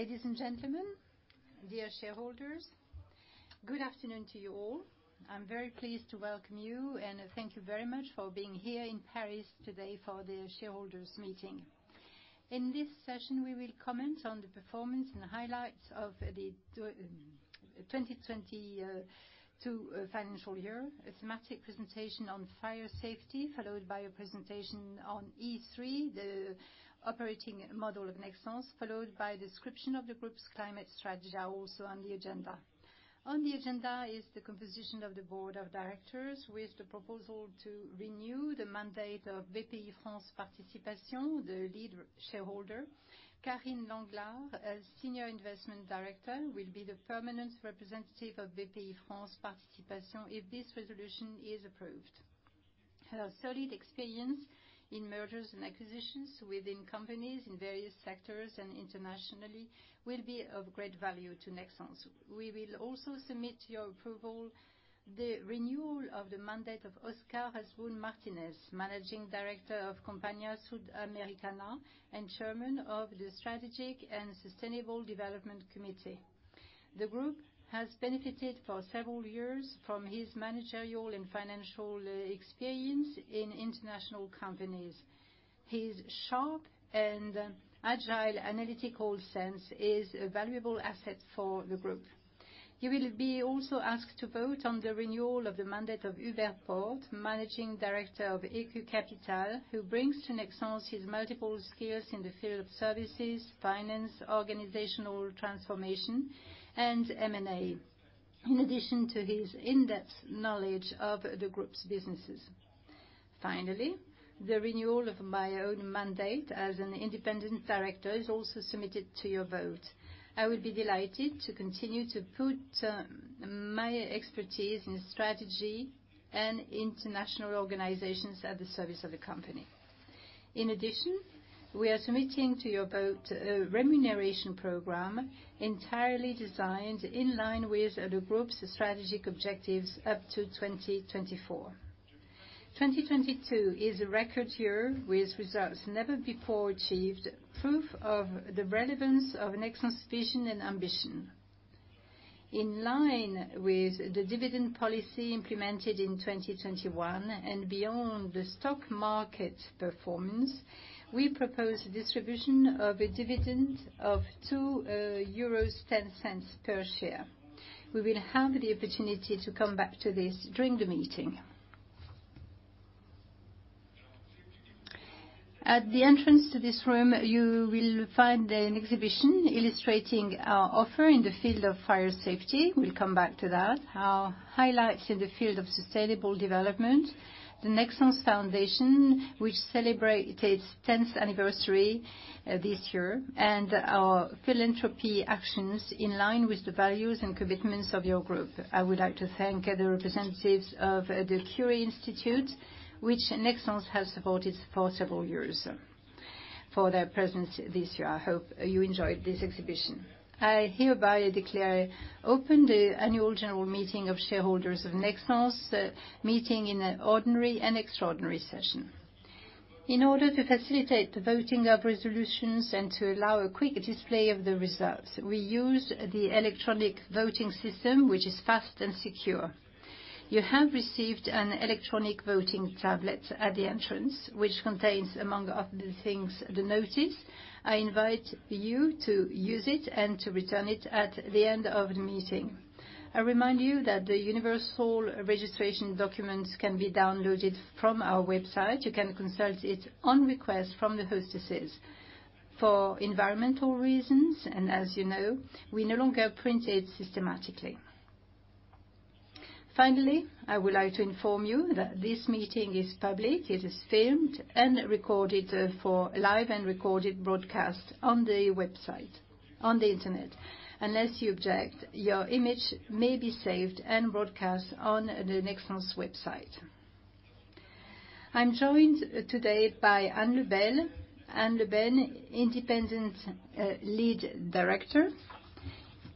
Ladies and gentlemen, dear shareholders, good afternoon to you all. I'm very pleased to welcome you, thank you very much for being here in Paris today for the shareholders meeting. In this session, we will comment on the performance and the highlights of the 2022 financial year. A thematic presentation on fire safety, followed by a presentation on E3, the operating model of Nexans, followed by a description of the group's climate strategy are also on the agenda. On the agenda is the composition of the Board of Directors with the proposal to renew the mandate of Bpifrance Participations, the lead shareholder. Karine Lenglart, as Senior Investment Director, will be the permanent representative of Bpifrance Participations if this Resolution is approved. Her solid experience in mergers and acquisitions within companies in various sectors and internationally will be of great value to Nexans. We will also submit to your approval the renewal of the mandate of Óscar Hasbún Martínez, Managing Director of Compañía Sudamericana and Chairman of the Strategic and Sustainable Development Committee. The group has benefited for several years from his managerial and financial experience in international companies. His sharp and agile analytical sense is a valuable asset for the group. You will be also asked to vote on the renewal of the mandate of Hubert Porte, Managing Director of Ecus Capital, who brings to Nexans his multiple skills in the field of services, finance, organizational transformation, and M&A. In addition to his in-depth knowledge of the group's businesses. Finally, the renewal of my own mandate as an independent director is also submitted to your vote. I would be delighted to continue to put my expertise in strategy and international organizations at the service of the company. In addition, we are submitting to your vote a remuneration program entirely designed in line with the group's strategic objectives up to 2024. 2022 is a record year with results never before achieved, proof of the relevance of Nexans' vision and ambition. In line with the dividend policy implemented in 2021 and beyond the stock market performance, we propose distribution of a dividend of 2.10 euros per share. We will have the opportunity to come back to this during the meeting. At the entrance to this room, you will find an exhibition illustrating our offer in the field of fire safety. We'll come back to that. Our highlights in the field of sustainable development, the Nexans Foundation, which celebrated its 10th anniversary this year, and our philanthropy actions in line with the values and commitments of your group. I would like to thank the representatives of the Institut Curie, which Nexans has supported for several years, for their presence this year. I hope you enjoyed this exhibition. I hereby declare open the annual general meeting of shareholders of Nexans, meeting in an ordinary and extraordinary session. In order to facilitate the voting of Resolutions and to allow a quick display of the results, we use the electronic voting system, which is fast and secure. You have received an electronic voting tablet at the entrance, which contains, among other things, the notice. I invite you to use it and to return it at the end of the meeting. I remind you that the universal registration documents can be downloaded from our website. You can consult it on request from the hostesses. For environmental reasons, and as you know, we no longer print it systematically. I would like to inform you that this meeting is public. It is filmed and recorded for live and recorded broadcast on the Internet. Unless you object, your image may be saved and broadcast on the Nexans website. I'm joined today by Anne Lebel. Anne Lebel, independent Lead Director.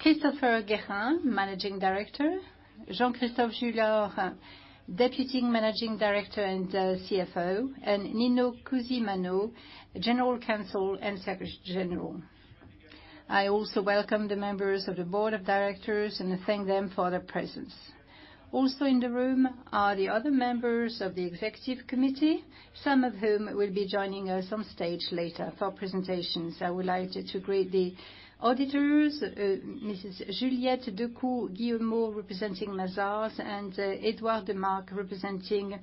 Christopher Guérin, Managing Director. Jean-Christophe Juillard, Deputy Managing Director and CFO, and Nino Cusimano, General Counsel and Secretary General. I also welcome the members of the Board of Directors and thank them for their presence. Also in the room are the other members of the executive committee, some of whom will be joining us on stage later for presentations. I would like to greet the auditors, Mrs. Juliette Decourt, Guillaume Mortier representing Mazars, and Edouard de Marcillac representing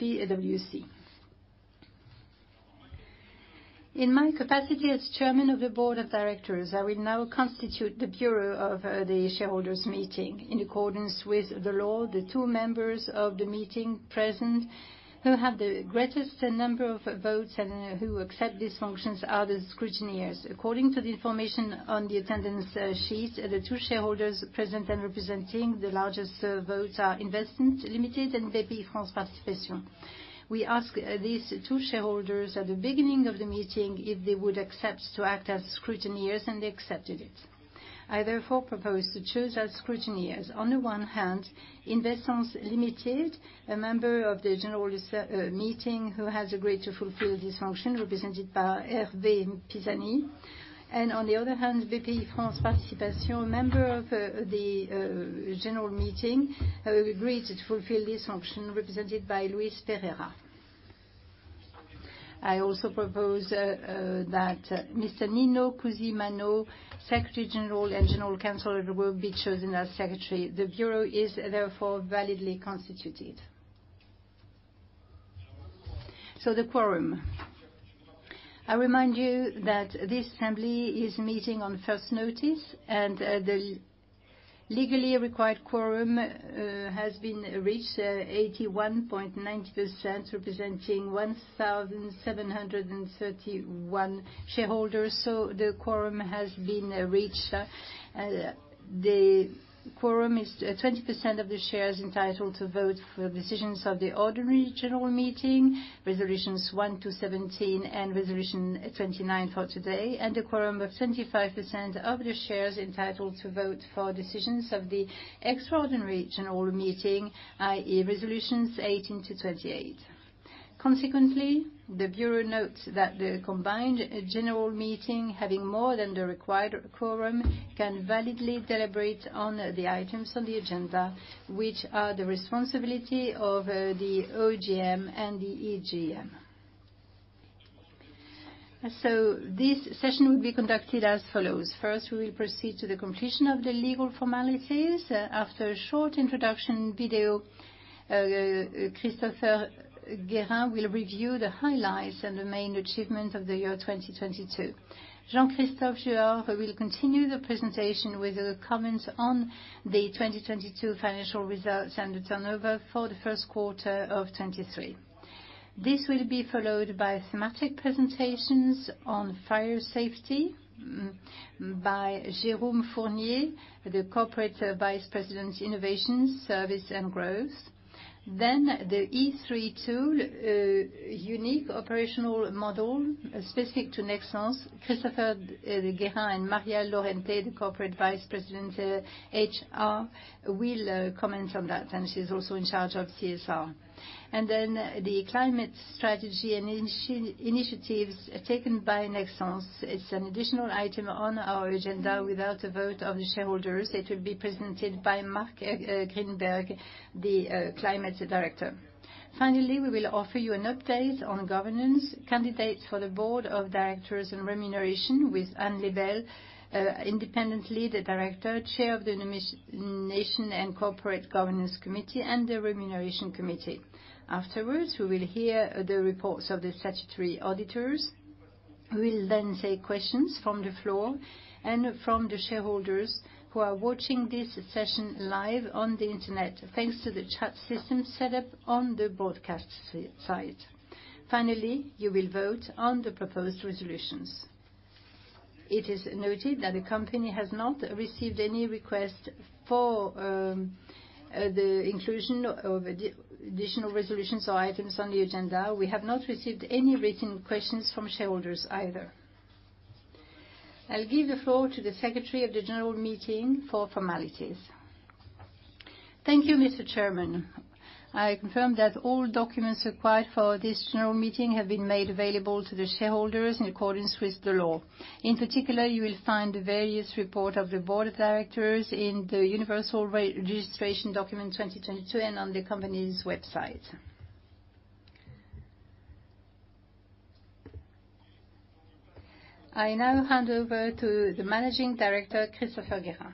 PwC. In my capacity as chairman of the Board of Directors, I will now constitute the bureau of the shareholders' meeting. In accordance with the law, the two members of the meeting present who have the greatest number of votes and who accept these functions are the scrutineers. According to the information on the attendance sheet, the two shareholders present and representing the largest votes are Invexans Limited and Bpifrance Participations. We ask these two shareholders at the beginning of the meeting if they would accept to act as scrutineers, and they accepted it. I therefore propose to choose as scrutineers, on the one hand, Invexans Limited, a member of the general meeting who has agreed to fulfill this function represented by Hervé Pisani. On the other hand, Bpifrance Participations, a member of the general meeting, who agreed to fulfill this function represented by Luis Pereira. I also propose that Mr. Nino Cusimano, Secretary General and General Counsel, will be chosen as Secretary. The Bureau is therefore validly constituted. The quorum. I remind you that this assembly is meeting on first notice, and the legally required quorum has been reached, 81.92%, representing 1,731 shareholders. The quorum has been reached. The quorum is 20% of the shares entitled to vote for decisions of the ordinary general meeting, Resolutions 1-17 and Resolution 29 for today, and a quorum of 25% of the shares entitled to vote for decisions of the extraordinary general meeting, i.e., Resolutions 18-28. Consequently, the Bureau notes that the combined general meeting, having more than the required quorum, can validly deliberate on the items on the agenda, which are the responsibility of the OGM and the EGM. This session will be conducted as follows. First, we will proceed to the completion of the legal formalities. After a short introduction video, Christopher Guérin will review the highlights and the main achievement of the year 2022. Jean-Christophe Juillard will continue the presentation with comments on the 2022 financial results and the turnover for the first quarter of 2023. This will be followed by thematic presentations on fire safety by Jérôme Fournier, the Corporate Vice President, Innovation, Service, and Growth. The E3 tool, a unique operational model specific to Nexans. Christopher Guérin and Maria Lorente, the Corporate Vice President, HR, will comment on that, and she's also in charge of CSR. The climate strategy and initiatives taken by Nexans. It's an additional item on our agenda without a vote of the shareholders. It will be presented by Marc Grynberg, the Climate Director. We will offer you an update on governance, candidates for the Board of Directors and remuneration with Anne Lebel, Independent Lead Director, Chair of the Nomination and Corporate Governance Committee and the Remuneration Committee. Afterwards, we will hear the reports of the statutory auditors, who will then take questions from the floor and from the shareholders who are watching this session live on the Internet, thanks to the chat system set up on the broadcast site. You will vote on the proposed Resolutions. It is noted that the company has not received any request for the inclusion of additional Resolutions or items on the agenda. We have not received any written questions from shareholders either. I'll give the floor to the Secretary of the general meeting for formalities. Thank you, Mr. Chairman. I confirm that all documents required for this general meeting have been made available to the shareholders in accordance with the law. In particular, you will find the various report of the Board of Directors in the Universal Re-Registration Document 2022 and on the company's website. I now hand over to the Managing Director, Christopher Guérin.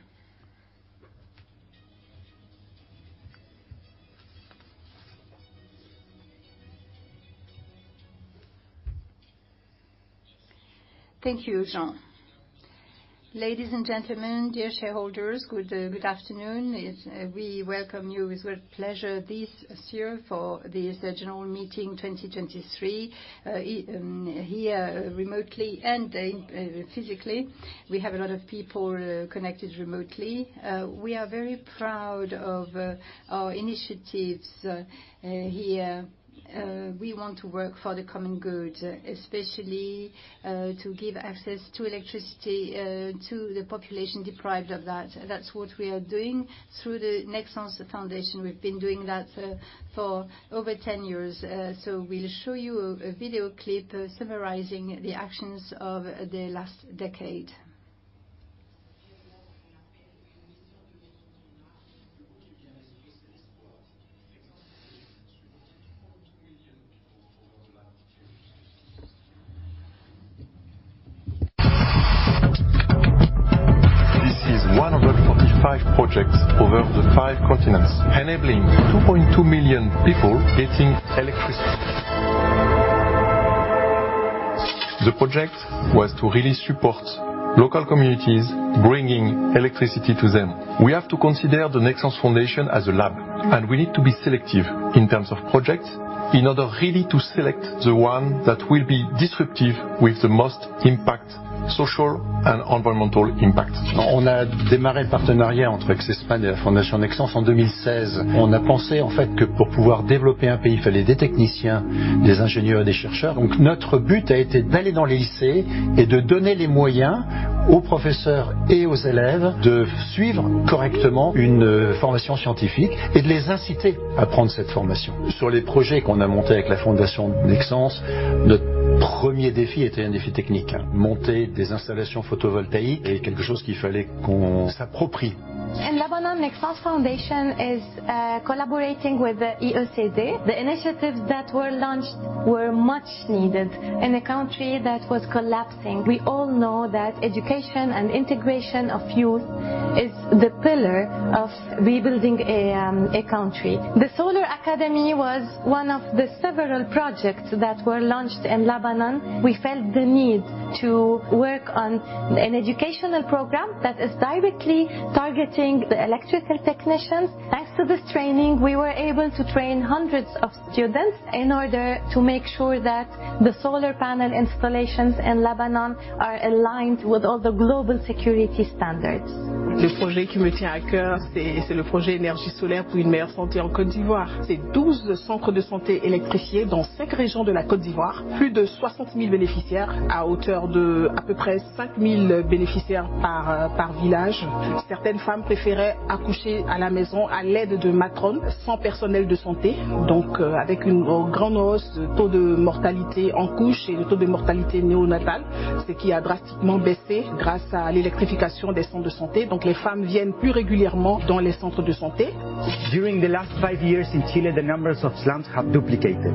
Thank you, Jean. Ladies and gentlemen, dear shareholders, good afternoon. We welcome you with great pleasure this year for this General Meeting 2023 here remotely and physically. We have a lot of people connected remotely. We are very proud of our initiatives here. We want to work for the common good, especially to give access to electricity to the population deprived of that. That's what we are doing through the Nexans Foundation. We've been doing that for over 10 years. We'll show you a video clip summarizing the actions of the last decade. This is 145 projects over the five continents, enabling 2.2 million people getting electricity. The project was to really support local communities bringing electricity to them. We have to consider the Fondation Nexans as a lab, and we need to be selective in terms of projects in order really to select the one that will be disruptive with the most impact, social and environmental impact. On a démarré le partenariat entre ACCESMAD et la Fondation Nexans en 2016. On a pensé en fait que pour pouvoir développer un pays, il fallait des techniciens, des ingénieurs et des chercheurs. Notre but a été d'aller dans les lycées et de donner les moyens aux professeurs et aux élèves de suivre correctement une formation scientifique et de les inciter à prendre cette formation. Sur les projets qu'on a montés avec la Fondation Nexans, notre premier défi était un défi technique. Monter des installations photovoltaïques est quelque chose qu'il fallait qu'on s'approprie. In Lebanon, Nexans Foundation is collaborating with the IECD. The initiatives that were launched were much needed in a country that was collapsing. We all know that education and integration of youth is the pillar of rebuilding a country. The Solar Academy was one of the several projects that were launched in Lebanon. We felt the need to work on an educational program that is directly targeting the electrical technicians. Thanks to this training, we were able to train hundreds of students in order to make sure that the solar panel installations in Lebanon are aligned with all the global security standards. Le projet qui me tient à cœur, c'est le projet énergie solaire pour une meilleure santé en Côte d'Ivoire. C'est 12 centres de santé électrifiés dans five régions de la Côte d'Ivoire. Plus de 60,000 bénéficiaires à hauteur de à peu près 5,000 bénéficiaires par village. Certaines femmes préféraient accoucher à la maison à l'aide de matrones sans personnel de santé, avec une grande hausse de taux de mortalité en couches et le taux de mortalité néonatale, ce qui a drastiquement baissé grâce à l'électrification des centres de santé. Les femmes viennent plus régulièrement dans les centres de santé. During the last five years in Chile, the numbers of slums have duplicated,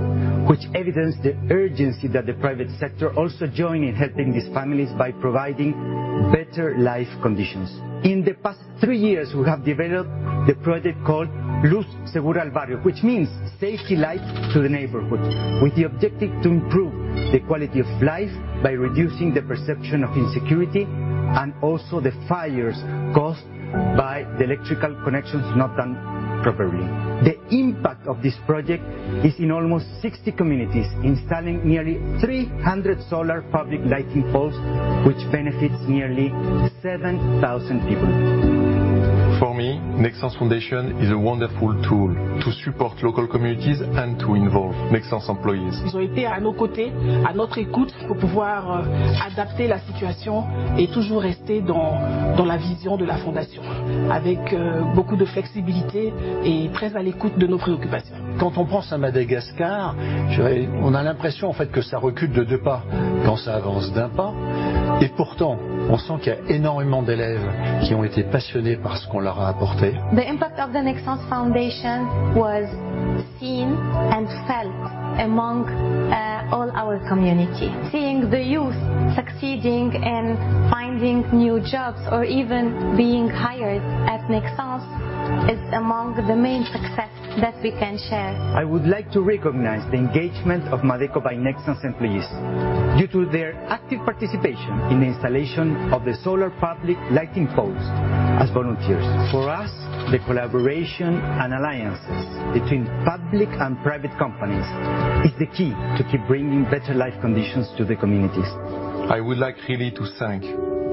which evidence the urgency that the private sector also join in helping these families by providing better life conditions. In the past three years, we have developed the project called Luz Segura al Barrio, which means safety light to the neighborhood with the objective to improve the quality of life by reducing the perception of insecurity and also the fires caused by the electrical connections not done properly. The impact of this project is in almost 60 communities, installing nearly 300 solar public lighting posts, which benefits nearly 7,000 people. For me, Fondation Nexans is a wonderful tool to support local communities and to involve Nexans employees. Ils ont été à nos côtés, à notre écoute pour pouvoir adapter la situation et toujours rester dans la vision de la Fondation, avec beaucoup de flexibilité et très à l'écoute de nos préoccupations. Quand on prend ça à Madagascar, on a l'impression en fait que ça recule de 2 pas quand ça avance d'1 pas. Pourtant, on sent qu'il y a énormément d'élèves qui ont été passionnés par ce qu'on leur a apporté. The impact of the Fondation Nexans was seen and felt among all our community. Seeing the youth succeeding in finding new jobs or even being hired at Nexans is among the main success that we can share. I would like to recognize the engagement of Madeco by Nexans employees due to their active participation in the installation of the solar public lighting posts as volunteers. For us, the collaboration and alliances between public and private companies is the key to keep bringing better life conditions to the communities. I would like really to thank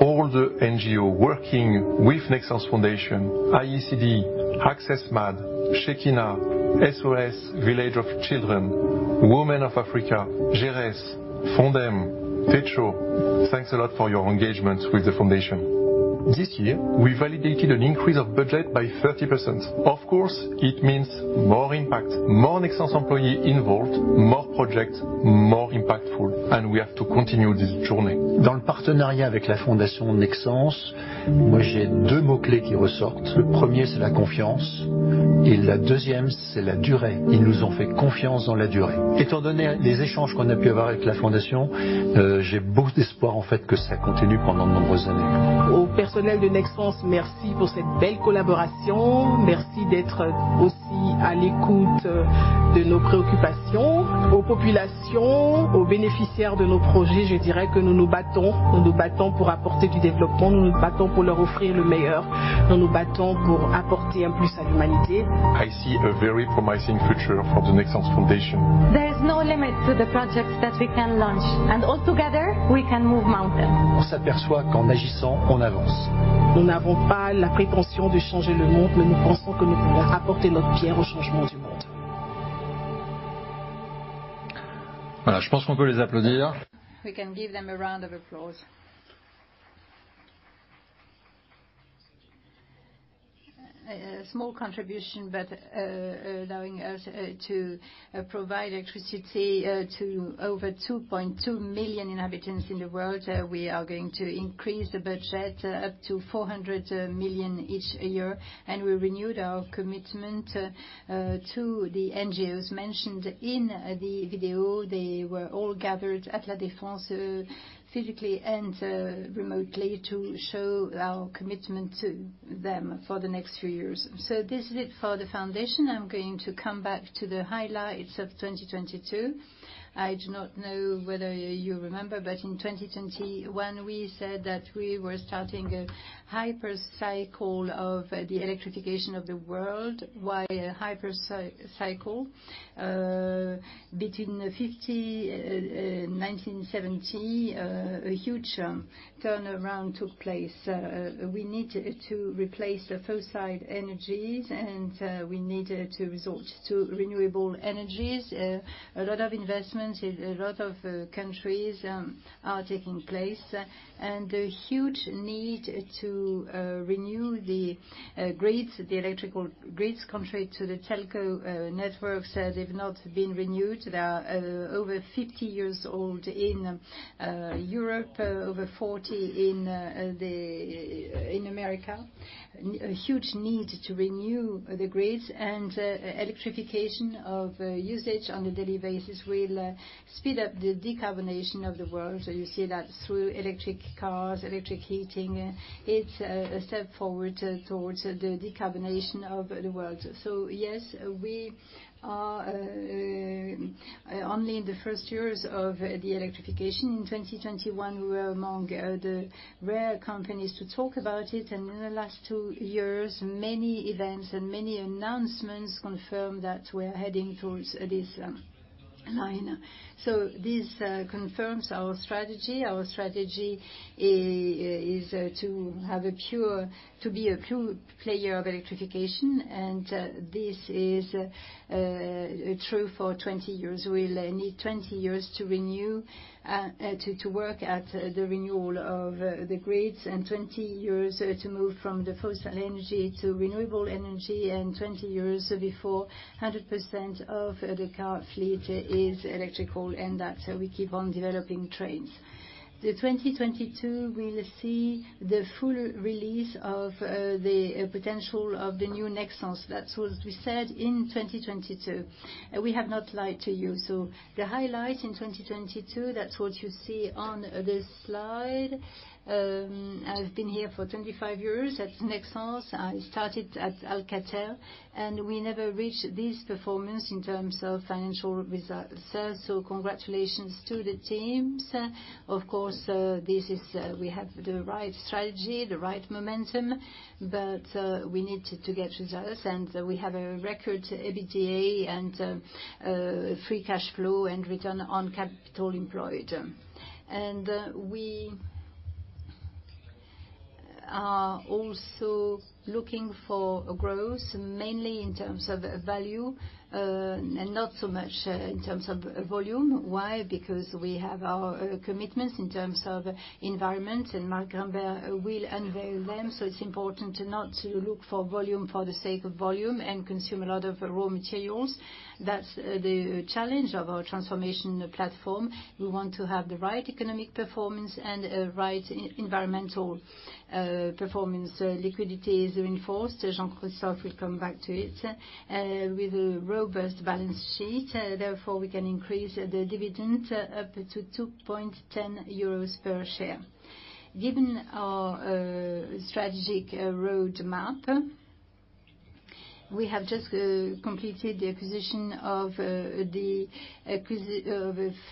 all the NGO working with Nexans Foundation, IECD, ACCESMAD, Shekina, SOS Village of Children, Women of Africa, GERES, Fondem, TECHO. Thanks a lot for your engagement with the foundation. This year, we validated an increase of budget by 30%. Of course, it means more impact, more Nexans employee involved, more projects, more impactful. We have to continue this journey. Dans le partenariat avec la Fondation Nexans, moi, j'ai deux mots-clés qui ressortent. Le premier, c'est la confiance et la deuxième, c'est la durée. Ils nous ont fait confiance dans la durée. Étant donné les échanges qu'on a pu avoir avec la Fondation, j'ai beaucoup d'espoir en fait que ça continue pendant de nombreuses années. Au personnel de Nexans, merci pour cette belle collaboration. Merci d'être aussi à l'écoute de nos préoccupations. Aux populations, aux bénéficiaires de nos projets, je dirais que nous nous battons pour apporter du développement. Nous nous battons pour leur offrir le meilleur. Nous nous battons pour apporter un plus à l'humanité. I see a very promising future for the Fondation Nexans. There is no limit to the projects that we can launch, and all together, we can move mountains. On s'aperçoit qu'en agissant, on avance. Nous n'avons pas la prétention de changer le monde, mais nous pensons que nous pouvons apporter notre pierre au changement du monde. Voilà, je pense qu'on peut les applaudir. We can give them a round of applause. A small contribution, but allowing us to provide electricity to over 2.2 million inhabitants in the world. We are going to increase the budget up to 400 million each year. We renewed our commitment to the NGOs mentioned in the video. They were all gathered at La Défense physically and remotely to show our commitment to them for the next few years. This is it for the foundation. I'm going to come back to the highlights of 2022. I do not know whether you remember, but in 2021 we said that we were starting a hyper cycle of the electrification of the world. Why a hyper cycle? Between 50, 1970, a huge turnaround took place. We need to replace the fossil side energies, we need to resort to renewable energies. A lot of investments in a lot of countries are taking place. A huge need to renew the grids, the electrical grids, contrary to the telco networks, they've not been renewed. They are over 50 years old in Europe, over 40 in America. A huge need to renew the grids and electrification of usage on a daily basis will speed up the decarbonation of the world. You see that through electric cars, electric heating, it's a step forward towards the decarbonation of the world. Yes, we are only in the first years of the electrification. In 2021, we were among the rare companies to talk about it. In the last two years, many events and many announcements confirm that we're heading towards this line. This confirms our strategy. Our strategy is to be a pure player of electrification. This is true for 20 years. We'll need 20 years to renew, to work at the renewal of the grids and 20 years to move from the fossil energy to renewable energy, and 20 years before 100% of the car fleet is electrical and that we keep on developing trains. The 2022 will see the full release of the potential of the new Nexans. That's what we said in 2022. We have not lied to you. The highlight in 2022, that's what you see on the slide. I've been here for 25 years at Nexans. I started at Alcatel, we never reached this performance in terms of financial results. Congratulations to the teams. Of course, this is, we have the right strategy, the right momentum, but we need to get results. We have a record EBITDA and free cash flow and return on capital employed. We are also looking for growth mainly in terms of value and not so much in terms of volume. Why? Because we have our commitments in terms of environment, and Marc Grynberg will unveil them. It's important to not look for volume for the sake of volume and consume a lot of raw materials. That's the challenge of our transformation platform. We want to have the right economic performance and right environmental performance. Liquidity is reinforced. Jean-Christophe will come back to it. With a robust balance sheet, therefore, we can increase the dividend up to 2.10 euros per share. Given our strategic roadmap, we have just completed the acquisition of a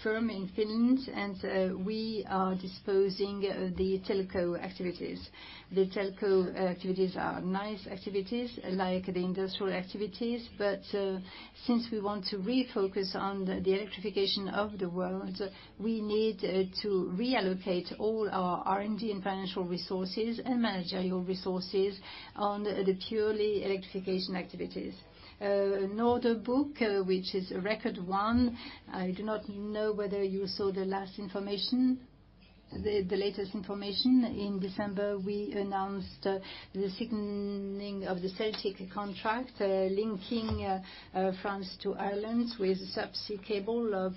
firm in Finland, and we are disposing the telco activities. The telco activities are nice activities like the industrial activities, since we want to refocus on the electrification of the world, we need to reallocate all our R&D and financial resources and managerial resources on the purely electrification activities. An order book, which is a record one. I do not know whether you saw the last information, the latest information. In December, we announced the signing of the Celtic contract, linking France to Ireland with sub-sea cable of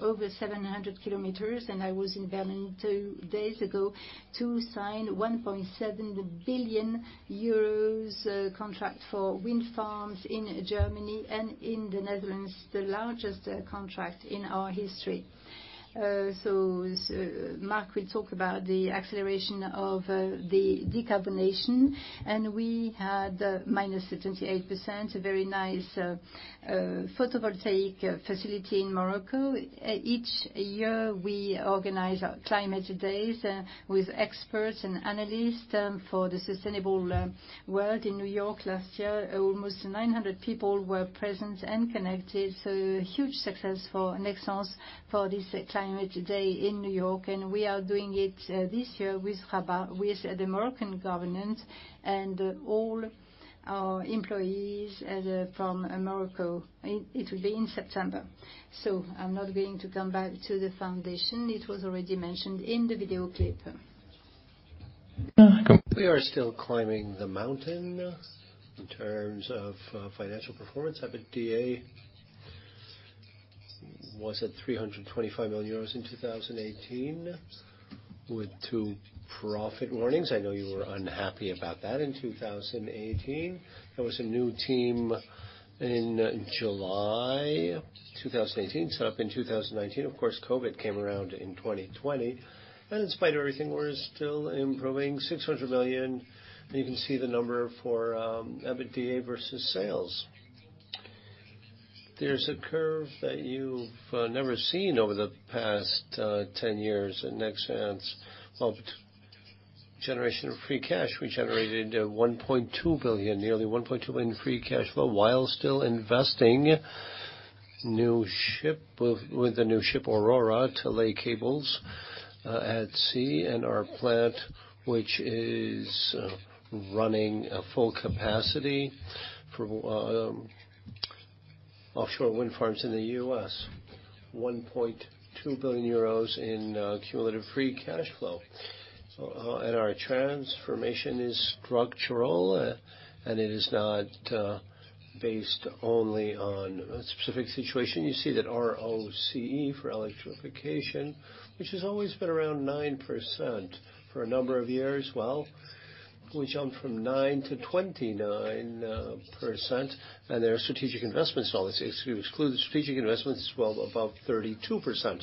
over 700 km. I was in Berlin two days ago to sign 1.7 billion euros contract for wind farms in Germany and in the Netherlands, the largest contract in our history. Marc will talk about the acceleration of the decarbonation, and we had -38%, a very nice photovoltaic facility in Morocco. Each year, we organize our climate days with experts and analysts for the sustainable world in New York. Last year, almost 900 people were present and connected. Huge success for Nexans for this climate day in New York. We are doing it this year with Rabat, with the Moroccan government and all our employees from Morocco. It will be in September. I'm not going to come back to the foundation. It was already mentioned in the video clip. We are still climbing the mountain in terms of financial performance. EBITDA was at 325 million euros in 2018, with two profit warnings. I know you were unhappy about that in 2018. There was a new team in July 2018, set up in 2019. Of course, COVID came around in 2020. In spite of everything, we're still improving 600 million. You can see the number for EBITDA versus sales. There's a curve that you've never seen over the past 10 years at Nexans. Well, generation of free cash, we generated 1.2 billion, nearly 1.2 billion free cash flow while still investing new ship with the new ship Aurora to lay cables at sea, and our plant which is running at full capacity for offshore wind farms in the U.S. 1.2 billion euros in cumulative free cash flow. Our transformation is structural, and it is not based only on a specific situation. You see that ROCE for electrification, which has always been around 9% for a number of years. Well, we jumped from 9% to 29%, there are strategic investments. All this, if you exclude the strategic investments, well above 32%.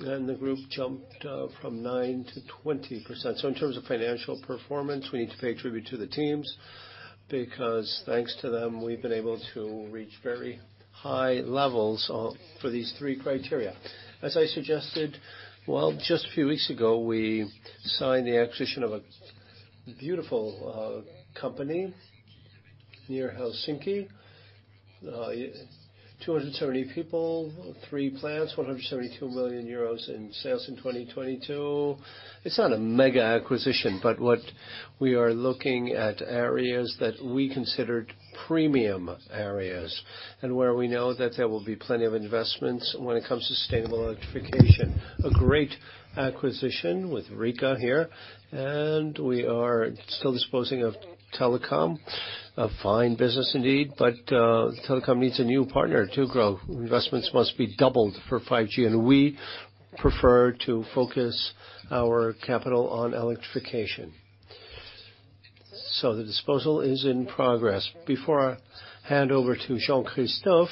The group jumped from 9% to 20%. In terms of financial performance, we need to pay tribute to the teams because thanks to them, we've been able to reach very high levels for these three criteria. As I suggested, well, just a few weeks ago, we signed the acquisition of a beautiful company near Helsinki. 270 people, three plants, 172 million euros in sales in 2022. It's not a mega acquisition, but what we are looking at areas that we considered premium areas, and where we know that there will be plenty of investments when it comes to sustainable electrification. A great acquisition with Reka here, and we are still disposing of telecom. A fine business indeed, but telecom needs a new partner to grow. Investments must be doubled for 5G, and we prefer to focus our capital on electrification. The disposal is in progress. Before I hand over to Jean-Christophe,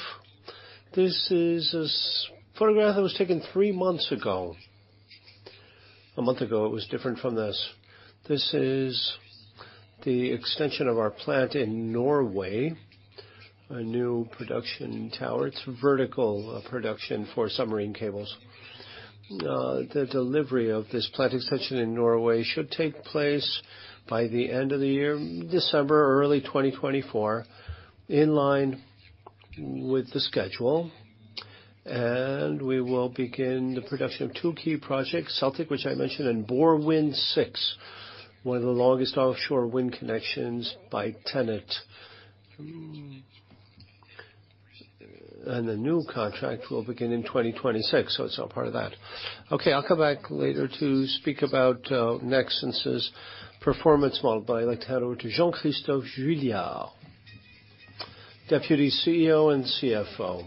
this is a photograph that was taken three months ago. One month ago, it was different from this. This is the extension of our plant in Norway, a new production tower. It's vertical production for submarine cables. The delivery of this plant extension in Norway should take place by the end of the year, December, early 2024, in line with the schedule. We will begin the production of two key projects, Celtic, which I mentioned, and BorWin6, one of the longest offshore wind connections by TenneT. The new contract will begin in 2026, it's all part of that. I'll come back later to speak about Nexans' performance model, I'd like to hand over to Jean-Christophe Juillard, Deputy CEO and CFO.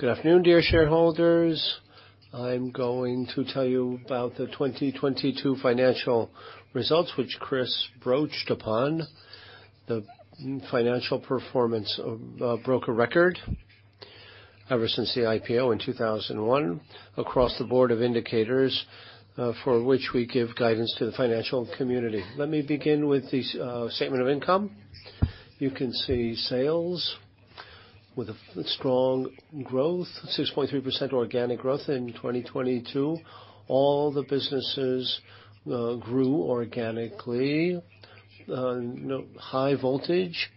Good afternoon, dear shareholders. I'm going to tell you about the 2022 financial results, which Chris broached upon. The financial performance of broke a record ever since the IPO in 2001 across the board of indicators, for which we give guidance to the financial community. Let me begin with the statement of income. You can see sales with a strong growth, 6.3% organic growth in 2022. All the businesses grew organically. High voltage,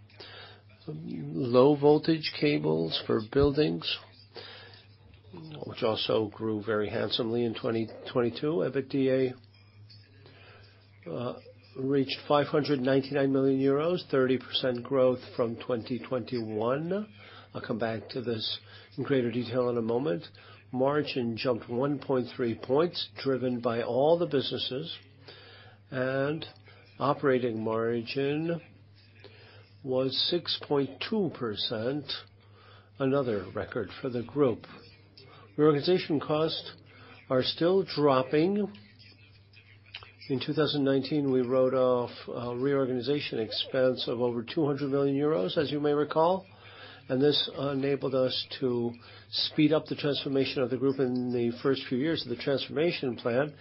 low voltage cables for buildings, which also grew very handsomely in 2022. EBITDA reached 599 million euros, 30% growth from 2021. I'll come back to this in greater detail in a moment. Margin jumped 1.3 points, driven by all the businesses. Operating margin was 6.2%, another record for the group. Reorganization costs are still dropping. In 2019, we wrote off a reorganization expense of over 200 million euros, as you may recall. This enabled us to speed up the transformation of the group in the first few years of the transformation plan.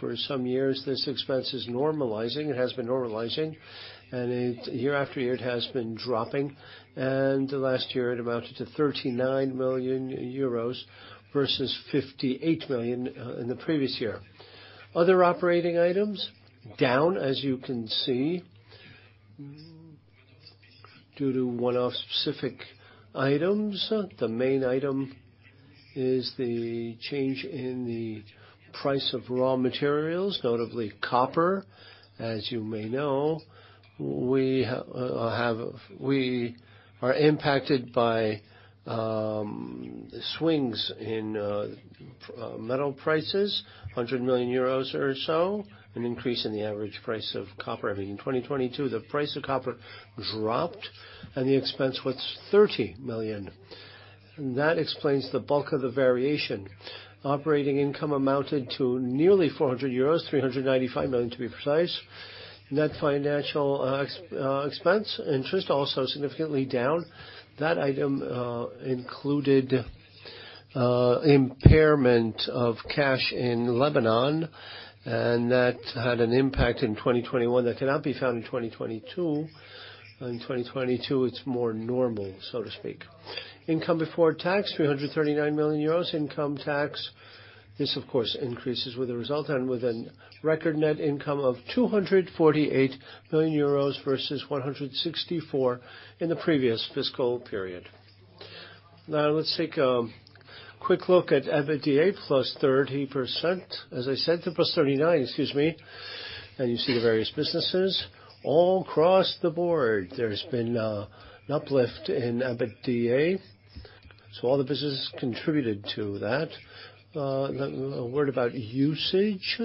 For some years, this expense is normalizing. It has been normalizing, year after year, it has been dropping. Last year, it amounted to 39 million euros versus 58 million in the previous year. Other operating items, down, as you can see, due to one-off specific items. The main item is the change in the price of raw materials, notably copper. As you may know, we are impacted by the swings in metal prices, 100 million euros or so, an increase in the average price of copper. I mean, in 2022, the price of copper dropped. The expense was 30 million. That explains the bulk of the variation. Operating income amounted to nearly 400 euros, 395 million, to be precise. Net financial expense, interest also significantly down. That item included impairment of cash in Lebanon. That had an impact in 2021 that cannot be found in 2022. In 2022, it's more normal, so to speak. Income before tax, 339 million euros. Income tax, this of course increases with the result. With a record net income of 248 million euros versus 164 million in the previous fiscal period. Let's take a quick look at EBITDA +30%. As I said, +39%, excuse me. You see the various businesses all across the board. There's been an uplift in EBITDA, so all the businesses contributed to that. A word about usage.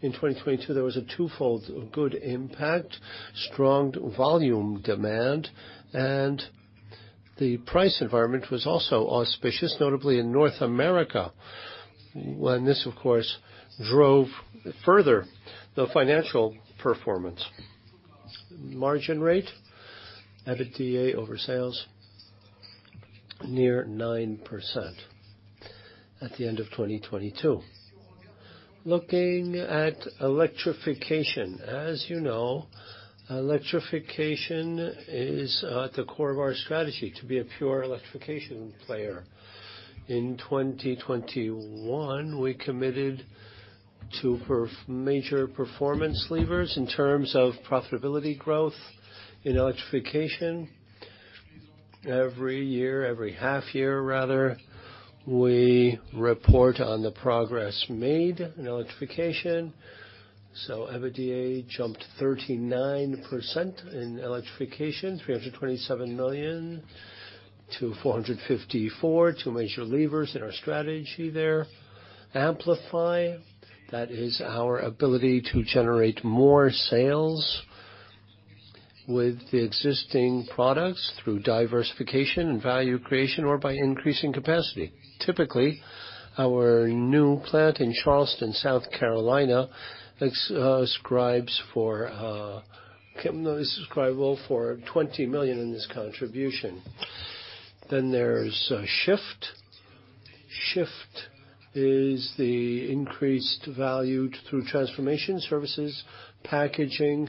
In 2022, there was a twofold good impact, strong volume demand, and the price environment was also auspicious, notably in North America, when this, of course, drove further the financial performance. Margin rate, EBITDA over sales, near 9% at the end of 2022. Looking at electrification. As you know, electrification is at the core of our strategy to be a pure electrification player. In 2021, we committed to major performance levers in terms of profitability growth in electrification. Every year, every half year rather, we report on the progress made in electrification. EBITDA jumped 39% in electrification, 327 million to 454 million. Two major levers in our strategy there. Amplify, that is our ability to generate more sales with the existing products through diversification and value creation or by increasing capacity. Typically, our new plant in Charleston, South Carolina, this is describable for 20 million in this contribution. There's Shift. Shift is the increased value through transformation services, packaging.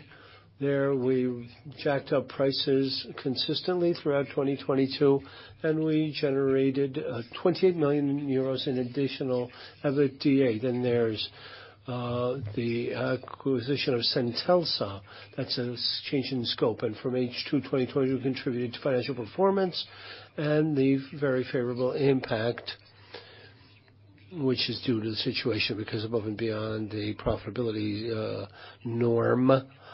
There we've jacked up prices consistently throughout 2022, and we generated 28 million euros in additional EBITDA. There's the acquisition of Centelsa. That's a change in scope. From H2 2022 contributed to financial performance and the very favorable impact, which is due to the situation because above and beyond the profitability norm,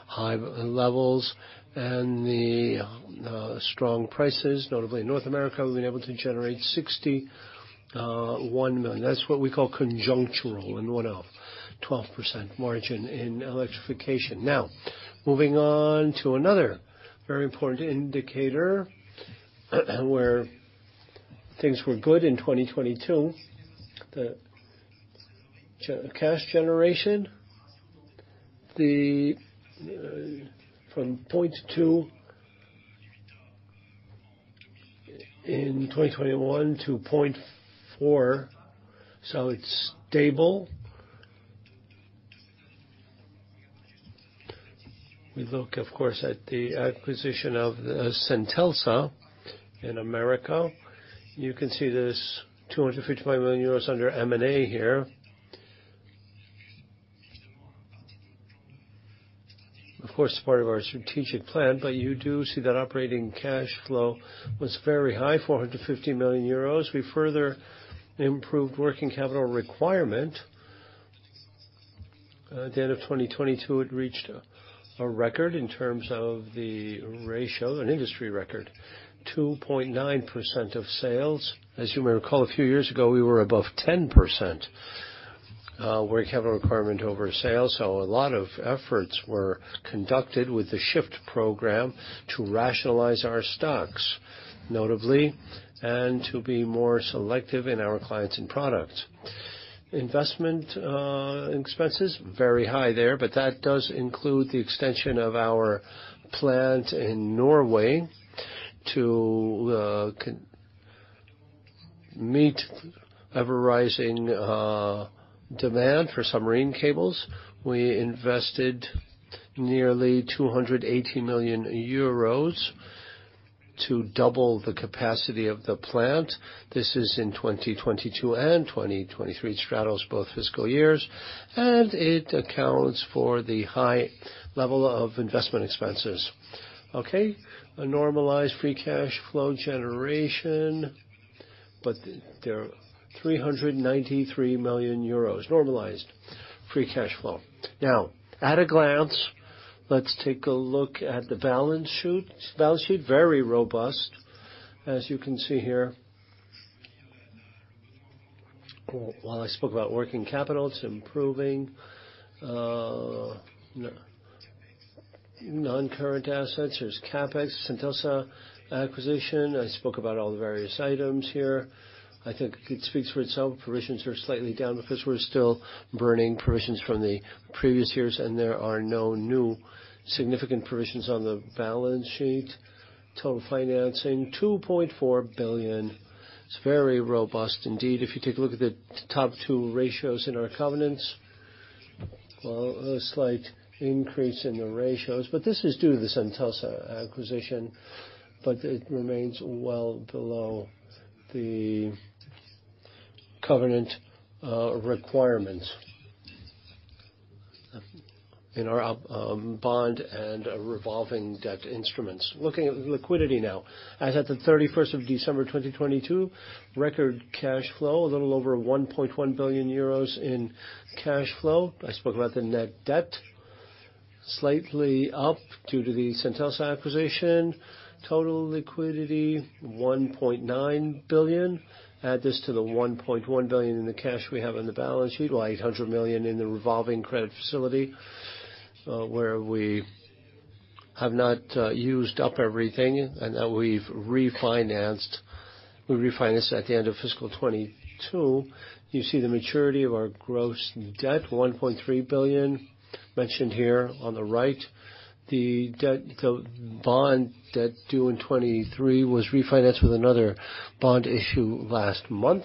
high levels and the strong prices, notably in North America, we've been able to generate 61 million. That's what we call conjunctural and one-off. 12% margin in electrification. Moving on to another very important indicator where things were good in 2022, cash generation. From 0.2 in 2021 to 0.4, so it's stable. We look, of course, at the acquisition of Centelsa in America. You can see there's 255 million euros under M&A here. Part of our strategic plan, but you do see that operating cash flow was very high, 450 million euros. We further improved working capital requirement. At the end of 2022, it reached a record in terms of the ratio, an industry record, 2.9% of sales. As you may recall, a few years ago, we were above 10% working capital requirement over sales. A lot of efforts were conducted with the SHIFT program to rationalize our stocks, notably, and to be more selective in our clients and products. Investment expenses, very high there, that does include the extension of our plant in Norway to meet ever-rising demand for submarine cables. We invested nearly 280 million euros to double the capacity of the plant. This is in 2022 and 2023. It straddles both fiscal years, and it accounts for the high level of investment expenses. A normalized free cash flow generation, they're EUR 393 million, normalized free cash flow. At a glance, let's take a look at the balance sheet. Balance sheet, very robust, as you can see here. While I spoke about working capital, it's improving. Non-current assets, there's CapEx, Centelsa acquisition. I spoke about all the various items here. I think it speaks for itself. Provisions are slightly down because we're still burning provisions from the previous years, and there are no new significant provisions on the balance sheet. Total financing, 2.4 billion. It's very robust indeed. If you take a look at the top two ratios in our covenants, well, a slight increase in the ratios. This is due to the Centelsa acquisition, but it remains well below the covenant requirements in our bond and revolving debt instruments. Looking at liquidity now. As at the 31st of December 2022, record cash flow, a little over 1.1 billion euros in cash flow. I spoke about the net debt, slightly up due to the Centelsa acquisition. Total liquidity, 1.9 billion. Add this to the 1.1 billion in the cash we have on the balance sheet, 800 million in the revolving credit facility, where we have not used up everything and that we've refinanced. We refinanced at the end of fiscal 2022. You see the maturity of our gross debt, 1.3 billion, mentioned here on the right. The bond debt due in 2023 was refinanced with another bond issue last month,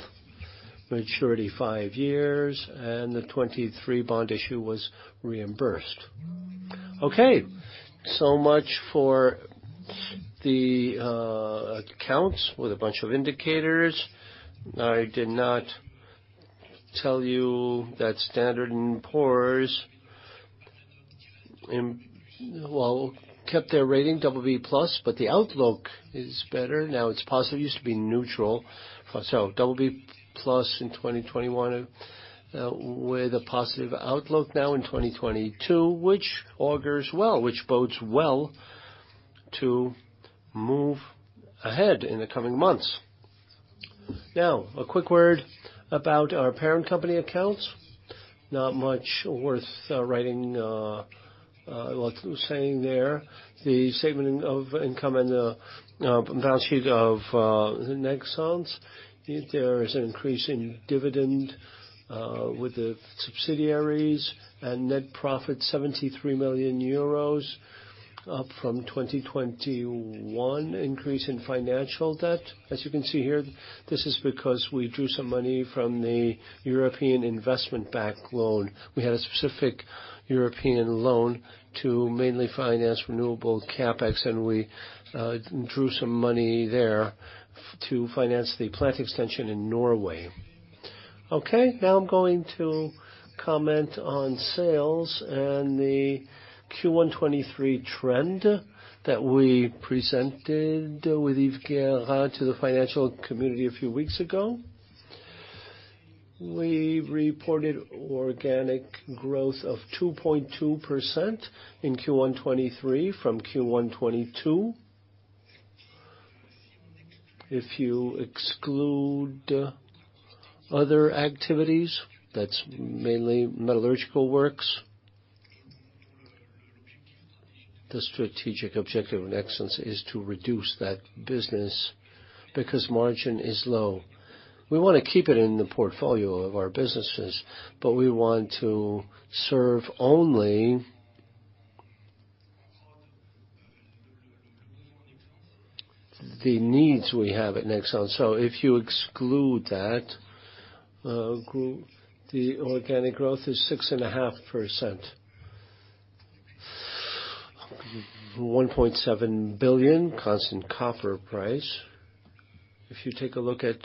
maturity five years, and the 2023 bond issue was reimbursed. Okay. Much for the accounts with a bunch of indicators. I did not tell you that Standard & Poor's, well, kept their rating BB+, but the outlook is better. Now, it's positive. It used to be neutral. BB+ in 2021, with a positive outlook now in 2022, which augurs well, which bodes well to move ahead in the coming months. A quick word about our parent company accounts. Not much worth writing saying there. The statement of income and the balance sheet of Nexans. There is an increase in dividend with the subsidiaries and net profit 73 million euros, up from 2021 increase in financial debt. As you can see here, this is because we drew some money from the European Investment Bank loan. We had a specific European loan to mainly finance renewable CapEx, and we drew some money there to finance the plant extension in Norway. I'm going to comment on sales and the Q1 23 trend that we presented with Yves Guérin to the financial community a few weeks ago. We reported organic growth of 2.2% in Q1 2023 from Q1 2022. If you exclude other activities, that's mainly metallurgical works. The strategic objective of Nexans is to reduce that business because margin is low. We wanna keep it in the portfolio of our businesses, but we want to serve only the needs we have at Nexans. If you exclude that group, the organic growth is 6.5%. 1.7 billion constant copper price. If you take a look at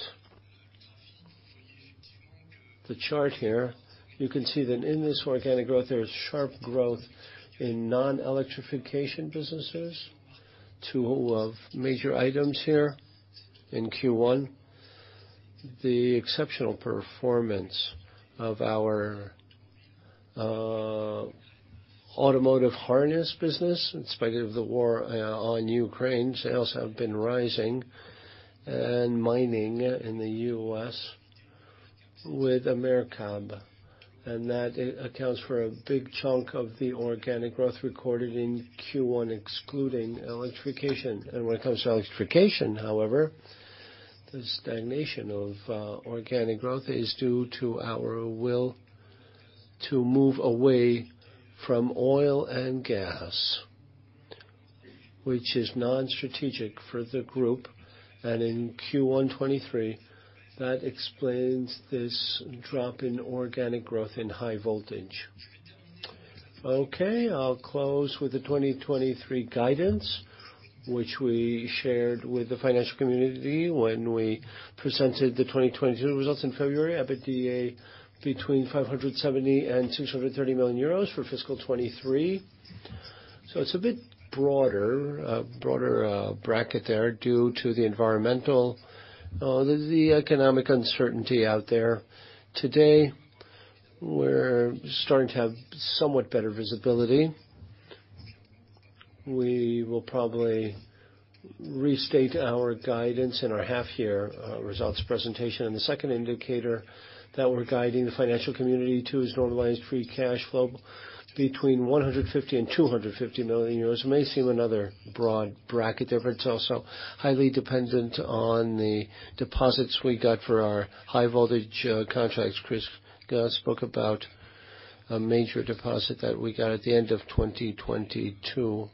the chart here, you can see that in this organic growth, there is sharp growth in non-electrification businesses. Two of major items here in Q1. The exceptional performance of our automotive harness business, in spite of the war on Ukraine, sales have been rising, and mining in the U.S. with AmerCable. That accounts for a big chunk of the organic growth recorded in Q1, excluding electrification. When it comes to electrification, however, the stagnation of organic growth is due to our will to move away from oil and gas, which is non-strategic for the group. In Q1 2023, that explains this drop in organic growth in high voltage. Okay. I'll close with the 2023 guidance, which we shared with the financial community when we presented the 2022 results in February. EBITDA between 570 and 630 million euros for fiscal 2023. It's a bit broader bracket there due to the environmental, the economic uncertainty out there. Today, we're starting to have somewhat better visibility. We will probably restate our guidance in our half year results presentation. The second indicator that we're guiding the financial community to is normalized free cash flow between 150 million and 250 million euros. It may seem another broad bracket difference, also. Highly dependent on the deposits we got for our high voltage contracts. Chris spoke about a major deposit that we got at the end of 2022,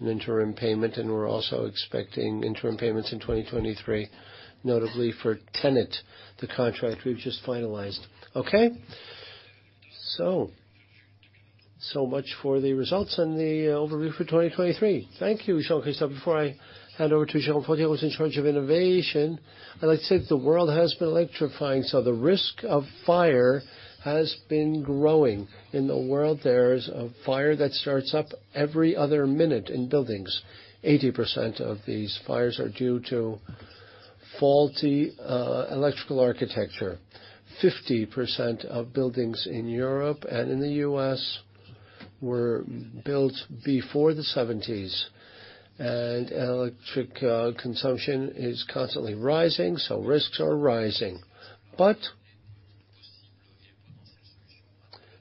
an interim payment, and we're also expecting interim payments in 2023, notably for TenneT, the contract we've just finalized. Okay? So much for the results and the overview for 2023. Thank you, Jean-Christophe. Before I hand over to Jeanine Fortier who's in charge of innovation, I'd like to say that the world has been electrifying, so the risk of fire has been growing. In the world, there's a fire that starts up every other minute in buildings. 80% of these fires are due to faulty electrical architecture. 50% of buildings in Europe and in the U.S. were built before the 1970s. Electric consumption is constantly rising, risks are rising.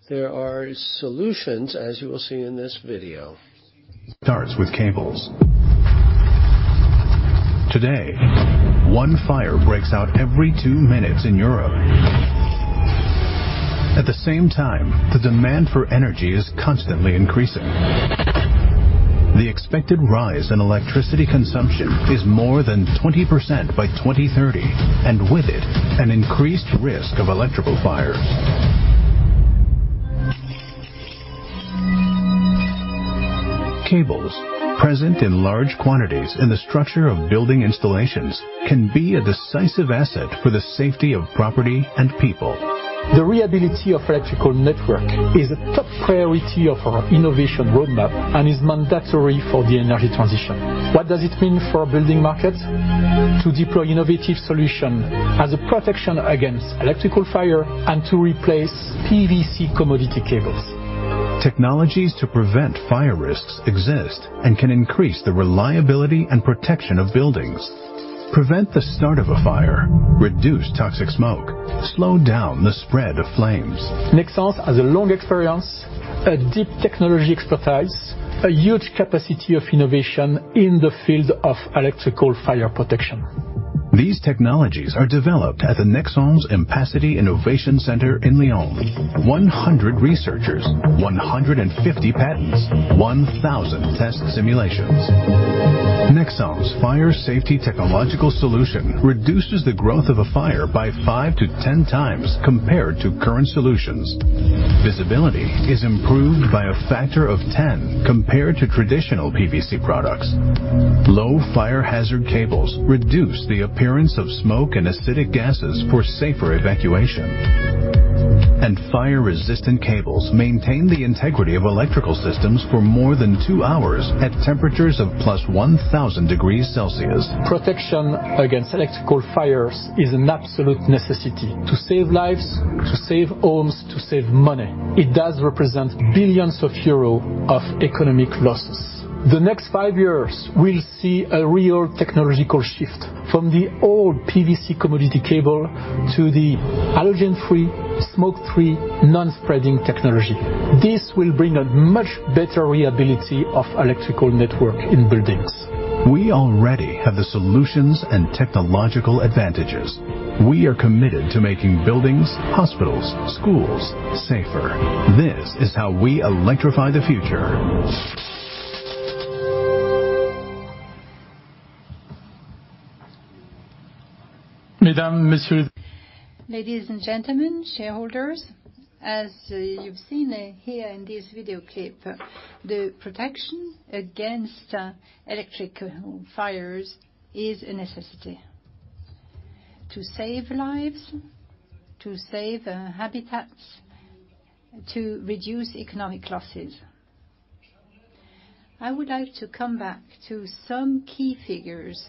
There are solutions, as you will see in this video. Starts with cables. Today, one fire breaks out every two minutes in Europe. At the same time, the demand for energy is constantly increasing. The expected rise in electricity consumption is more than 20% by 2030, and with it, an increased risk of electrical fires. Cables present in large quantities in the structure of building installations can be a decisive asset for the safety of property and people. The reliability of electrical network is a top priority of our innovation roadmap and is mandatory for the energy transition. What does it mean for building markets? To deploy innovative solution as a protection against electrical fire and to replace PVC commodity cables. Technologies to prevent fire risks exist and can increase the reliability and protection of buildings, prevent the start of a fire, reduce toxic smoke, slow down the spread of flames. Nexans has a long experience, a deep technology expertise, a huge capacity of innovation in the field of electrical fire protection. These technologies are developed at the Nexans AmpaCity Innovation Center in Lyon. 100 researchers, 150 patents, 1,000 test simulations. Nexans' fire safety technological solution reduces the growth of a fire by five-10 times compared to current solutions. Visibility is improved by a factor of 10 compared to traditional PVC products. Low fire hazard cables reduce the appearance of smoke and acidic gases for safer evacuation. Fire-resistant cables maintain the integrity of electrical systems for more than two hours at temperatures of plus 1,000 degrees Celsius. Protection against electrical fires is an absolute necessity to save lives, to save homes, to save money. It does represent billions of EUR of economic losses. The next five years, we'll see a real technological shift from the old PVC commodity cable to the halogen-free, smoke-free, non-spreading technology. This will bring a much better reliability of electrical network in buildings. We already have the solutions and technological advantages. We are committed to making buildings, hospitals, schools safer. This is how we electrify the future. Ladies and gentlemen, shareholders, as you've seen here in this video clip, the protection against electric fires is a necessity to save lives, to save habitats, to reduce economic losses. I would like to come back to some key figures.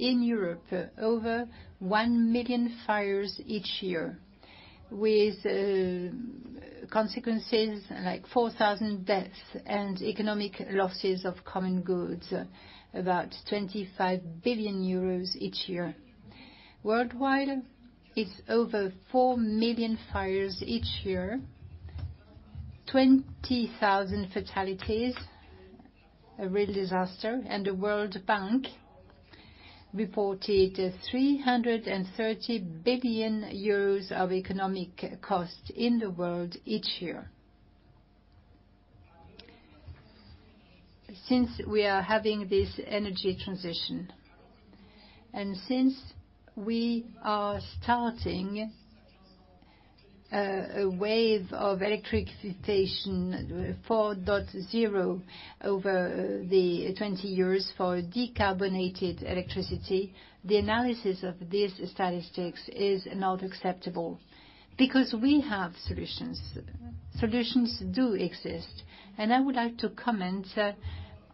In Europe, over 1 million fires each year with consequences like 4,000 deaths and economic losses of common goods, about 25 billion euros each year. Worldwide, it's over 4 million fires each year, 20,000 fatalities, a real disaster, and the World Bank reported 330 billion euros of economic cost in the world each year. Since we are having this energy transition, since we are starting a wave of electrification 4.0 over the 20 years for decarbonated electricity, the analysis of these statistics is not acceptable because we have solutions. Solutions do exist. I would like to comment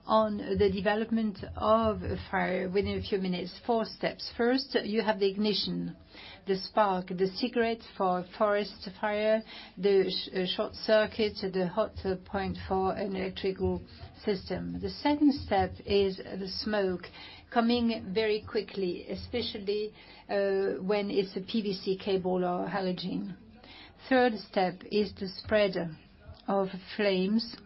on the development of a fire within a few minutes, four steps. First, you have the ignition, the spark, the cigarette for forest fire, the short circuit, the hot point for an electrical system. The second step is the smoke coming very quickly, especially when it's a PVC cable or halogen. Third step is the spread of flames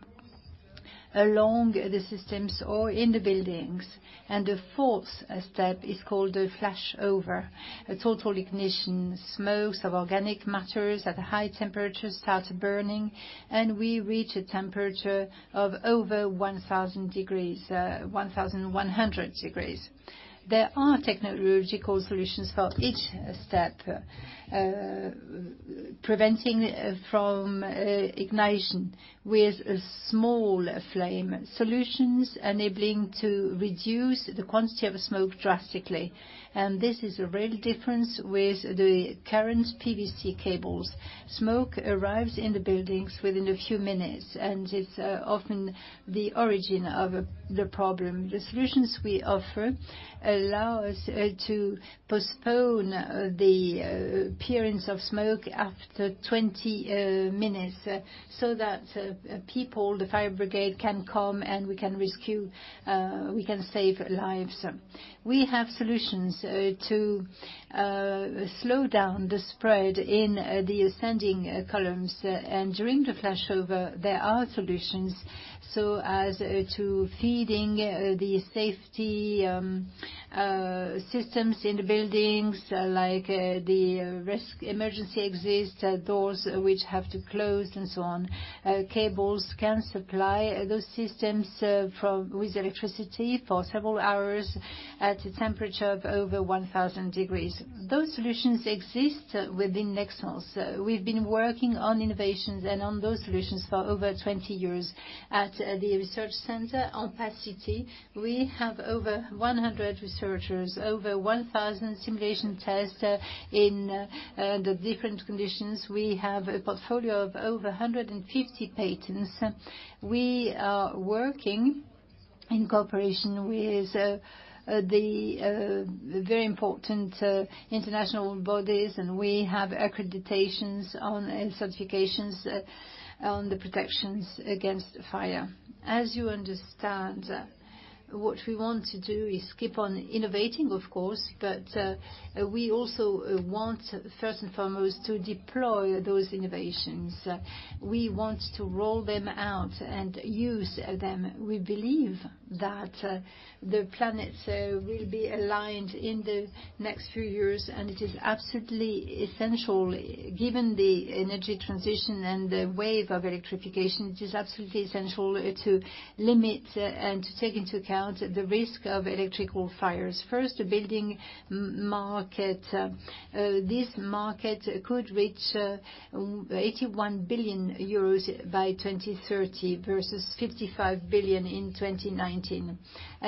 along the systems or in the buildings. The fourth step is called a flashover, a total ignition. Smokes of organic matters at high temperatures start burning, and we reach a temperature of over 1,000 degrees, 1,100 degrees. There are technological solutions for each step, preventing from ignition with a small flame. Solutions enabling to reduce the quantity of smoke drastically, and this is a real difference with the current PVC cables. Smoke arrives in the buildings within a few minutes, and it's often the origin of the problem. The solutions we offer allow us to postpone the appearance of smoke after 20 minutes so that people, the fire brigade can come, and we can rescue, we can save lives. We have solutions to slow down the spread in the ascending columns. During the flashover, there are solutions so as to feeding the safety systems in the buildings, like the risk emergency exits, doors which have to close, and so on. Cables can supply those systems with electricity for several hours at a temperature of over 1,000 degrees. Those solutions exist within Nexans. We've been working on innovations and on those solutions for over 20 years. At the research center in Passy, we have over 100 researchers, over 1,000 simulation tests in the different conditions. We have a portfolio of over 150 patents. We are working in cooperation with the very important international bodies. We have accreditations on, and certifications on the protections against fire. As you understand, what we want to do is keep on innovating, of course. We also want first and foremost to deploy those innovations. We want to roll them out and use them. We believe that the planets will be aligned in the next few years. It is absolutely essential, given the energy transition and the wave of electrification, it is absolutely essential to limit and to take into account the risk of electrical fires. First, the building market. This market could reach 81 billion euros by 2030 versus 55 billion in 2019.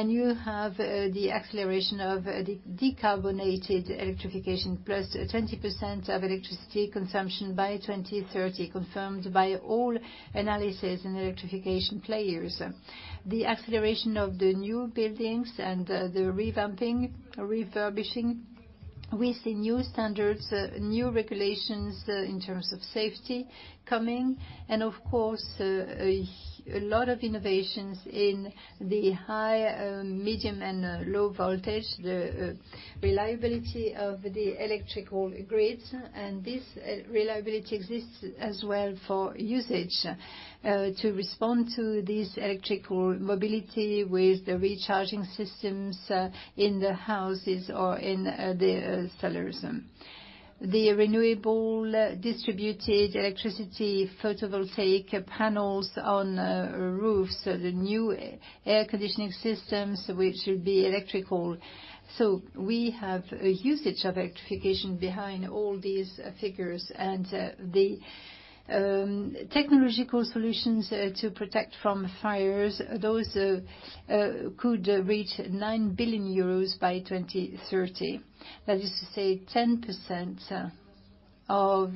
You have the acceleration of decarbonated electrification +20% of electricity consumption by 2030, confirmed by all analysis and electrification players. The acceleration of the new buildings and the revamping, refurbishing, we see new standards, new regulations in terms of safety coming and of course a lot of innovations in the high, medium and low voltage, the reliability of the electrical grids. This reliability exists as well for usage to respond to this electrical mobility with the recharging systems in the houses or in the cellars. The renewable distributed electricity photovoltaic panels on roofs, the new air conditioning systems which will be electrical. We have a usage of electrification behind all these figures. The technological solutions to protect from fires, those could reach 9 billion euros by 2030. That is to say 10% of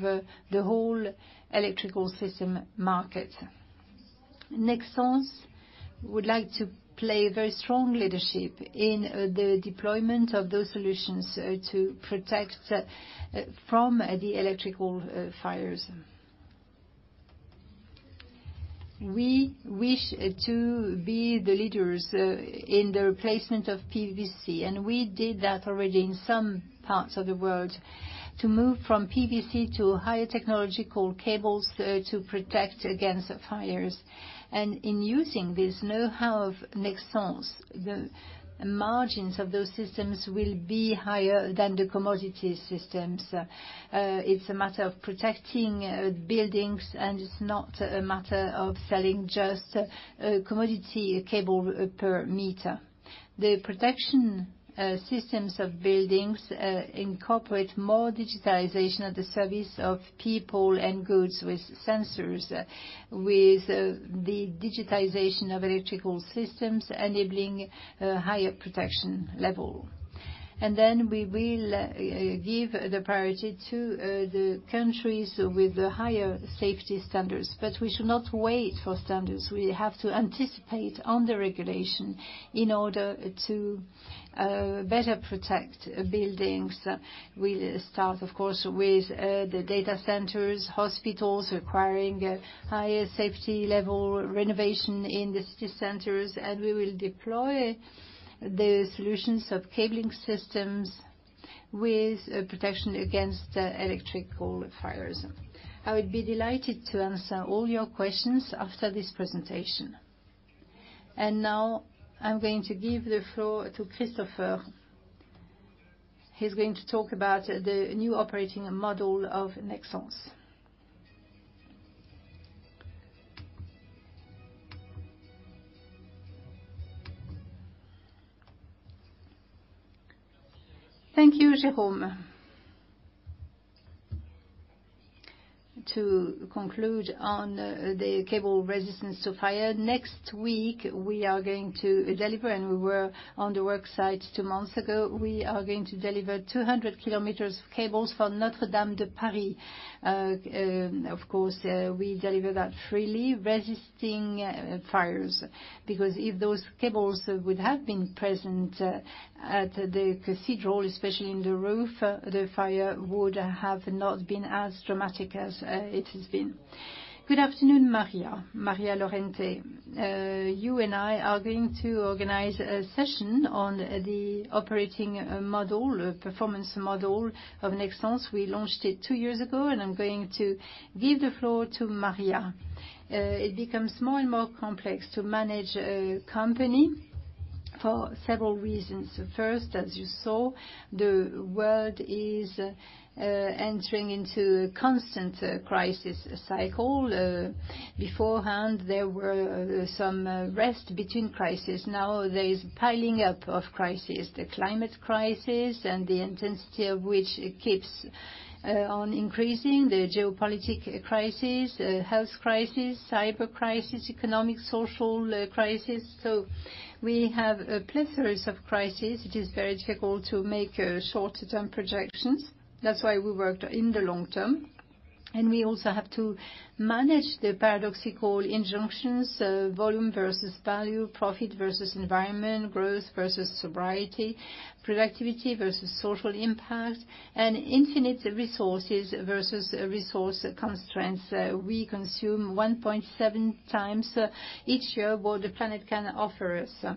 the whole electrical system market. Nexans would like to play a very strong leadership in the deployment of those solutions to protect from the electrical fires. We wish to be the leaders in the replacement of PVC, we did that already in some parts of the world to move from PVC to higher technological cables to protect against fires. In using this knowhow of Nexans, the margins of those systems will be higher than the commodity systems. It's a matter of protecting buildings, it's not a matter of selling just a commodity cable per meter. The protection systems of buildings incorporate more digitalization at the service of people and goods with sensors, with the digitization of electrical systems enabling a higher protection level. We will give the priority to the countries with the higher safety standards. We should not wait for standards. We have to anticipate on the regulation in order to better protect buildings. We'll start, of course, with the data centers, hospitals requiring higher safety level renovation in the city centers, and we will deploy the solutions of cabling systems with protection against electrical fires. I would be delighted to answer all your questions after this presentation. Now I'm going to give the floor to Christopher Guérin. He's going to talk about the new operating model of Nexans. Thank you, Jérôme Fournier. To conclude on the cable resistance to fire, next week we are going to deliver, and we were on the work site two months ago, we are going to deliver 200 kilometers of cables for Notre-Dame de Paris. Of course, we deliver that freely resisting fires, because if those cables would have been present at the cathedral, especially in the roof, the fire would have not been as dramatic as it has been. Good afternoon, Maria. Maria Lorente. You and I are going to organize a session on the operating model, performance model of Nexans. We launched it two years ago and I'm going to give the floor to Maria. It becomes more and more complex to manage a company for several reasons. First, as you saw, the world is entering into constant crisis cycle. Beforehand, there were some rest between crisis. Now there is piling up of crisis, the climate crisis and the intensity of which keeps on increasing, the geopolitical crisis, health crisis, cyber crisis, economic, social crisis. We have a plethora of crisis. It is very difficult to make shorter term projections. That's why we worked in the long term. We also have to manage the paradoxical injunctions, volume versus value, profit versus environment, growth versus sobriety, productivity versus social impact, and infinite resources versus resource constraints. We consume 1.7x each year what the planet can offer us.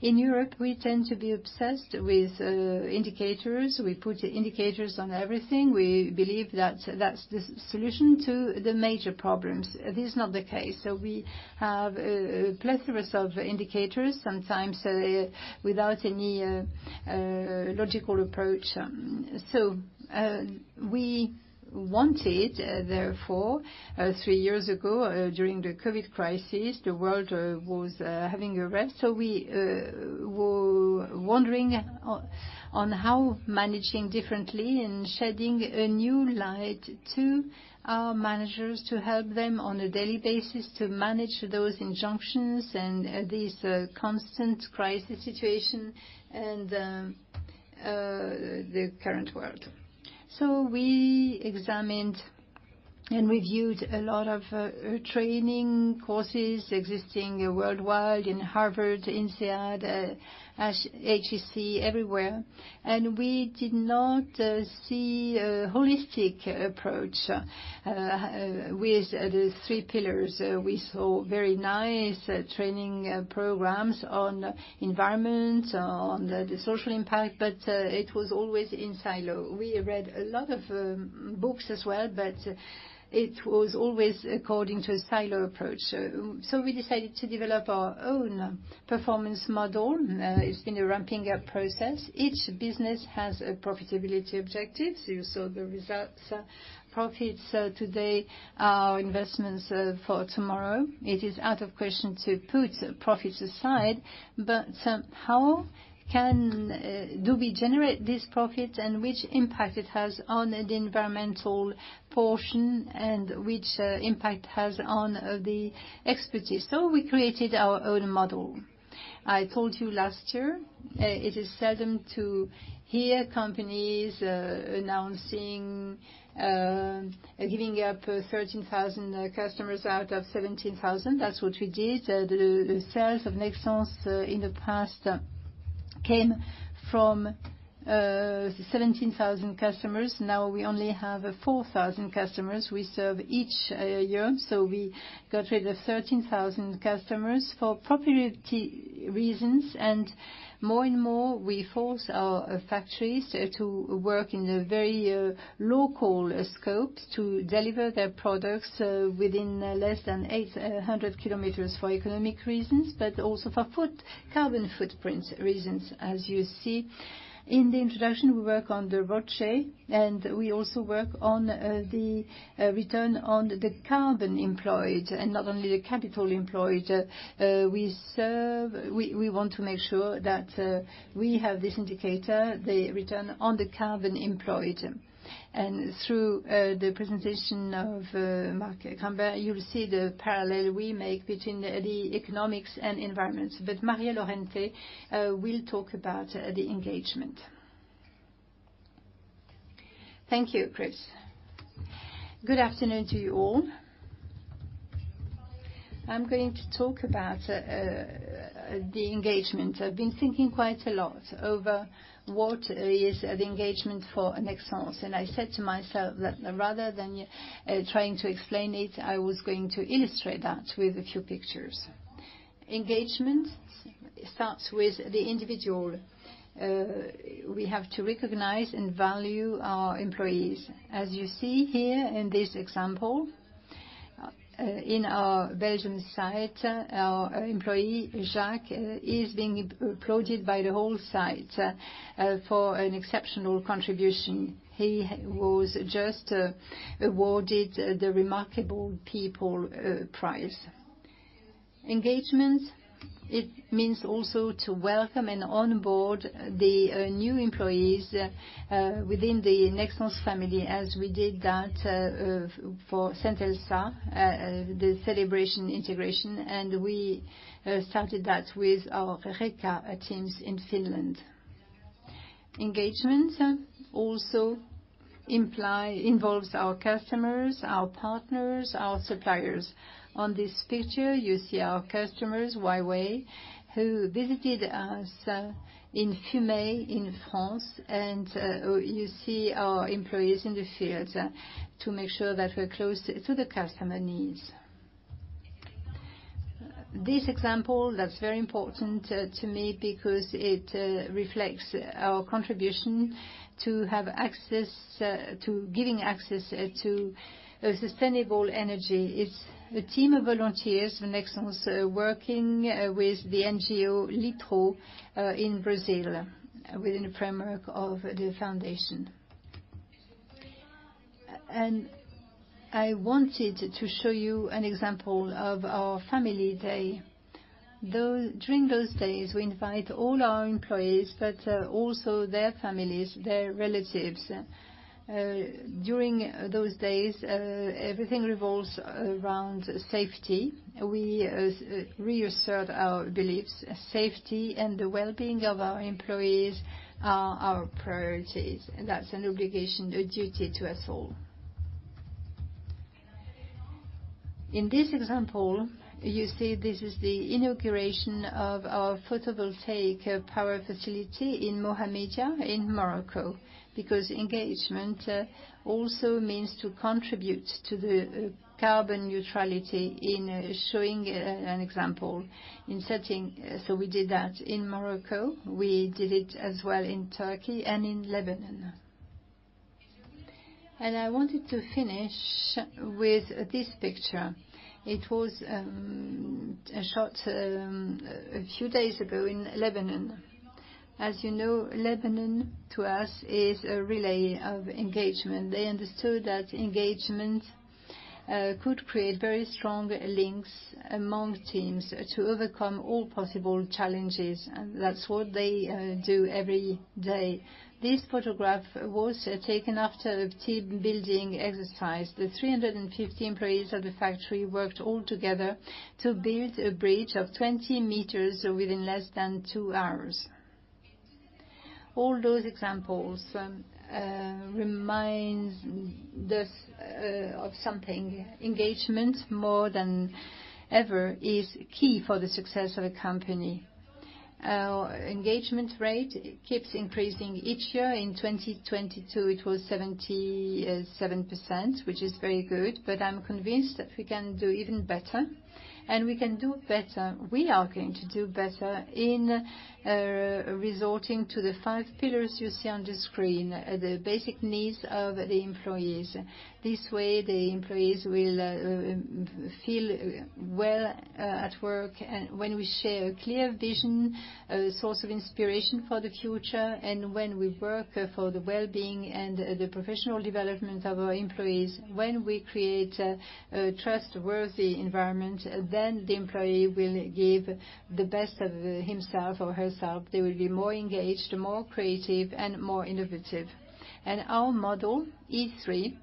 In Europe, we tend to be obsessed with indicators. We put indicators on everything. We believe that that's the solution to the major problems. This is not the case. We have a plethora of indicators, sometimes without any logical approach. We wanted, therefore, three years ago, during the COVID crisis, the world was having a rest. We were wondering on how managing differently and shedding a new light to our managers to help them on a daily basis to manage those injunctions and this constant crisis situation and the current world. We examined and reviewed a lot of training courses existing worldwide in Harvard, INSEAD, HEC, everywhere. We did not see a holistic approach with the three pillars. We saw very nice training programs on environment, on the social impact, but it was always in silo. We read a lot of books as well, but it was always according to a silo approach. We decided to develop our own performance model. It's been a ramping up process. Each business has a profitability objective. You saw the results. Profits today are investments for tomorrow. It is out of question to put profits aside, how do we generate this profit and which impact it has on the environmental portion and which impact it has on the expertise. We created our own model. I told you last year, it is seldom to hear companies announcing giving up 13,000 customers out of 17,000. That's what we did. The sales of Nexans in the past came from 17,000 customers. Now we only have 4,000 customers we serve each year. We got rid of 13,000 customers for profitability reasons. More and more, we force our factories to work in a very local scope to deliver their products within less than 800 kilometers for economic reasons, also for carbon footprint reasons. As you see in the introduction, we work on the ROCE, and we also work on the return on the carbon employed and not only the capital employed. We want to make sure that we have this indicator, the return on the carbon employed. Through the presentation of Marc Grynberg, you'll see the parallel we make between the economics and environment. Maria Lorente will talk about the engagement. Thank you, Chris. Good afternoon to you all. I'm going to talk about the engagement. I've been thinking quite a lot over what is the engagement for Nexans, and I said to myself that rather than trying to explain it, I was going to illustrate that with a few pictures. Engagement starts with the individual. We have to recognize and value our employees. You see here in this example, in our Belgian site, our employee, Jacques, is being applauded by the whole site for an exceptional contribution. He was just awarded the Remarkable People Prize. It means also to welcome and onboard the new employees within the Nexans family, as we did that for Centelsa, the celebration integration, and we started that with our Reka teams in Finland. Involves our customers, our partners, our suppliers. On this picture, you see our customers, Huawei, who visited us in Fumay in France, and you see our employees in the field to make sure that we're close to the customer needs. This example, that's very important to me because it reflects our contribution to giving access to sustainable energy. It's a team of volunteers from Nexans working with the NGO Litro in Brazil within the framework of the foundation. I wanted to show you an example of our family day. During those days, we invite all our employees, but also their families, their relatives. During those days, everything revolves around safety. We reassert our beliefs, safety, and the well-being of our employees are our priorities. That's an obligation, a duty to us all. In this example, you see this is the inauguration of our photovoltaic power facility in Mohammedia in Morocco, because engagement also means to contribute to the carbon neutrality in showing an example, in setting. We did that in Morocco, we did it as well in Turkey and in Lebanon. I wanted to finish with this picture. It was shot a few days ago in Lebanon. As you know, Lebanon to us is a relay of engagement. They understood that engagement could create very strong links among teams to overcome all possible challenges. That's what they do every day. This photograph was taken after a team-building exercise. The 350 employees of the factory worked all together to build a bridge of 20 meters within less than two hours. All those examples remind us of something. Engagement more than ever is key for the success of a company. Our engagement rate keeps increasing each year. In 2022, it was 77%, which is very good. I'm convinced that we can do even better, and we can do better. We are going to do better in resorting to the 5 pillars you see on the screen, the basic needs of the employees. This way, the employees will feel well at work. When we share a clear vision, a source of inspiration for the future, and when we work for the well-being and the professional development of our employees, when we create a trustworthy environment, then the employee will give the best of himself or herself. They will be more engaged, more creative, and more innovative. Our model, E3,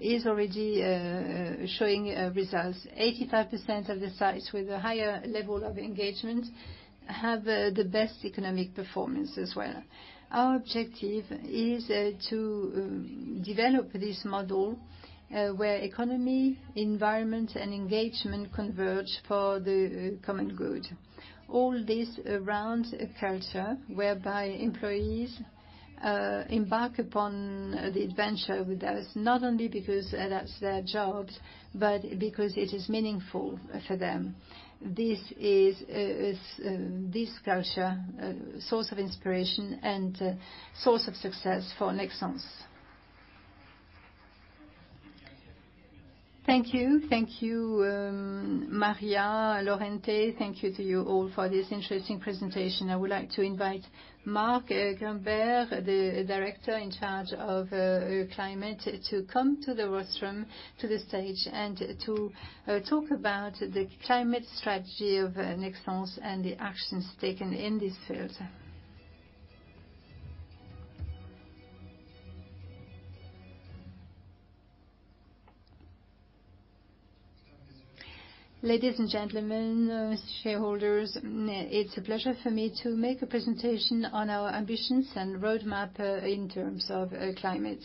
is already showing results. 85% of the sites with a higher level of engagement have the best economic performance as well. Our objective is to develop this model where economy, environment, and engagement converge for the common good. All this around a culture whereby employees embark upon the adventure with us, not only because that's their jobs, but because it is meaningful for them. This is this culture, a source of inspiration and source of success for Nexans. Thank you. Thank you, Maria Lorente. Thank you to you all for this interesting presentation. I would like to invite Marc Grynberg, the Director in charge of climate, to come to the rostrum, to the stage, and to talk about the climate strategy of Nexans and the actions taken in this field. Ladies and gentlemen, shareholders, it's a pleasure for me to make a presentation on our ambitions and roadmap in terms of climate.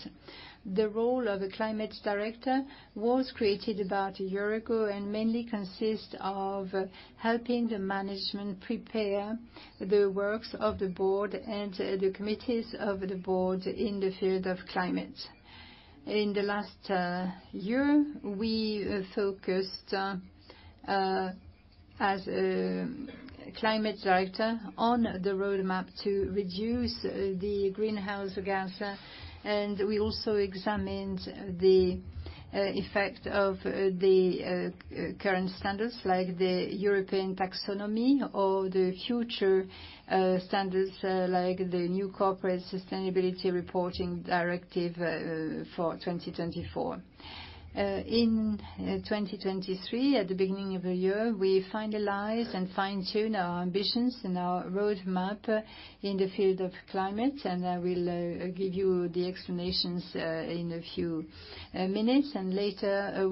The role of a Climate Director was created about a year ago and mainly consists of helping the management prepare the works of the board and the committees of the board in the field of climate. In the last year, we focused as a Climate Director on the roadmap to reduce the greenhouse gas. We also examined the effect of the current standards, like the EU taxonomy or the future standards, like the new Corporate Sustainability Reporting Directive for 2024. In 2023, at the beginning of the year, we finalized and fine-tuned our ambitions and our roadmap in the field of climate. I will give you the explanations in a few minutes. Later,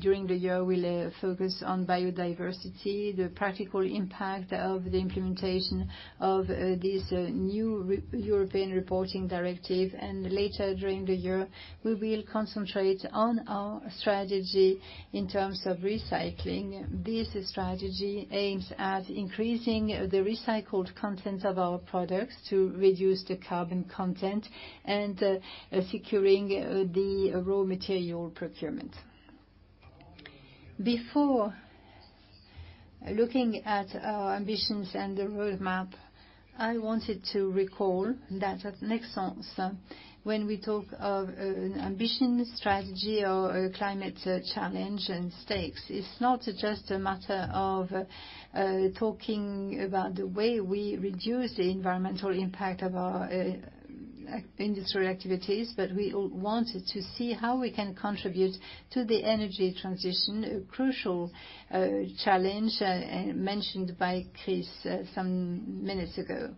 during the year, we'll focus on biodiversity, the practical impact of the implementation of this new European Reporting Directive. Later during the year, we will concentrate on our strategy in terms of recycling. This strategy aims at increasing the recycled content of our products to reduce the carbon content and securing the raw material procurement. Before looking at our ambitions and the roadmap, I wanted to recall that at Nexans, when we talk of an ambition strategy or a climate challenge and stakes, it's not just a matter of talking about the way we reduce the environmental impact of our industrial activities, we all wanted to see how we can contribute to the energy transition, a crucial challenge mentioned by Chris some minutes ago.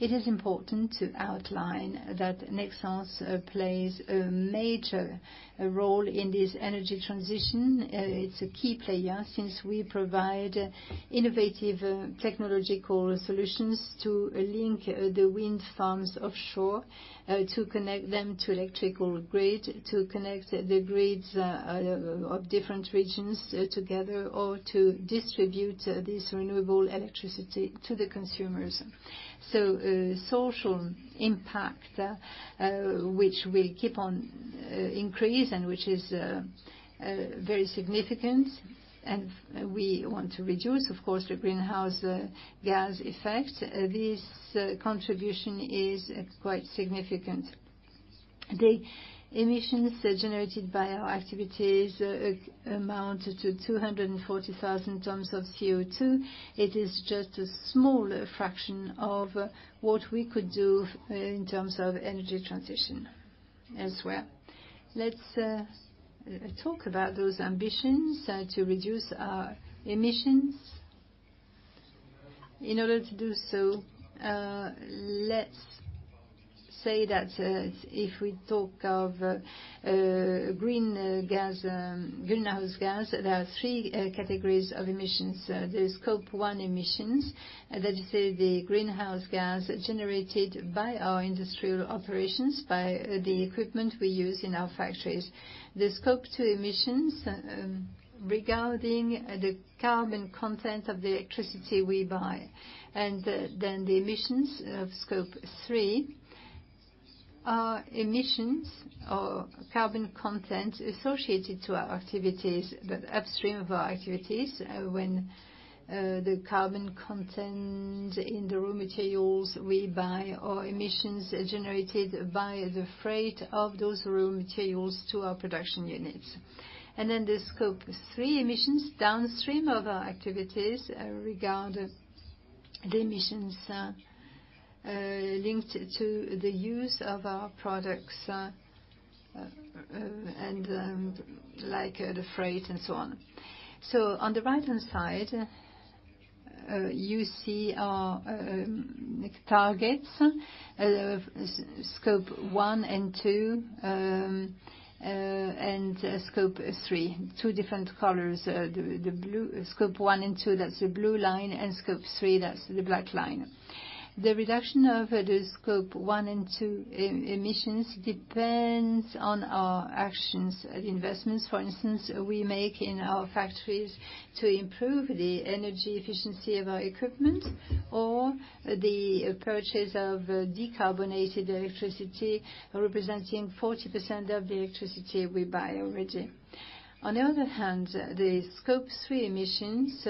It is important to outline that Nexans plays a major role in this energy transition. It's a key player since we provide innovative technological solutions to link the wind farms offshore, to connect them to electrical grid, to connect the grids of different regions together, or to distribute this renewable electricity to the consumers. Social impact which we keep on increase and which is very significant, and we want to reduce, of course, the greenhouse gas effect. This contribution is quite significant. The emissions that are generated by our activities amount to 240,000 tons of CO2. It is just a small fraction of what we could do in terms of energy transition as well. Let's talk about those ambitions to reduce our emissions. In order to do so, let's say that if we talk of green gas, greenhouse gas, there are three categories of emissions. There's Scope 1 emissions. That is the greenhouse gas generated by our industrial operations, by the equipment we use in our factories. The Scope 2 emissions regarding the carbon content of the electricity we buy. The emissions of Scope 3 are emissions or carbon content associated to our activities, but upstream of our activities, when the carbon content in the raw materials we buy or emissions generated by the freight of those raw materials to our production units. The Scope 3 emissions downstream of our activities regard the emissions linked to the use of our products and like the freight and so on. On the right-hand side, you see our targets of Scope 1 and 2 and Scope 3. Two different colors. Scope 1 and 2, that's the blue line, and Scope 3, that's the black line. The reduction of the Scope 1 and 2 emissions depends on our actions and investments, for instance, we make in our factories to improve the energy efficiency of our equipment or the purchase of decarbonated electricity, representing 40% of the electricity we buy already. On the other hand, the Scope 3 emissions,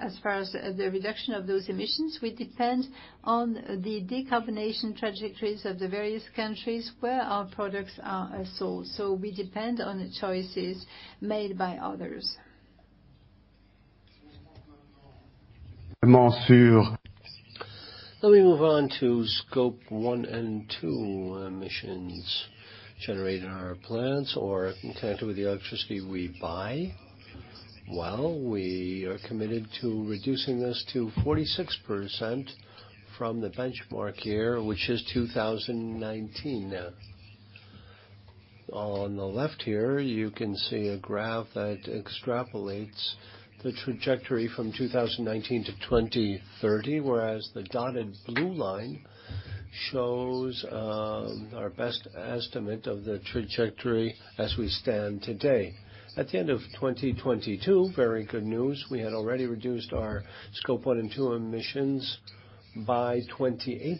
as far as the reduction of those emissions, we depend on the decarbonation trajectories of the various countries where our products are sold. We depend on the choices made by others. Let me move on to Scope 1 and 2 emissions generated in our plants or connected with the electricity we buy. Well, we are committed to reducing this to 46% from the benchmark year, which is 2019. On the left here, you can see a graph that extrapolates the trajectory from 2019 to 2030, whereas the dotted blue line shows our best estimate of the trajectory as we stand today. At the end of 2022, very good news. We had already reduced our Scope 1 and 2 emissions by 28%.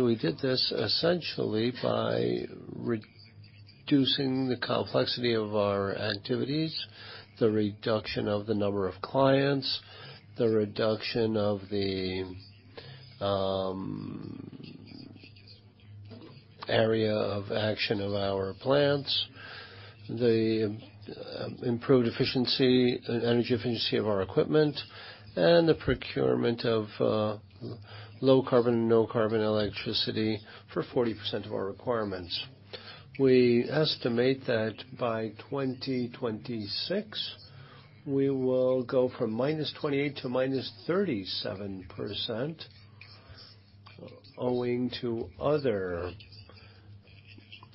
We did this essentially by reducing the complexity of our activities, the reduction of the number of clients, the reduction of the area of action of our plants, the improved efficiency, energy efficiency of our equipment, and the procurement of low carbon, no carbon electricity for 40% of our requirements. We estimate that by 2026, we will go from -28 to -37%, owing to other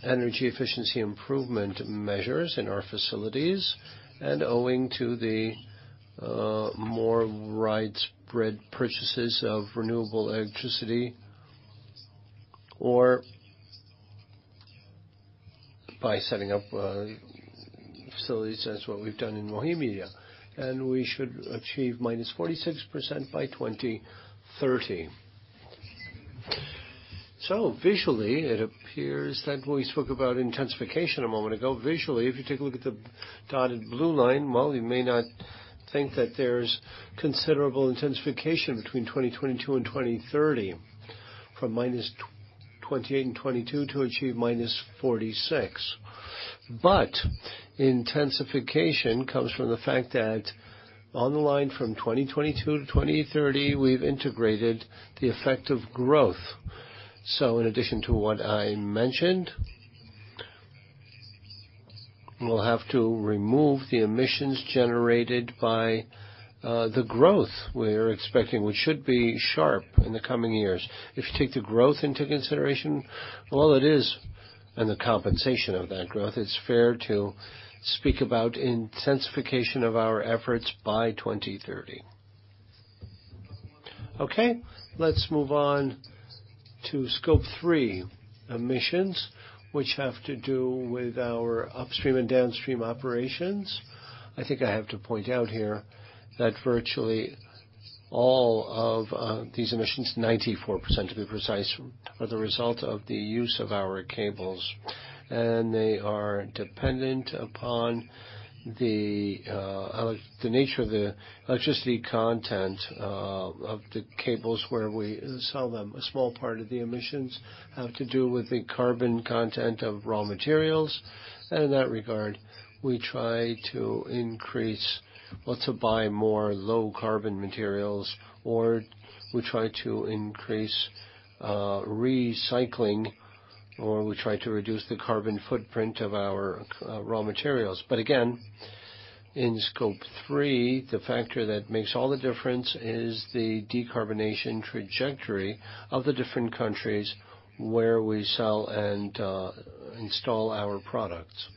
energy efficiency improvement measures in our facilities and owing to the more widespread purchases of renewable electricity, or by setting up facilities. That's what we've done in Mohammedia. We should achieve -46% by 2030. Visually, it appears that when we spoke about intensification a moment ago, visually, if you take a look at the dotted blue line, well, you may not think that there's considerable intensification between 2022 and 2030, from -28 in 2022 to achieve -46. Intensification comes from the fact that on the line from 2022 to 2030, we've integrated the effect of growth. In addition to what I mentioned, we'll have to remove the emissions generated by the growth we're expecting, which should be sharp in the coming years. If you take the growth into consideration, well, it is. The compensation of that growth, it's fair to speak about intensification of our efforts by 2030. Let's move on to Scope 3 emissions, which have to do with our upstream and downstream operations. I think I have to point out here that virtually all of these emissions, 94% to be precise, are the result of the use of our cables, and they are dependent upon the nature of the electricity content of the cables where we sell them. A small part of the emissions have to do with the carbon content of raw materials. In that regard, we try to increase or to buy more low carbon materials, or we try to increase recycling, or we try to reduce the carbon footprint of our raw materials. Again, in Scope 3, the factor that makes all the difference is the decarbonization trajectory of the different countries where we sell and install our products.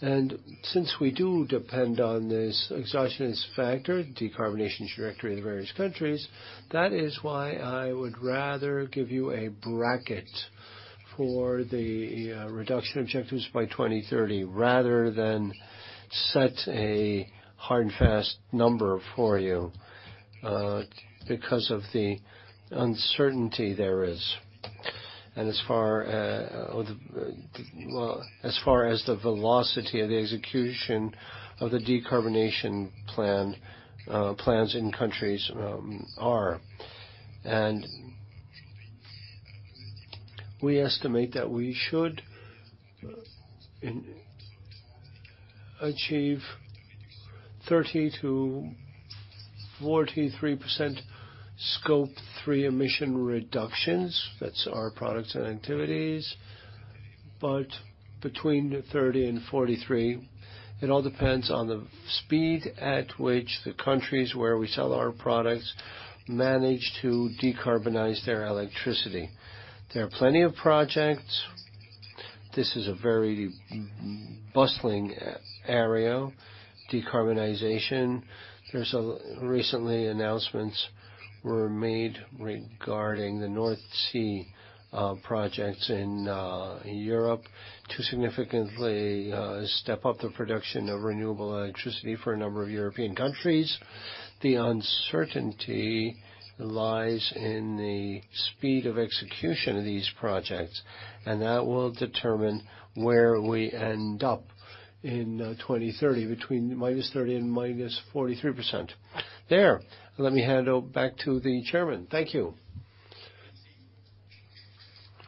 Since we do depend on this exogenous factor, decarbonization trajectory of the various countries, that is why I would rather give you a bracket for the reduction objectives by 2030, rather than set a hard and fast number for you, because of the uncertainty there is. As far, well, as far as the velocity of the execution of the decarbonization plan, plans in countries, are. We estimate that we should achieve 30%-43% Scope 3 emission reductions. That's our products and activities. Between 30 and 43, it all depends on the speed at which the countries where we sell our products manage to decarbonize their electricity. There are plenty of projects. This is a very bustling area, decarbonization. There's a. Recently, announcements were made regarding the North Sea, projects in Europe to significantly step up the production of renewable electricity for a number of European countries. The uncertainty lies in the speed of execution of these projects, and that will determine where we end up in 2030, between -30% and -43%. There. Let me hand it back to the Chairman. Thank you.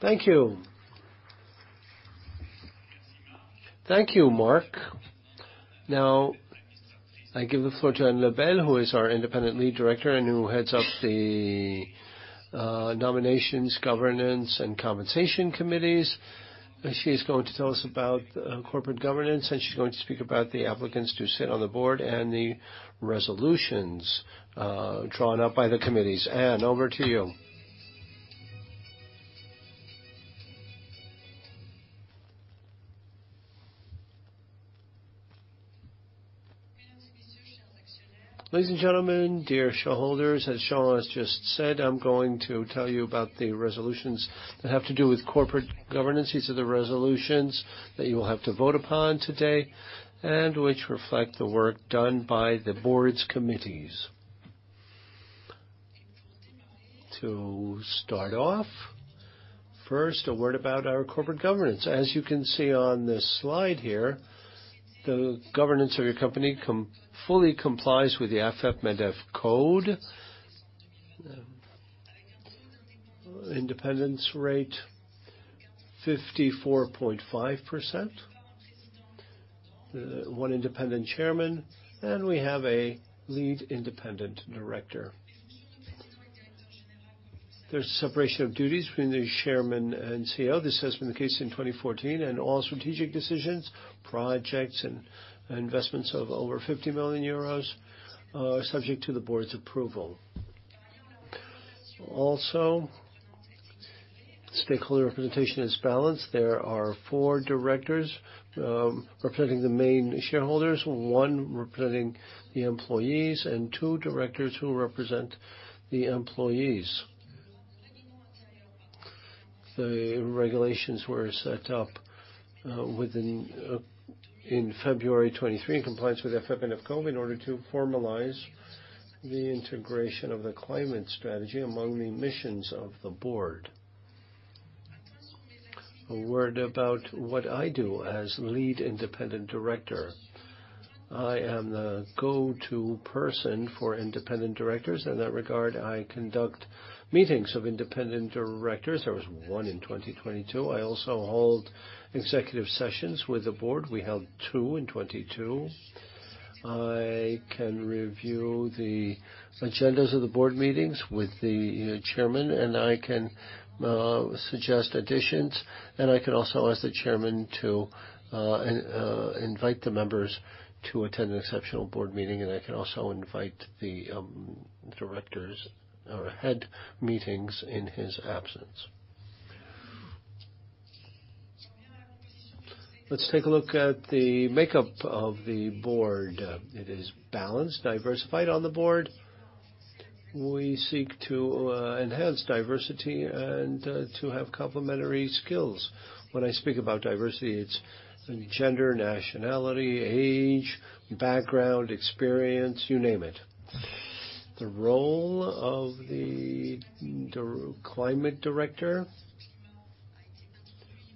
Thank you. Thank you, Marc. I give the floor to Anne Lebel, who is our Independent Lead Director and who heads up the Nominations, Governance, and Compensation Committees. She's going to tell us about corporate governance, and she's going to speak about the applicants to sit on the board and the Resolutions, drawn up by the committees. Anne, over to you. Ladies and gentlemen, dear shareholders, as Jean has just said, I'm going to tell you about the Resolutions that have to do with corporate governance. These are the Resolutions that you will have to vote upon today and which reflect the work done by the board's committees. To start off, first, a word about our corporate governance. As you can see on this slide here, the governance of your company fully complies with the Afep-MEDEF code. Independence rate 54.5%. One independent chairman, and we have a Lead Independent Director. There's separation of duties between the chairman and CEO. This has been the case in 2014, and all strategic decisions, projects, and investments of over 50 million euros are subject to the board's approval. Also, stakeholder representation is balanced. There are four Directors, representing the main shareholders, one representing the employees, and two directors who represent the employees. The regulations were set up in February 2023 in compliance with AFEP-MEDEF code in order to formalize the integration of the climate strategy among the missions of the board. A word about what I do as Lead Independent Director. I am the go-to person for Independent Directors. In that regard, I conduct meetings of Independent Ddirectors. There was 1 in 2022. I also hold executive sessions with the board. We held two in 2022. I can review the agendas of the board meetings with the chairman, and I can suggest additions, and I can also ask the chairman to invite the members to attend an exceptional board meeting, and I can also invite the directors or head meetings in his absence. Let's take a look at the makeup of the board. It is balanced, diversified on the board. We seek to enhance diversity and to have complementary skills. When I speak about diversity, it's gender, nationality, age, background, experience, you name it. The role of the Climate Director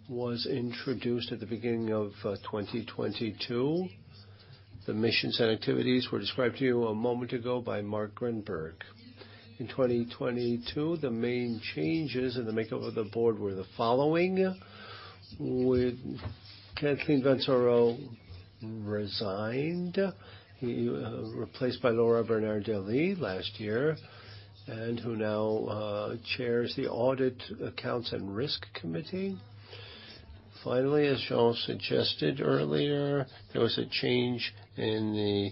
was introduced at the beginning of 2022. The missions and activities were described to you a moment ago by Marc Grynberg. In 2022, the main changes in the makeup of the board were the following. Kathleen Wantz-O'Rourke resigned, replaced by Laura Bernardelli last year, and who now chairs the Audit, Accounts, and Risk Committee. Finally, as Jean suggested earlier, there was a change in the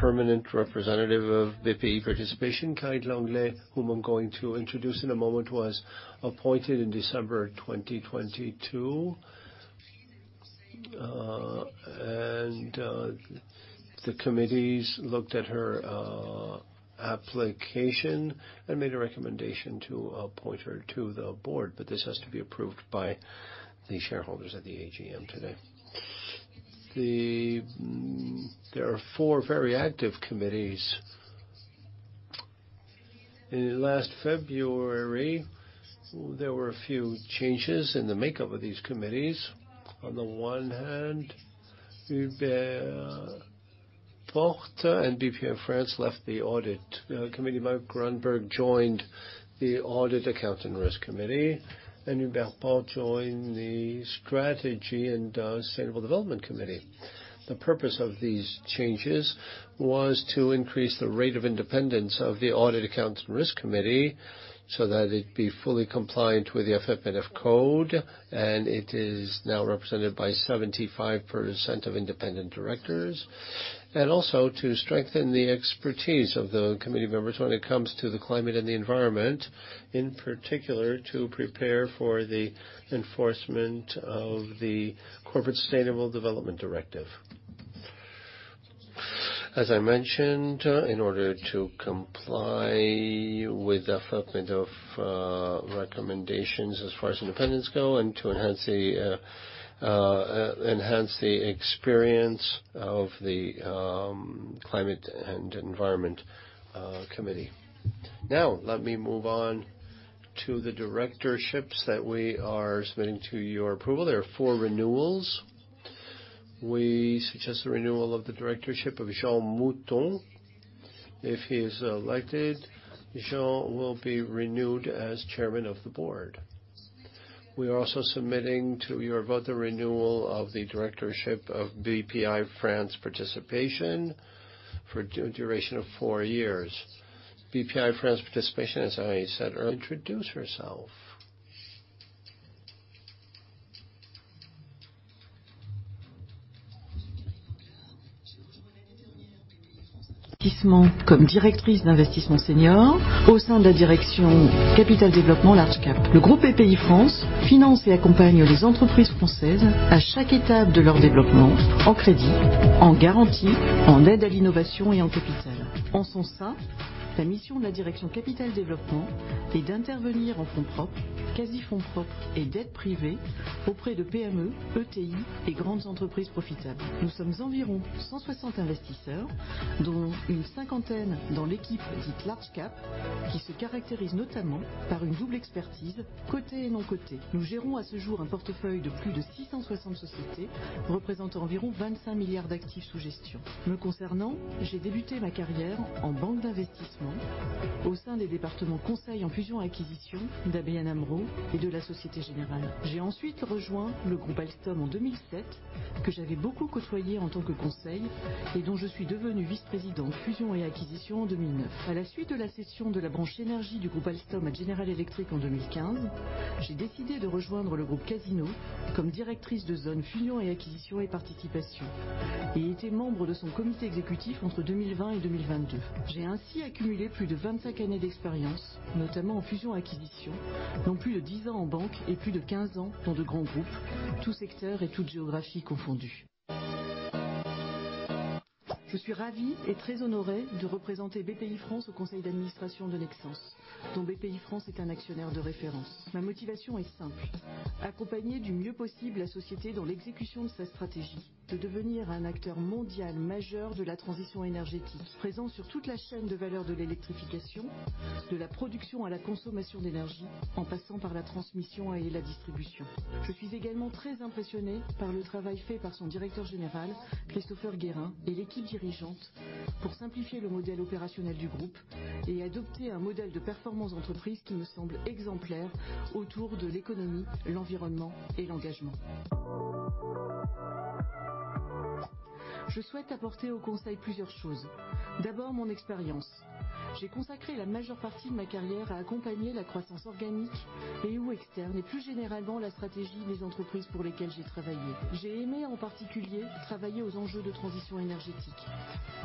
permanent representative of BPI Participation. Karine Lenglart, whom I'm going to introduce in a moment, was appointed in December 2022. The committees looked at her application and made a recommendation to appoint her to the board. This has to be approved by the shareholders at the AGM today. There are four very active committees. In last February, there were a few changes in the makeup of these committees. On the one hand, Hubert Porte and Bpifrance left the audit. committee Marc Grynberg joined the Audit, Accounts, and Risk Committee, and Hubert Porte joined the Strategy and Sustainable Development Committee. The purpose of these changes was to increase the rate of independence of the Audit, Accounts, and Risk Committee so that it'd be fully compliant with the FFNF code. It is now represented by 75% of independent directors. Also to strengthen the expertise of the committee members when it comes to the climate and the environment, in particular, to prepare for the enforcement of the Corporate Sustainable Development Directive. As I mentioned, in order to comply with the FFNF recommendations as far as independents go and to enhance the experience of the Climate and Environment Committee. Let me move on to the directorships that we are submitting to your approval. There are four renewals. We suggest the renewal of the directorship of Jean Mouton. If he is elected, Jean will be renewed as Chairman of the Board. We are also submitting to your vote the renewal of the directorship of Bpifrance Participations for a duration of four years. Bpifrance Participations, as I said. Introduce herself. Comme directrice d'investissement senior au sein de la direction Capital Développement Large Cap. Le groupe Bpifrance finance et accompagne les entreprises françaises à chaque étape de leur développement en crédit, en garantie, en aide à l'innovation et en capital. En son sein, la mission de la direction Capital Développement est d'intervenir en fonds propres, quasi fonds propres et dettes privées auprès de PME, ETI et grandes entreprises profitables. Nous sommes environ 160 investisseurs, dont une 50 dans l'équipe dite large cap, qui se caractérise notamment par une double expertise côté et non coté. Nous gérons à ce jour un portefeuille de plus de 660 sociétés représentant environ 25 billion d'actifs sous gestion. Me concernant, j'ai débuté ma carrière en banque d'investissement au sein des départements conseil en fusions et acquisitions d'ABN AMRO et de la Société Générale. J'ai ensuite rejoint le groupe Alstom en 2007, que j'avais beaucoup côtoyé en tant que conseil et dont je suis devenue vice-présidente fusions et acquisitions en 2009. À la suite de la cession de la branche énergie du groupe Alstom à General Electric en 2015, j'ai décidé de rejoindre le groupe Casino comme directrice de zone fusions et acquisitions et participations et ai été membre de son comité exécutif entre 2020 et 2022. J'ai ainsi accumulé plus de 25 années d'expérience, notamment en fusions acquisitions, dont plus de 10 ans en banque et plus de 15 ans dans de grands groupes, tous secteurs et toutes géographies confondus. Je suis ravie et très honorée de représenter Bpifrance au conseil d'administration de Nexans, dont Bpifrance est un actionnaire de référence. Ma motivation est simple: accompagner du mieux possible la société dans l'exécution de sa stratégie de devenir un acteur mondial majeur de la transition énergétique, présent sur toute la chaîne de valeur de l'électrification, de la production à la consommation d'énergie, en passant par la transmission et la distribution. Je suis également très impressionnée par le travail fait par son Directeur Général, Christopher Guérin, et l'équipe dirigeante pour simplifier le modèle opérationnel du groupe et adopter un modèle de performance entreprise qui me semble exemplaire autour de l'économie, l'environnement et l'engagement. Je souhaite apporter au conseil plusieurs choses. D'abord, mon expérience. J'ai consacré la majeure partie de ma carrière à accompagner la croissance organique et/ou externe et plus généralement la stratégie des entreprises pour lesquelles j'ai travaillé. J'ai aimé en particulier travailler aux enjeux de transition énergétique.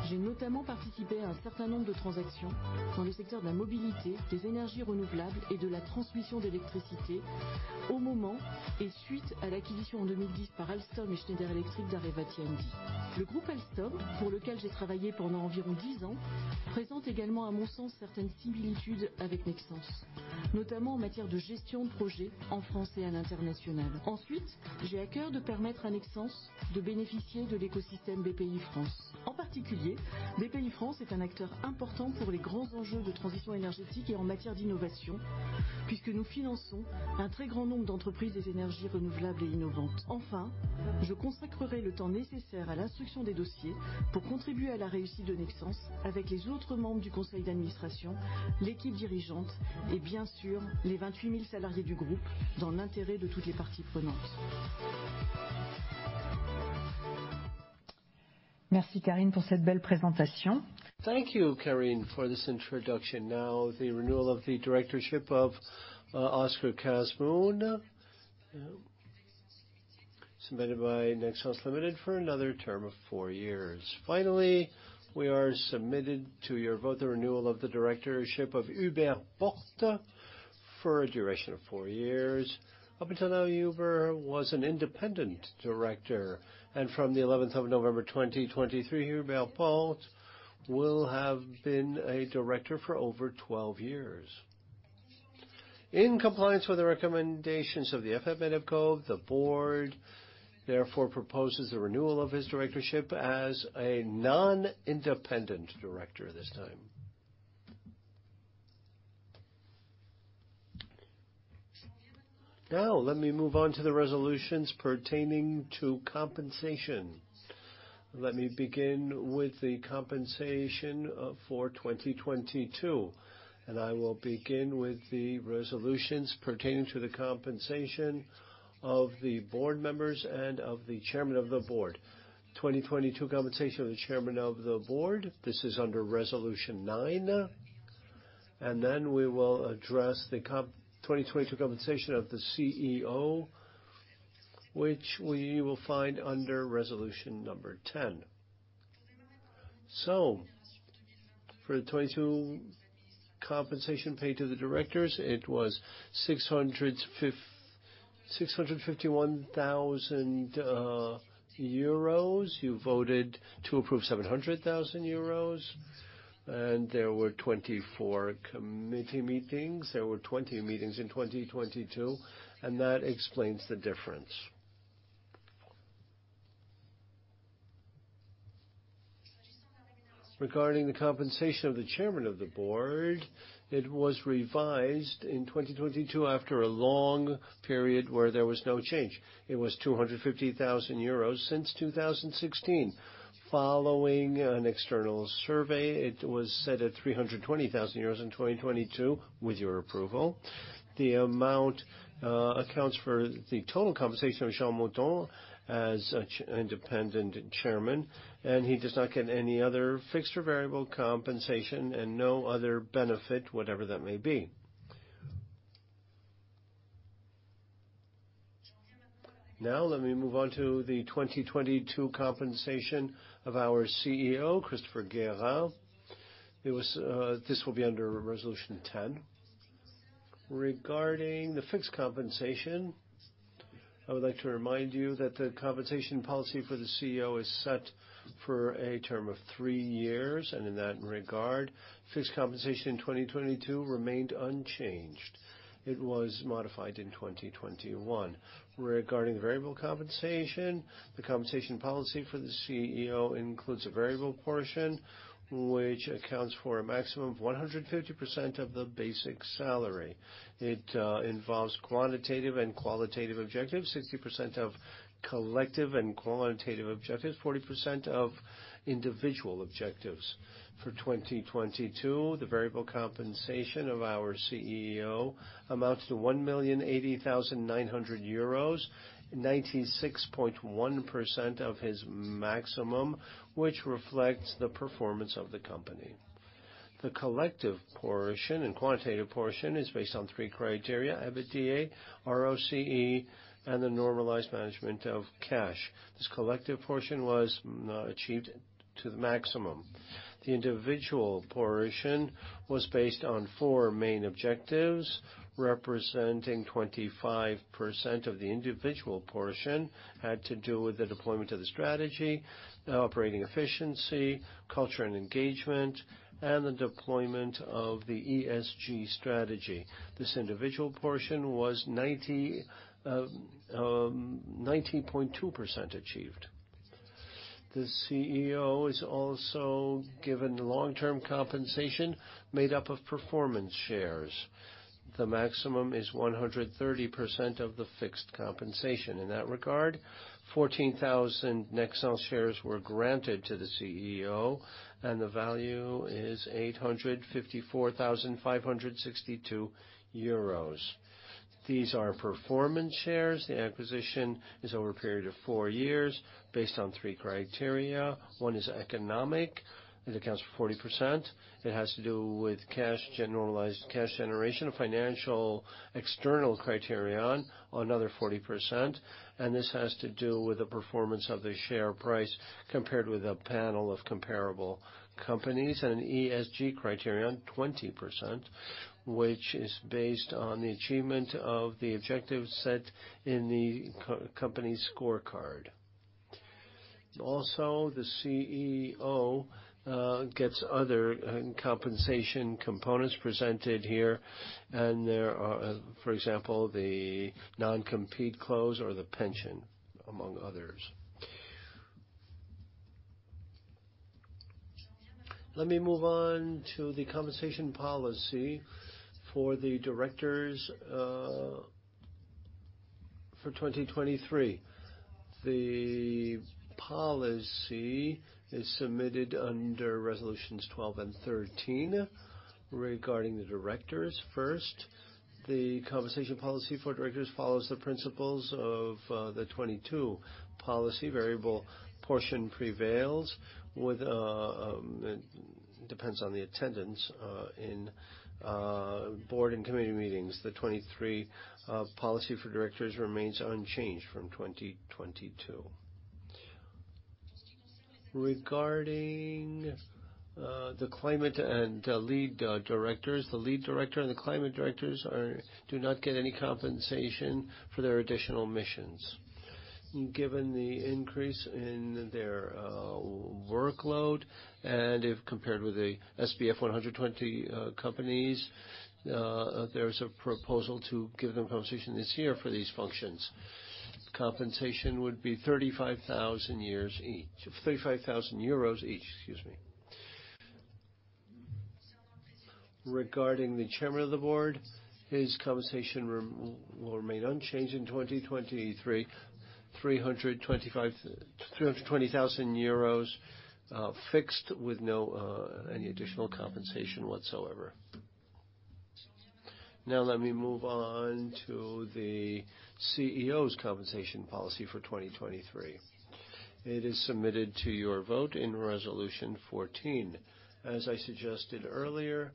J'ai notamment participé à un certain nombre de transactions dans les secteurs de la mobilité, des énergies renouvelables et de la transmission d'électricité au moment et suite à l'acquisition en 2010 par Alstom et Schneider Electric d'Areva T&D. Le groupe Alstom, pour lequel j'ai travaillé pendant environ 10 ans, présente également à mon sens certaines similitudes avec Nexans, notamment en matière de gestion de projet en France et à l'international. Ensuite, j'ai à cœur de permettre à Nexans de bénéficier de l'écosystème Bpifrance. En particulier, Bpifrance est un acteur important pour les grands enjeux de transition énergétique et en matière d'innovation, puisque nous finançons un très grand nombre d'entreprises des énergies renouvelables et innovantes. Je consacrerai le temps nécessaire à l'instruction des dossiers pour contribuer à la réussite de Nexans avec les autres membres du conseil d'administration, l'équipe dirigeante et bien sûr, les 28,000 salariés du groupe, dans l'intérêt de toutes les parties prenantes. Merci Karine pour cette belle présentation. Thank you Karine for this introduction. Now, the renewal of the directorship of Oscar Hasbún Martínez, submitted by Nexans Limited for another term of four years. Finally, we are submitted to your vote, the renewal of the directorship of Hubert Porte for a duration of four years. Up until now, Hubert was an independent director and from the 11th of November 2023, Hubert Porte will have been a director for over 12 years. In compliance with the recommendations of the AMF, the Board therefore proposes the renewal of his directorship as a non-independent director this time. Now, let me move on to the Resolutions pertaining to compensation. Let me begin with the compensation for 2022. I will begin with the Resolutions pertaining to the compensation of the board members and of the Chairman of the Board. 2022 compensation of the Chairman of the Board. This is under Resolution 9. We will address the 2022 compensation of the CEO, which we will find under Resolution 10. For 2022 compensation paid to the directors, it was 651,000 euros. You voted to approve 700,000 euros and there were 24 committee meetings. There were 20 meetings in 2022. That explains the difference. Regarding the compensation of the chairman of the board, it was revised in 2022 after a long period where there was no change. It was 250,000 euros since 2016. Following an external survey, it was set at 320,000 euros in 2022 with your approval. The amount accounts for the total compensation of Jean Mouton as an independent chairman. He does not get any other fixed or variable compensation and no other benefit, whatever that may be. Now let me move on to the 2022 compensation of our CEO, Christopher Guérin. It was, this will be under Resolution 10. Regarding the fixed compensation, I would like to remind you that the compensation policy for the CEO is set for a term of three years. In that regard, fixed compensation in 2022 remained unchanged. It was modified in 2021. Regarding the variable compensation, the compensation policy for the CEO includes a variable portion which accounts for a maximum of 150% of the basic salary. It involves quantitative and qualitative objectives, 60% of collective and qualitative objectives, 40% of individual objectives. For 2022, the variable compensation of our CEO amounts to 1,080,900 euros, 96.1% of his maximum, which reflects the performance of the company. The collective portion and quantitative portion is based on three criteria, EBITDA, ROCE, and the normalized management of cash. This collective portion was achieved to the maximum. The individual portion was based on four main objectives, representing 25% of the individual portion, had to do with the deployment of the strategy, operating efficiency, culture and engagement, and the deployment of the ESG strategy. This individual portion was 90.2% achieved. The CEO is also given long-term compensation made up of performance shares. The maximum is 130% of the fixed compensation. In that regard, 14,000 Nexans shares were granted to the CEO, and the value is 854,562 euros. These are performance shares. The acquisition is over a period of four years based on three criteria. One is economic. It accounts for 40%. It has to do with cash, generalized cash generation, financial external criterion, another 40%. This has to do with the performance of the share price compared with a panel of comparable companies and an ESG criterion, 20%, which is based on the achievement of the objectives set in the co-company's scorecard. The CEO gets other compensation components presented here, and there are, for example, the non-compete clause or the pension, among others. Move on to the compensation policy for the directors for 2023. The policy is submitted under Resolutions 12 and 13 regarding the directors first. The compensation policy for directors follows the principles of the 2022 policy. Variable portion prevails with depends on the attendance in board and committee meetings. The 2023 policy for directors remains unchanged from 2022. Regarding the climate and the lead directors. The lead director and the climate directors do not get any compensation for their additional missions. Given the increase in their workload and if compared with the SBF 120 companies, there's a proposal to give them compensation this year for these functions. Compensation would be 35,000 each, excuse me. Regarding the chairman of the board, his compensation remained unchanged in 2023. 325 euros. 320,000 euros fixed with no any additional compensation whatsoever. Let me move on to the CEO's compensation policy for 2023. It is submitted to your vote in Resolution 14. As I suggested earlier,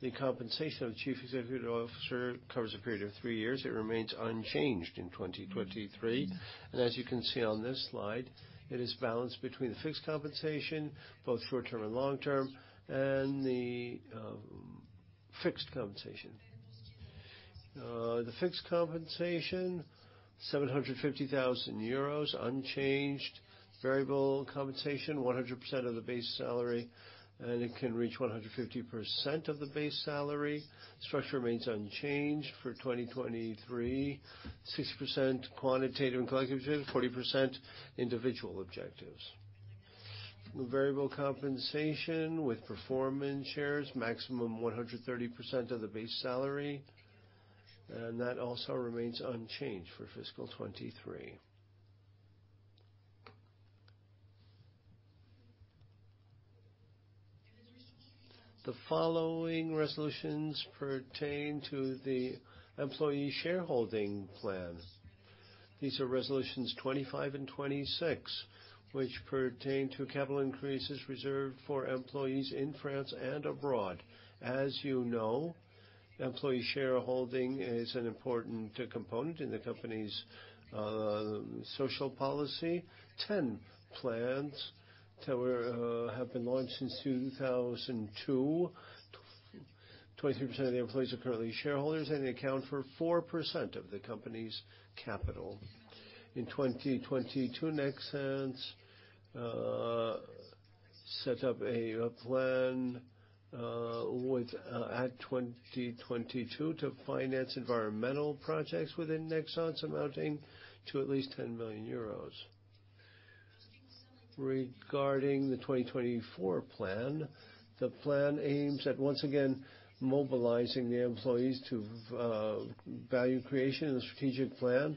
the compensation of Chief Executive Officer covers a period of three years. It remains unchanged in 2023. As you can see on this slide, it is balanced between the fixed compensation, both short-term and long-term, and the fixed compensation. The fixed compensation, 750,000 euros unchanged. Variable compensation, 100% of the base salary, and it can reach 150% of the base salary. Structure remains unchanged for 2023. 60% quantitative and collective, 40% individual objectives. Variable compensation with performance shares, maximum 130% of the base salary, and that also remains unchanged for fiscal 2023. The following Resolutions pertain to the employee shareholding plan. These are Resolutions 25 and 26, which pertain to capital increases reserved for employees in France and abroad. As you know, employee shareholding is an important component in the company's social policy. 10 plans have been launched since 2002. 23% of the employees are currently shareholders, and they account for 4% of the company's capital. In 2022, Nexans set up a plan with at 2022 to finance environmental projects within Nexans amounting to at least 10 million euros. Regarding the 2024 plan, the plan aims at once again mobilizing the employees to value creation and strategic plan.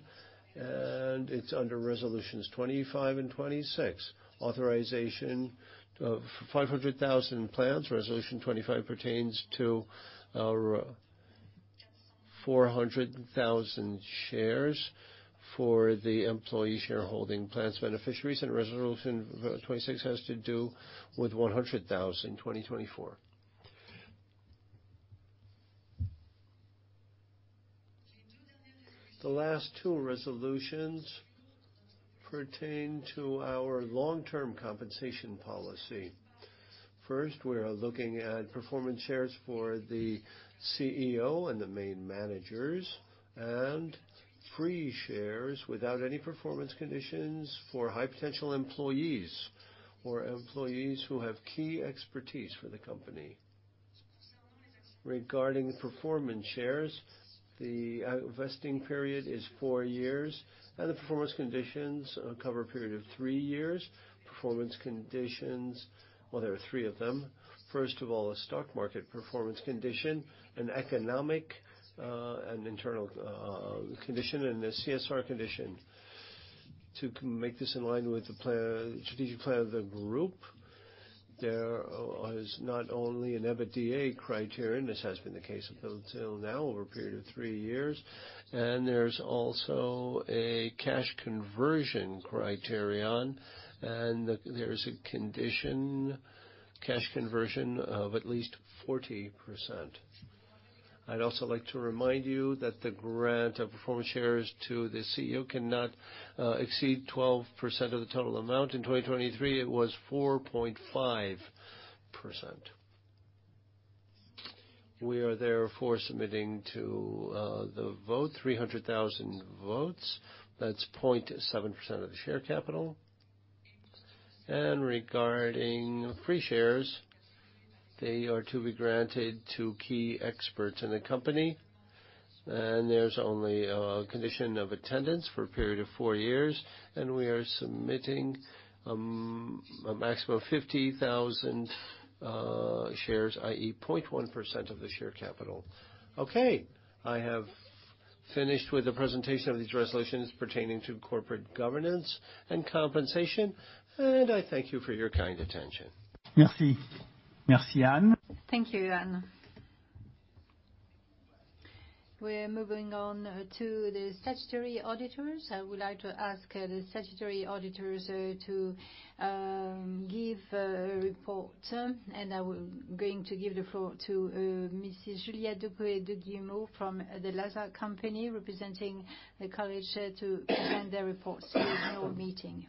It's under Resolutions 25 and 26. Authorization of 500,000 plans. Resolution 25 pertains to our 400,000 shares for the employee shareholding plans beneficiaries. Resolution 26 has to do with 100,000 2024. The last two Resolutions pertain to our long-term compensation policy. First, we are looking at performance shares for the CEO and the main managers and free shares without any performance conditions for high-potential employees or employees who have key expertise for the company. Regarding performance shares, the vesting period is four years, and the performance conditions cover a period of three years. Performance conditions, well, there are three of them. First of all, a stock market performance condition, an economic, an internal condition, and a CSR condition. To make this in line with the plan, strategic plan of the group, there is not only an EBITDA criterion, this has been the case until now over a period of three years, and there's also a cash conversion criterion, and there is a condition cash conversion of at least 40%. I'd also like to remind you that the grant of performance shares to the CEO cannot exceed 12% of the total amount. In 2023, it was 4.5%. We are therefore submitting to the vote 300,000 votes. That's 0.7% of the share capital. Regarding free shares, they are to be granted to key experts in the company, and there's only a condition of attendance for a period of four years, and we are submitting a maximum of 50,000 shares, i.e., 0.1% of the share capital. Okay, I have finished with the presentation of these Resolutions pertaining to corporate governance and compensation, and I thank you for your kind attention. Merci. Merci, Anne. Thank you, Anne. We're moving on to the statutory auditors. I would like to ask the statutory auditors to give a report, and I'm going to give the floor to Mrs. Juliette de Guillaumont from Mazars, representing the college to present their reports for this annual meeting.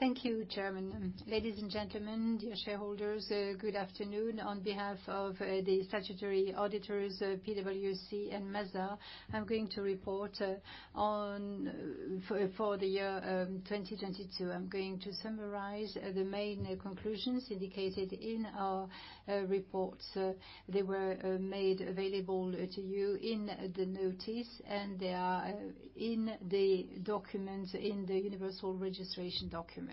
Thank you, Chairman. Ladies and gentlemen, dear shareholders, good afternoon. On behalf of the statutory auditors, PwC and Mazars, I'm going to report on for the year 2022. I'm going to summarize the main conclusions indicated in our reports. They were made available to you in the notice, and they are in the documents in the universal registration document.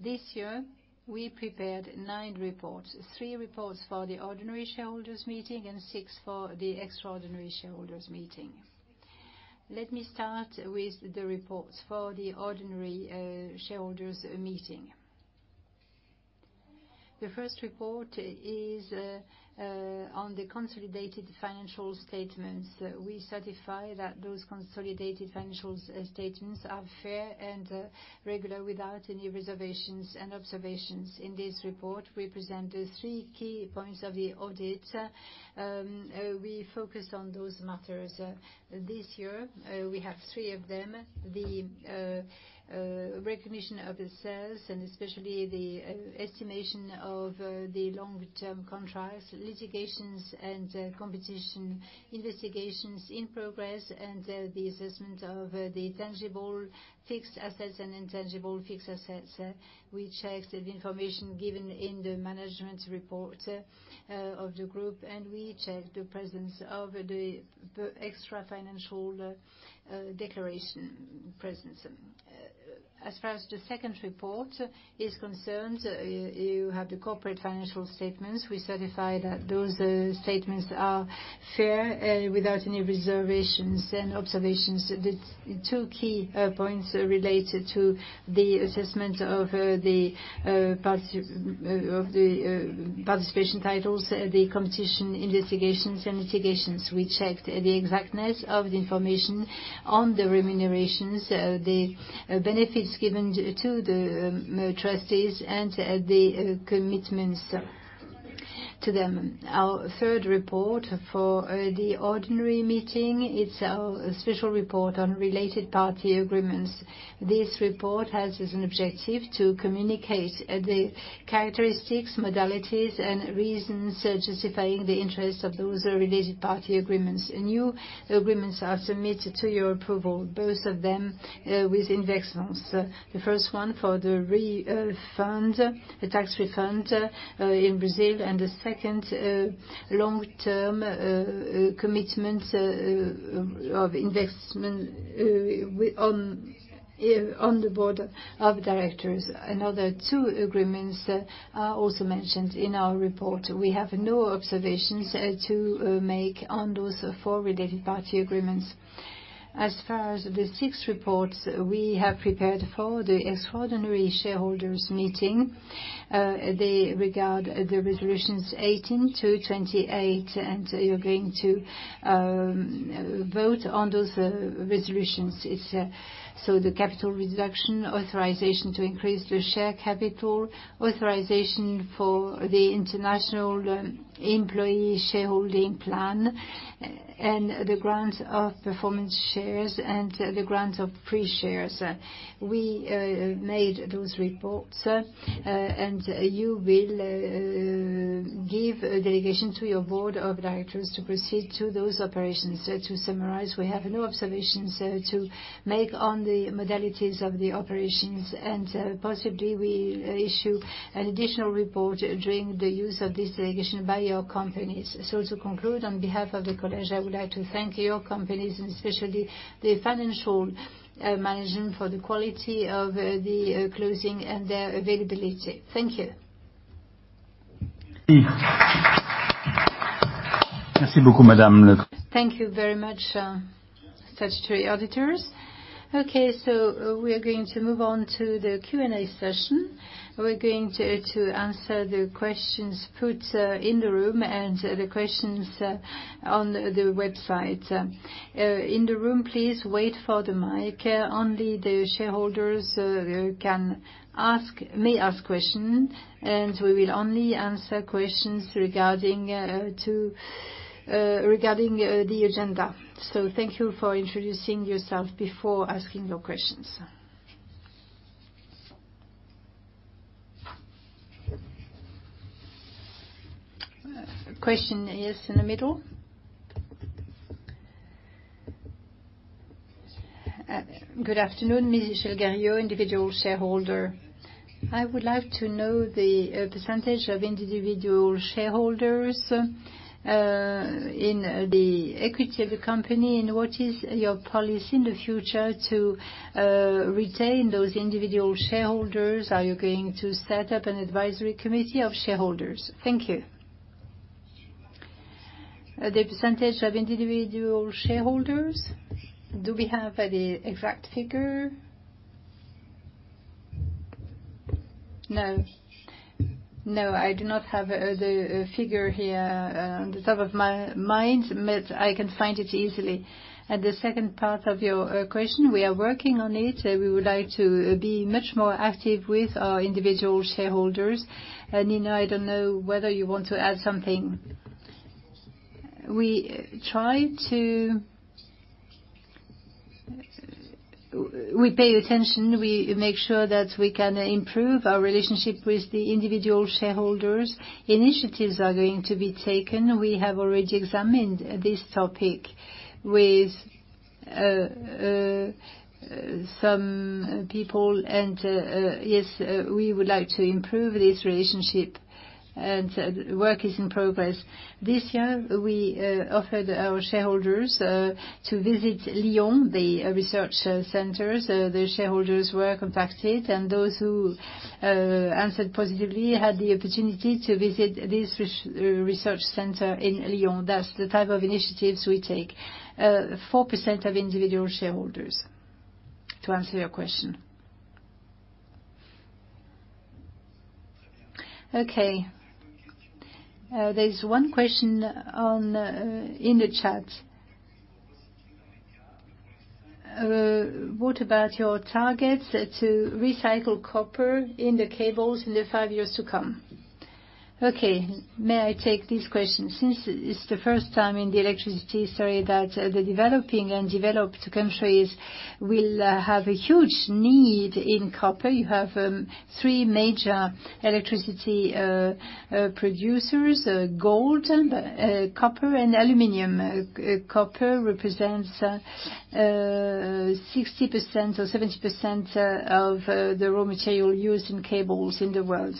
This year, we prepared 9 reports, 3 reports for the ordinary shareholders meeting and 6 for the extraordinary shareholders meeting. Let me start with the reports for the ordinary shareholders meeting. The first report is on the consolidated financial statements. We certify that those consolidated financial statements are fair and regular without any reservations and observations. In this report, we present the three key points of the audit. We focus on those matters. This year, we have three of them. The recognition of the sales and especially the estimation of the long-term contracts, litigations and competition investigations in progress, and the assessment of the tangible fixed assets and intangible fixed assets. We checked the information given in the management report of the group. We checked the presence of the extra financial declaration presence. As far as the second report is concerned, you have the corporate financial statements. We certify that those statements are fair without any reservations and observations. The two key points related to the assessment of the participation titles, the competition investigations and mitigations. We checked the exactness of the information on the remunerations, the benefits given to the trustees and the commitments to them. Our third report for the ordinary meeting, it's our special report on related party agreements. This report has as an objective to communicate the characteristics, modalities, and reasons justifying the interest of those related party agreements. New agreements are submitted to your approval, both of them with index funds. The first one for the fund, the tax refund in Brazil, and the second long-term commitment of investment on the Board of Directors. Another two agreements are also mentioned in our report. We have no observations to make on those four related party agreements. As far as the six reports we have prepared for the extraordinary shareholders meeting, they regard the Resolutions 18 to 28, and you're going to vote on those Resolutions. It's, the capital reduction, authorization to increase the share capital, authorization for the international employee shareholding plan, and the grant of performance shares and the grant of free shares. We made those reports, you will give a delegation to your Board of Directors to proceed to those operations. To summarize, we have no observations to make on the modalities of the operations, possibly we issue an additional report during the use of this delegation by your companies. To conclude, on behalf of the College, I would like to thank your companies, and especially the financial management for the quality of the closing and their availability. Thank you. Thank you very much, statutory auditors. We are going to move on to the Q&A session. We're going to answer the questions put in the room and the questions on the website. In the room, please wait for the mic. Only the shareholders may ask questions, and we will only answer questions regarding the agenda. Thank you for introducing yourself before asking your questions. A question, yes, in the middle. Good afternoon. Michèle Garlio, individual shareholder. I would like to know the percentage of individual shareholders in the equity of the company. What is your policy in the future to retain those individual shareholders? Are you going to set up an advisory committee of shareholders? Thank you. The percentage of individual shareholders, do we have the exact figure? No. I do not have the figure here on the top of my mind, but I can find it easily. The second part of your question, we are working on it. We would like to be much more active with our individual shareholders. Nino, I don't know whether you want to add something. We pay attention. We make sure that we can improve our relationship with the individual shareholders. Initiatives are going to be taken. We have already examined this topic with some people. Yes, we would like to improve this relationship and work is in progress. This year, we offered our shareholders to visit Lyon, the research centers. The shareholders were contacted, those who answered positively had the opportunity to visit this research center in Lyon. That's the type of initiatives we take. 4% of individual shareholders, to answer your question. Okay. There's one question on in the chat. What about your targets to recycle copper in the cables in the five years to come? Okay, may I take this question? Since it's the first time in the electricity story that the developing and developed countries will have a huge need in copper. You have three major electricity producers, gold, copper and aluminum. Copper represents 60% or 70% of the raw material used in cables in the world.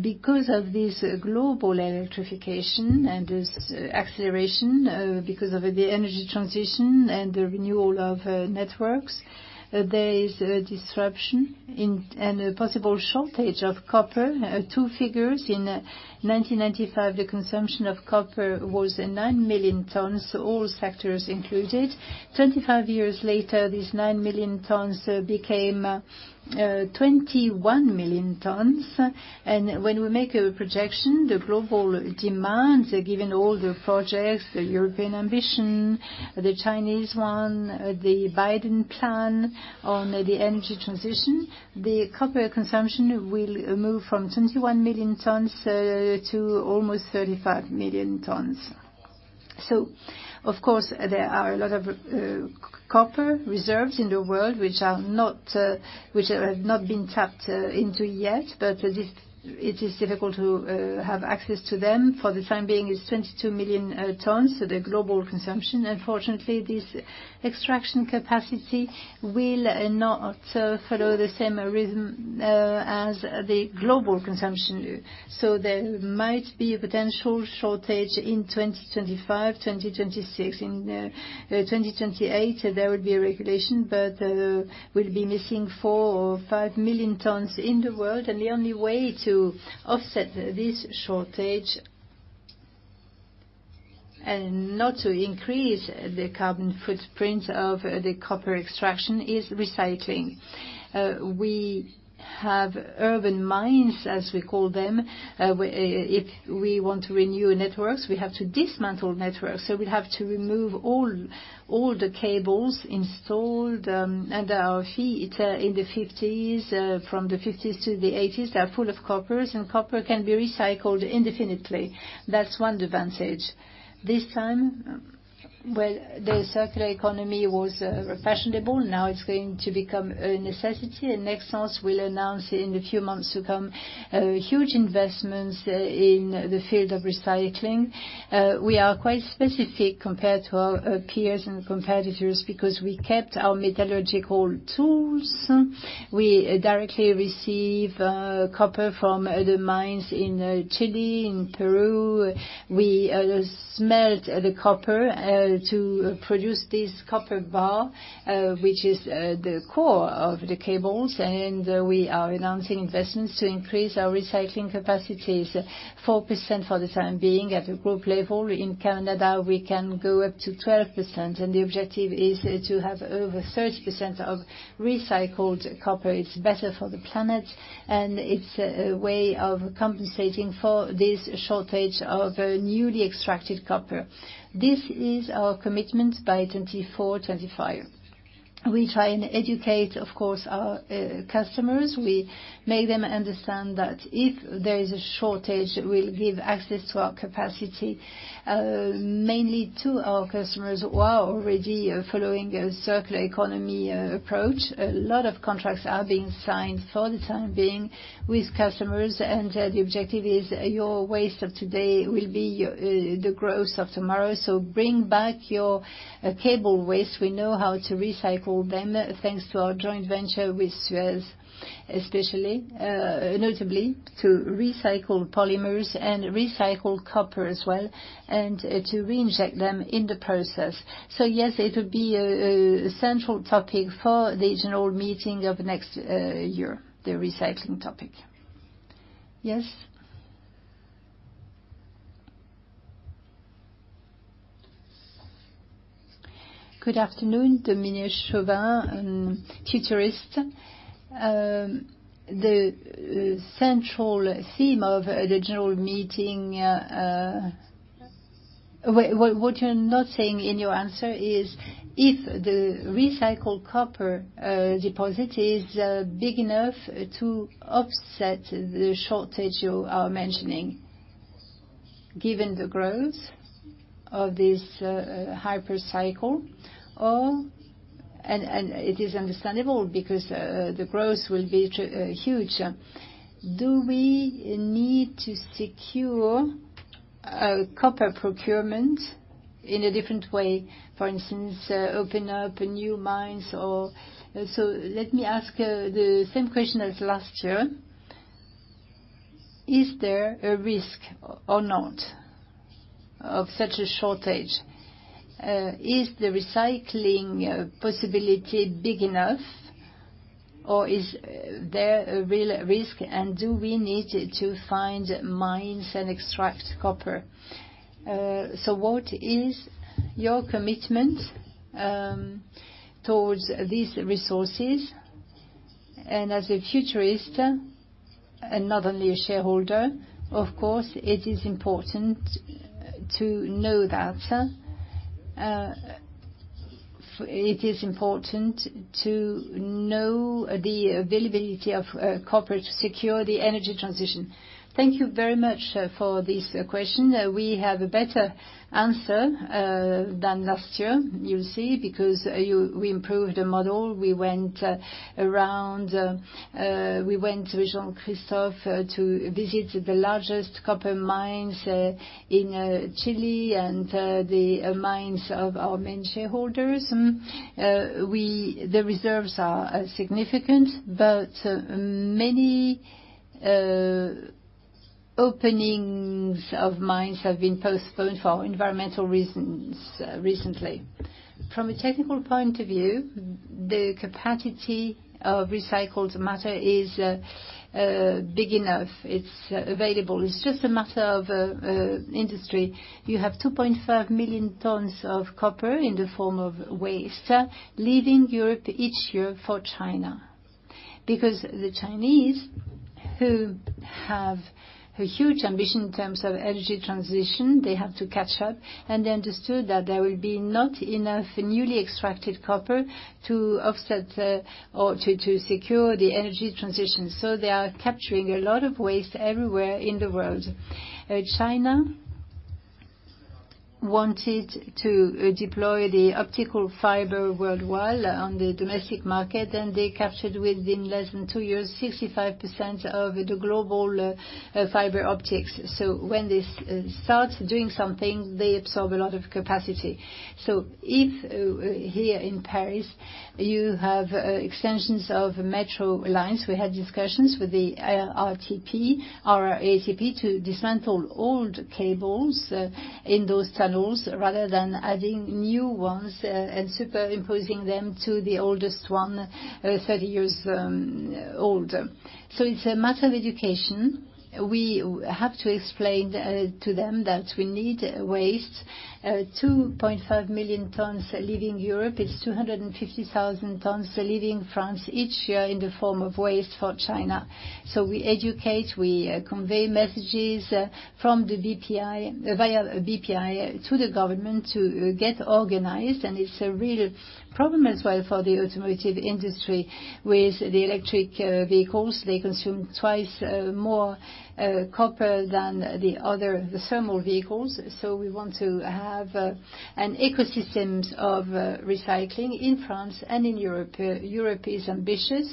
Because of this global electrification and this acceleration because of the energy transition and the renewal of networks, there is a disruption and a possible shortage of copper. Two figures. In 1995, the consumption of copper was 9 million tons, all sectors included. 25 years later, these 9 million tons became 21 million tons. When we make a projection, the global demand, given all the projects, the European ambition, the Chinese one, the Biden plan on the energy transition, the copper consumption will move from 21 million tons to almost 35 million tons. Of course, there are a lot of copper reserves in the world which are not which have not been tapped into yet, but it is difficult to have access to them. For the time being, it's 22 million tons. The global consumption. Unfortunately, this extraction capacity will not follow the same rhythm as the global consumption. There might be a potential shortage in 2025, 2026. In 2028, there will be a regulation, but we'll be missing 4 or 5 million tons in the world. The only way to offset this shortage and not to increase the carbon footprint of the copper extraction is recycling. We have urban mines, as we call them. If we want to renew networks, we have to dismantle networks, so we have to remove all the cables installed at our feet in the 1950s. From the 1950s to the 1980s are full of coppers. Copper can be recycled indefinitely. That's one advantage. This time, well, the circular economy was fashionable. Now it's going to become a necessity. Nexans will announce in the few months to come huge investments in the field of recycling. We are quite specific compared to our peers and competitors because we kept our metallurgical tools. We directly receive copper from the mines in Chile, in Peru. We smelt the copper to produce this copper bar, which is the core of the cables. We are enhancing investments to increase our recycling capacities 4% for the time being at the group level. In Canada, we can go up to 12%, and the objective is to have over 30% of recycled copper. It's better for the planet, and it's a way of compensating for this shortage of newly extracted copper. This is our commitment by 2024, 2025. We try and educate, of course, our customers. We make them understand that if there is a shortage, we'll give access to our capacity mainly to our customers who are already following a circular economy approach. A lot of contracts are being signed for the time being with customers. The objective is your waste of today will be the growth of tomorrow. Bring back your cable waste. We know how to recycle them thanks to our joint venture with Suez, especially, notably to recycle polymers and recycle copper as well, and to reinject them in the process. Yes, it will be a central topic for the general meeting of next year, the recycling topic. Yes. Good afternoon, Dominique Chauvin, Futurist. The central theme of the general meeting, what you're not saying in your answer is if the recycled copper deposit is big enough to offset the shortage you are mentioning, given the growth of this hyper cycle. It is understandable because the growth will be huge. Do we need to secure a copper procurement in a different way? For instance, open up new mines or? Let me ask the same question as last year. Is there a risk or not of such a shortage? Is the recycling possibility big enough, or is there a real risk? Do we need to find mines and extract copper? What is your commitment towards these resources? As a futurist and not only a shareholder, of course, it is important to know that. It is important to know the availability of copper to secure the energy transition. Thank you very much for this question. We have a better answer than last year, you'll see, because we improved the model. We went around, we went with Jean-Christophe to visit the largest copper mines in Chile and the mines of our main shareholders. We. The reserves are significant, but many openings of mines have been postponed for environmental reasons recently. From a technical point of view, the capacity of recycled matter is big enough. It's available. It's just a matter of industry. You have 2.5 million tons of copper in the form of waste leaving Europe each year for China because the Chinese, who have a huge ambition in terms of energy transition, they have to catch up, and they understood that there will be not enough newly extracted copper to offset the or to secure the energy transition. They are capturing a lot of waste everywhere in the world. China wanted to deploy the optical fiber worldwide on the domestic market, and they captured within less than two years 65% of the global fiber optics. When they start doing something, they absorb a lot of capacity. If here in Paris, you have extensions of metro lines, we had discussions with the RATP to dismantle old cables in those tunnels rather than adding new ones and superimposing them to the oldest one, 30 years old. It's a matter of education. We have to explain to them that we need waste. 2.5 million tons leaving Europe. It's 250,000 tons leaving France each year in the form of waste for China. We educate, we convey messages from the BPI via BPI to the government to get organized. It's a real problem as well for the automotive industry. With the electric vehicles, they consume twice more copper than the other thermal vehicles. We want to have an ecosystems of recycling in France and in Europe. Europe is ambitious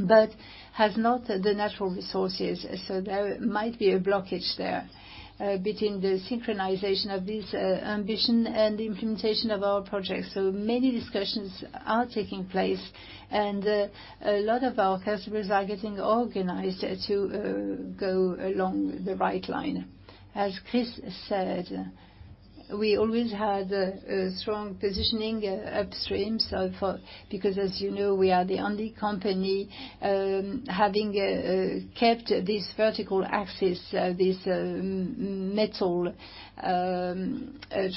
but has not the natural resources. There might be a blockage there between the synchronization of this ambition and the implementation of our projects. Many discussions are taking place, and a lot of our customers are getting organized to go along the right line. As Chris said, we always had a strong positioning upstream. Because as you know, we are the only company having kept this vertical axis, this metal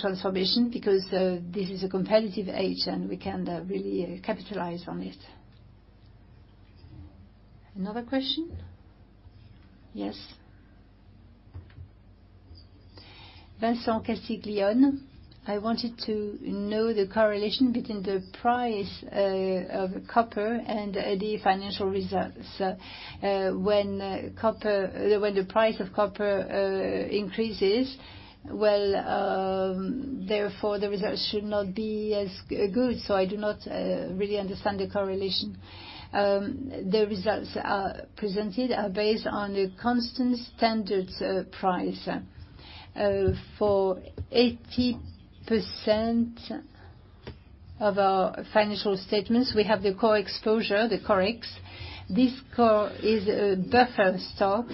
transformation, because this is a competitive edge, and we can really capitalize on it. Another question? Yes. Vincent Castiglione, I wanted to know the correlation between the price of copper and the financial results. When the price of copper increases, therefore the results should not be as good. I do not really understand the correlation. The results are presented are based on the constant standard price. For 80% of our financial statements, we have the core exposure, the COREX. This core is a buffer stock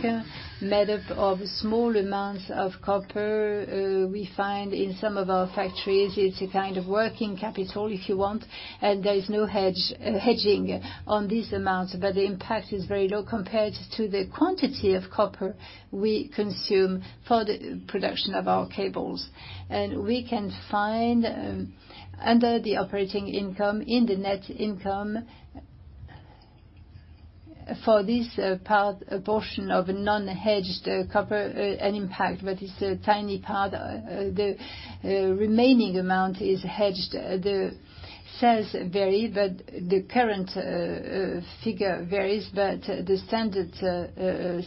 made up of small amounts of copper we find in some of our factories. It's a kind of working capital, if you want, and there is no hedging on these amounts. The impact is very low compared to the quantity of copper we consume for the production of our cables. We can find under the operating income, in the net income for this part, portion of non-hedged copper, an impact, but it's a tiny part. The remaining amount is hedged. The sales vary, but the current figure varies. The standard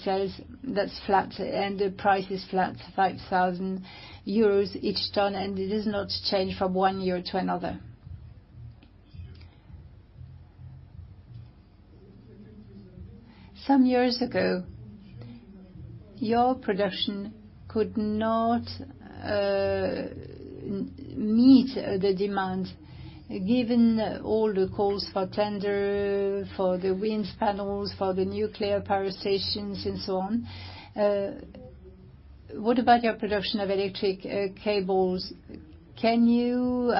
sales, that's flat and the price is flat, 5,000 euros each ton, and it does not change from one year to another. Some years ago, your production could not meet the demand given all the calls for tender for the wind panels, for the nuclear power stations and so on. What about your production of electric cables? Can you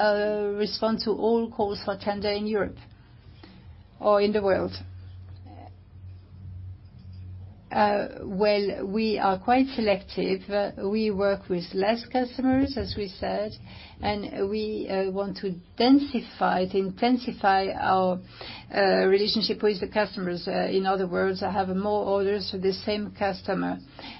respond to all calls for tender in Europe or in the world? Well, we are quite selective. We work with less customers, as we said, and we want to densify, to intensify our relationship with the customers. In other words, have more orders for the same customer.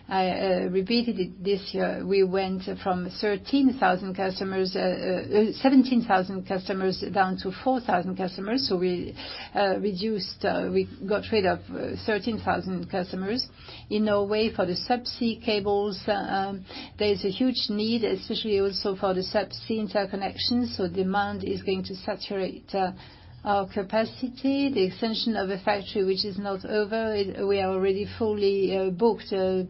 I repeated it this year. We went from 13,000 customers, 17,000 customers down to 4,000 customers. We reduced, we got rid of 13,000 customers. In a way, for the subsea cables, there is a huge need especially also for the subsea interconnections. Demand is going to saturate our capacity. The extension of the factory which is not over, we are already fully booked till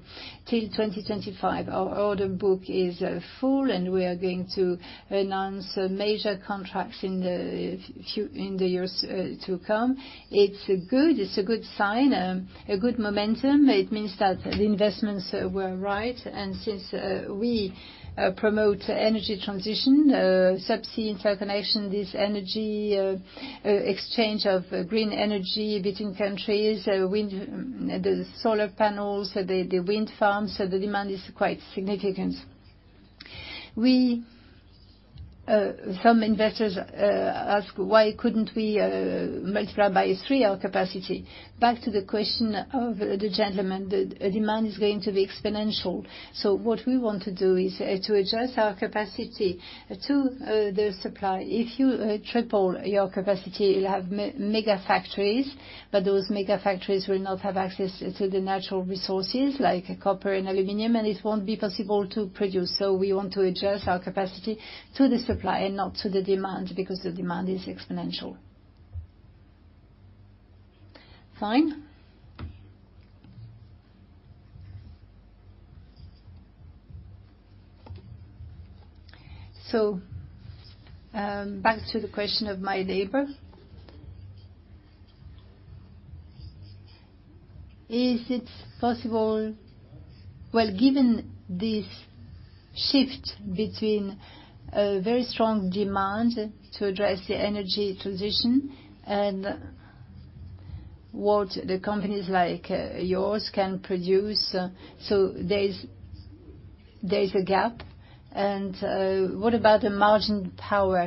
2025. Our order book is full and we are going to announce major contracts in the years to come. It's good. It's a good sign, a good momentum. It means that the investments were right. Since we promote energy transition, subsea interconnection, this energy exchange of green energy between countries, wind, the solar panels, the wind farms. The demand is quite significant. We some investors ask why couldn't we multiply by 3 our capacity? Back to the question of the gentleman, the demand is going to be exponential. What we want to do is to adjust our capacity to the supply. If you triple your capacity, you'll have mega factories, but those mega factories will not have access to the natural resources like copper and aluminum, and it won't be possible to produce. We want to adjust our capacity to the supply and not to the demand, because the demand is exponential. Fine. Back to the question of my neighbor. Well, given this shift between a very strong demand to address the energy transition and what the companies like yours can produce, there's a gap, and what about the margin power?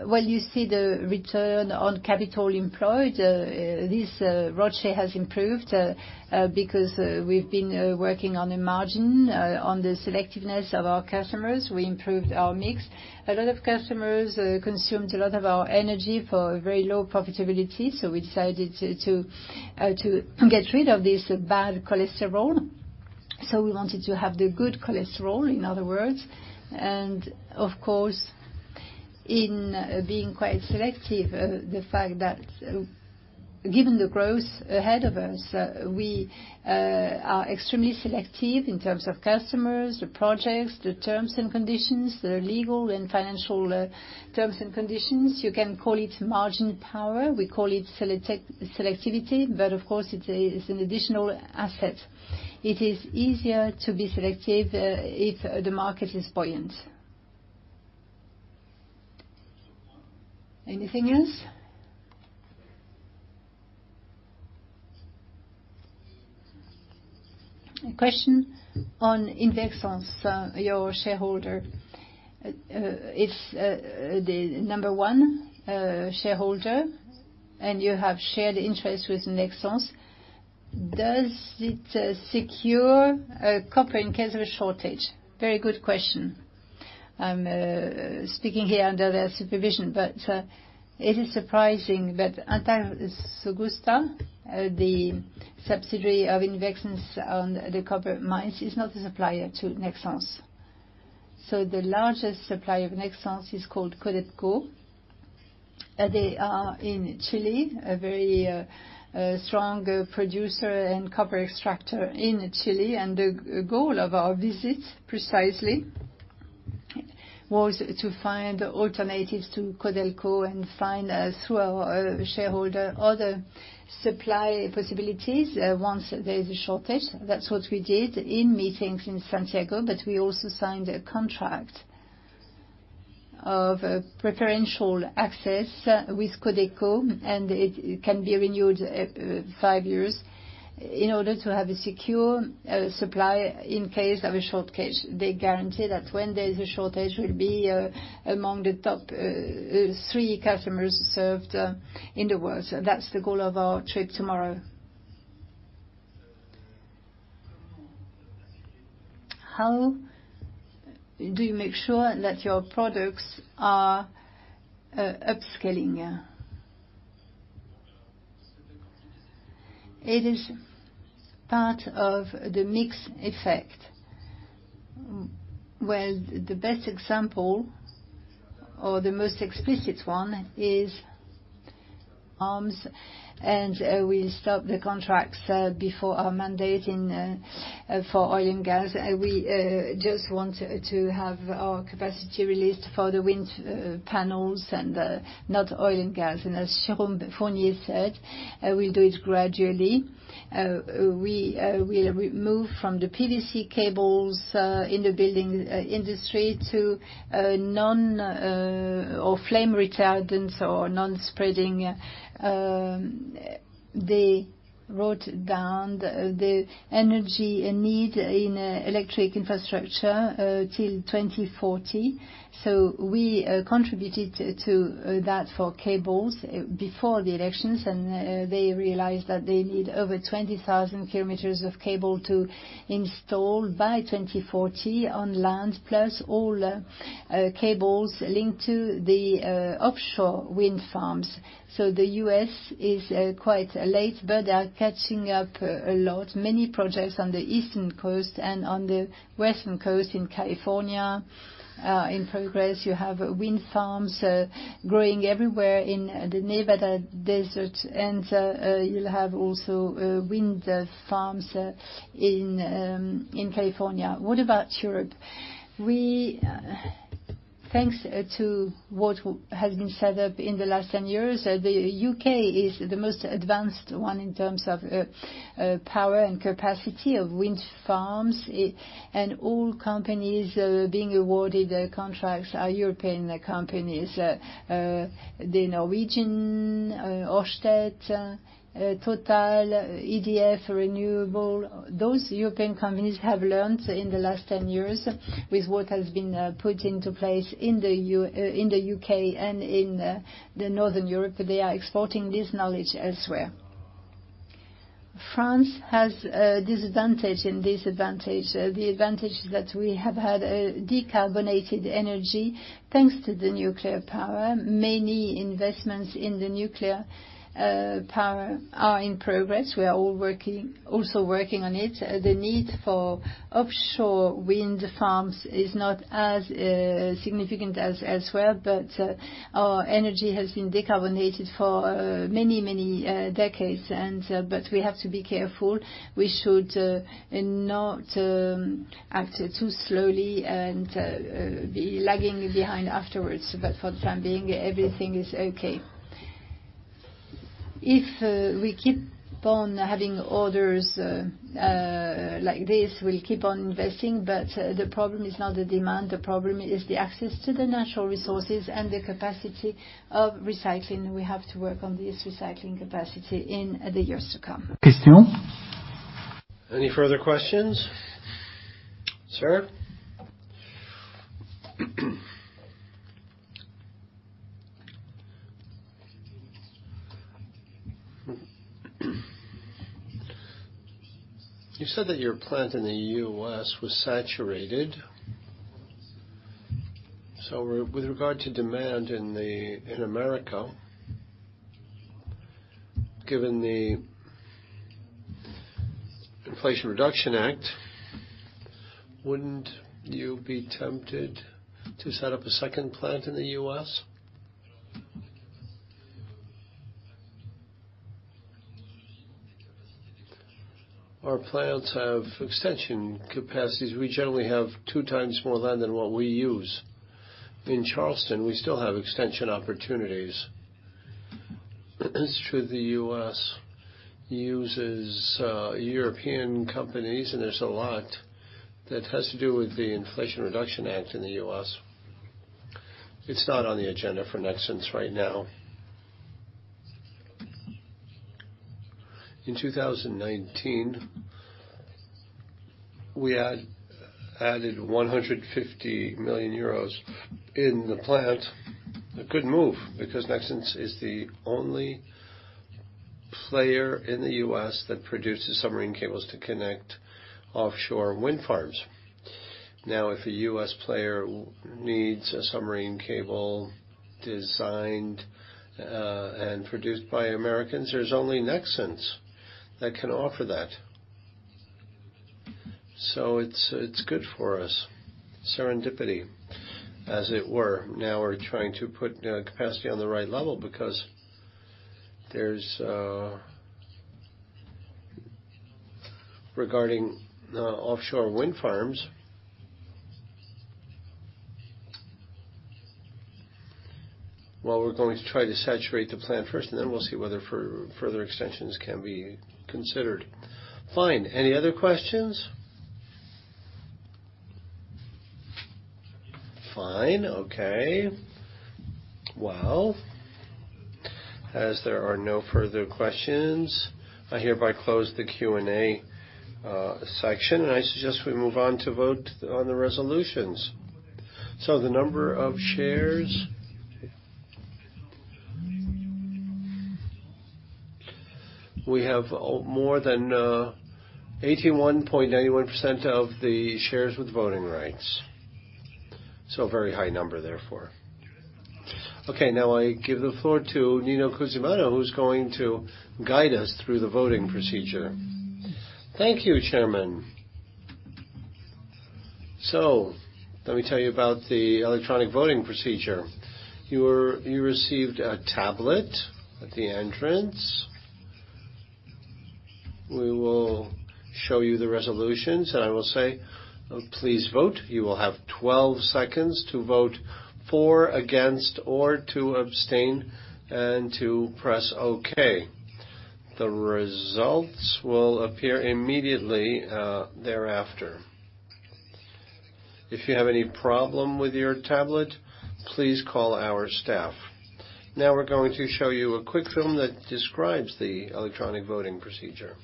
You see the return on capital employed, this ratio has improved because we've been working on the margin, on the selectiveness of our customers. We improved our mix. A lot of customers consumed a lot of our energy for very low profitability, we decided to get rid of this bad cholesterol. We wanted to have the good cholesterol, in other words, and of course, in being quite selective, the fact that given the growth ahead of us, we are extremely selective in terms of customers, the projects, the terms and conditions that are legal and financial terms and conditions. You can call it margin power. We call it selectivity, of course it is an additional asset. It is easier to be selective if the market is buoyant. Anything else? A question on Invexans, your shareholder. It's the number one shareholder, and you have shared interest with Nexans. Does it secure copper in case of a shortage? Very good question. I'm speaking here under their supervision, but it is surprising that Antar Sogusta, the subsidiary of Invexans on the copper mines, is not a supplier to Nexans. The largest supplier of Nexans is called Codelco. They are in Chile, a very strong producer and copper extractor in Chile. The goal of our visit precisely was to find alternatives to Codelco and find through our shareholder other supply possibilities once there is a shortage. That's what we did in meetings in Santiago, but we also signed a contract of preferential access with Codelco, and it can be renewed five years in order to have a secure supply in case of a shortage. They guarantee that when there's a shortage, we'll be among the top three customers served in the world. That's the goal of our trip tomorrow. How do you make sure that your products are upscaling? It is part of the mix effect. Well, the best example or the most explicit one is AmerCable, and we'll stop the contracts before our mandate in for oil and gas. We just want to have our capacity released for the wind panels and not oil and gas. As Jérôme Fournier said, we'll do it gradually. We'll move from the PVC cables in the building industry to non or flame retardants or non-spreading. They wrote down the energy need in electric infrastructure till 2040. We contributed to that for cables before the elections, and they realized that they need over 20,000 kilometers of cable to install by 2040 on land, plus all cables linked to the offshore wind farms. The US is quite late, but they are catching up a lot. Many projects on the eastern coast and on the western coast in California, in progress. You have wind farms growing everywhere in the Nevada desert, and you'll have also wind farms in California. What about Europe? Thanks to what has been set up in the last 10 years, the U.K. is the most advanced one in terms of power and capacity of wind farms. And all companies being awarded contracts are European companies. The Norwegian Orsted, Total, EDF Renewables. Those European companies have learned in the last 10 years with what has been put into place in the U.K. and in Northern Europe. They are exporting this knowledge elsewhere. France has disadvantage and disadvantage. The advantage that we have had a decarbonated energy thanks to the nuclear power. Many investments in the nuclear power are in progress. We are all also working on it. The need for offshore wind farms is not as significant as well, but our energy has been decarbonated for many, many decades and. We have to be careful. We should not act too slowly and be lagging behind afterwards. For the time being, everything is okay. If we keep on having orders like this, we'll keep on investing, but the problem is not the demand, the problem is the access to the natural resources and the capacity of recycling. We have to work on this recycling capacity in the years to come. Any further questions? Sir? You said that your plant in the U.S. was saturated. With regard to demand in America, given the Inflation Reduction Act, wouldn't you be tempted to set up a second plant in the U.S.? Our plants have extension capacities. We generally have two times more land than what we use. In Charleston, we still have extension opportunities. It's true the U.S. uses European companies, and there's a lot that has to do with the Inflation Reduction Act in the U.S. It's not on the agenda for Nexans right now. In 2019, we added 150 million euros in the plant. A good move because Nexans is the only player in the U.S. that produces submarine cables to connect offshore wind farms. Now, if a U.S. player needs a submarine cable designed and produced by Americans, there's only Nexans that can offer that. It's good for us. Serendipity, as it were. Now we're trying to put capacity on the right level because there's. Regarding offshore wind farms. Well, we're going to try to saturate the plant first, and then we'll see whether further extensions can be considered. Fine. Any other questions? Fine. Okay. Well, as there are no further questions, I hereby close the Q&A section, and I suggest we move on to vote on the Resolutions. We have more than 81.91% of the shares with voting rights, so very high number therefore. Okay, now I give the floor to Nino Cusimano, who's going to guide us through the voting procedure. Thank you, Chairman. Let me tell you about the electronic voting procedure. You received a tablet at the entrance. We will show you the Resolutions, and I will say, "Please vote." You will have 12 seconds to vote for, against, or to abstain and to press Okay. The results will appear immediately thereafter. If you have any problem with your tablet, please call our staff. Now we're going to show you a quick film that describes the electronic voting procedure.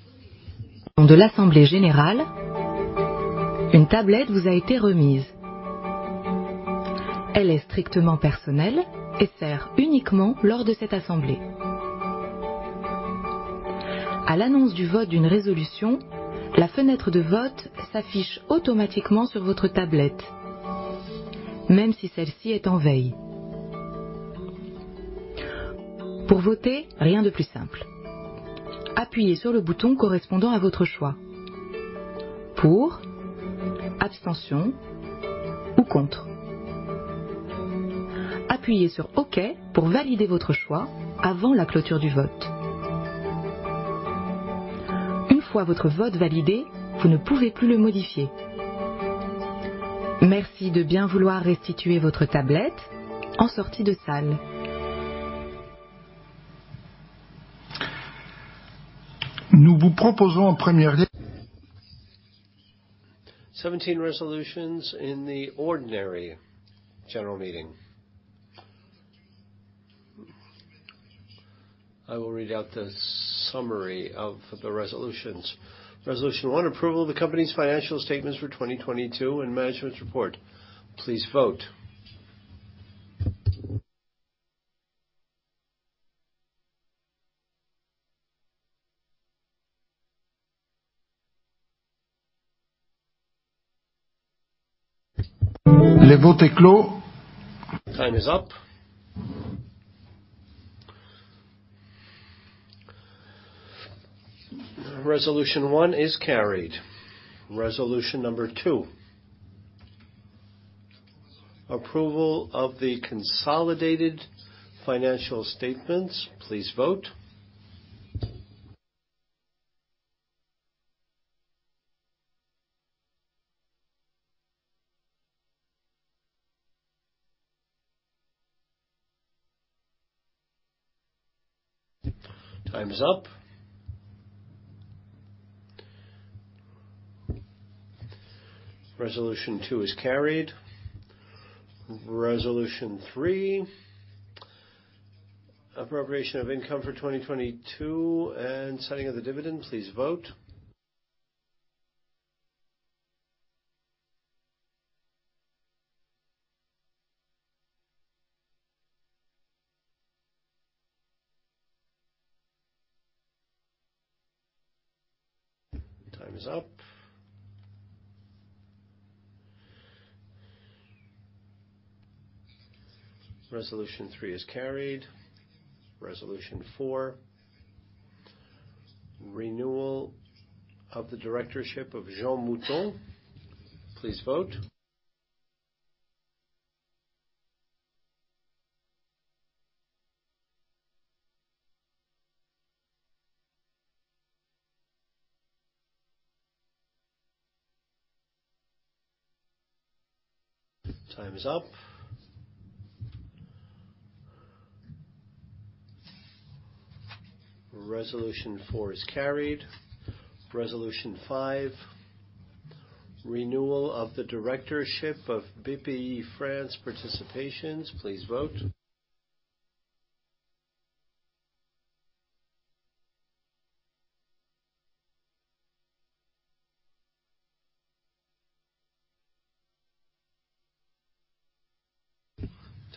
17 Resolutions in the ordinary general meeting. I will read out the summary of the Resolutions. Resolution 1: Approval of the company's financial statements for 2022 and management's report. Please vote. Time is up. Resolution 1 is carried. Resolution number 2. Approval of the consolidated financial statements. Please vote. Time is up. Resolution 2 is carried. Resolution 3, appropriation of income for 2022 and setting of the dividend. Please vote. Time is up. Resolution 3 is carried. Resolution 4, renewal of the directorship of Jean Mouton. Please vote. Time is up. Resolution 4 is carried. Resolution 5, renewal of the directorship of BPCE France Participations. Please vote.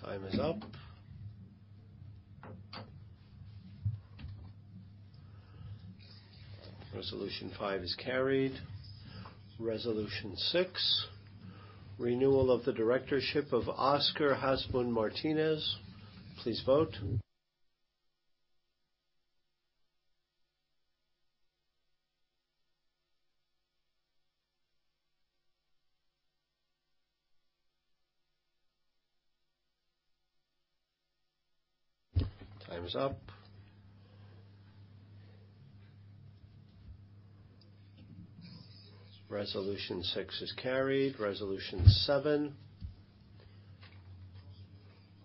Time is up. Resolution 5 is carried. Resolution 6, renewal of the directorship of Oscar Hasbún Martínez. Please vote. Time is up. Resolution 6 is carried. Resolution 7,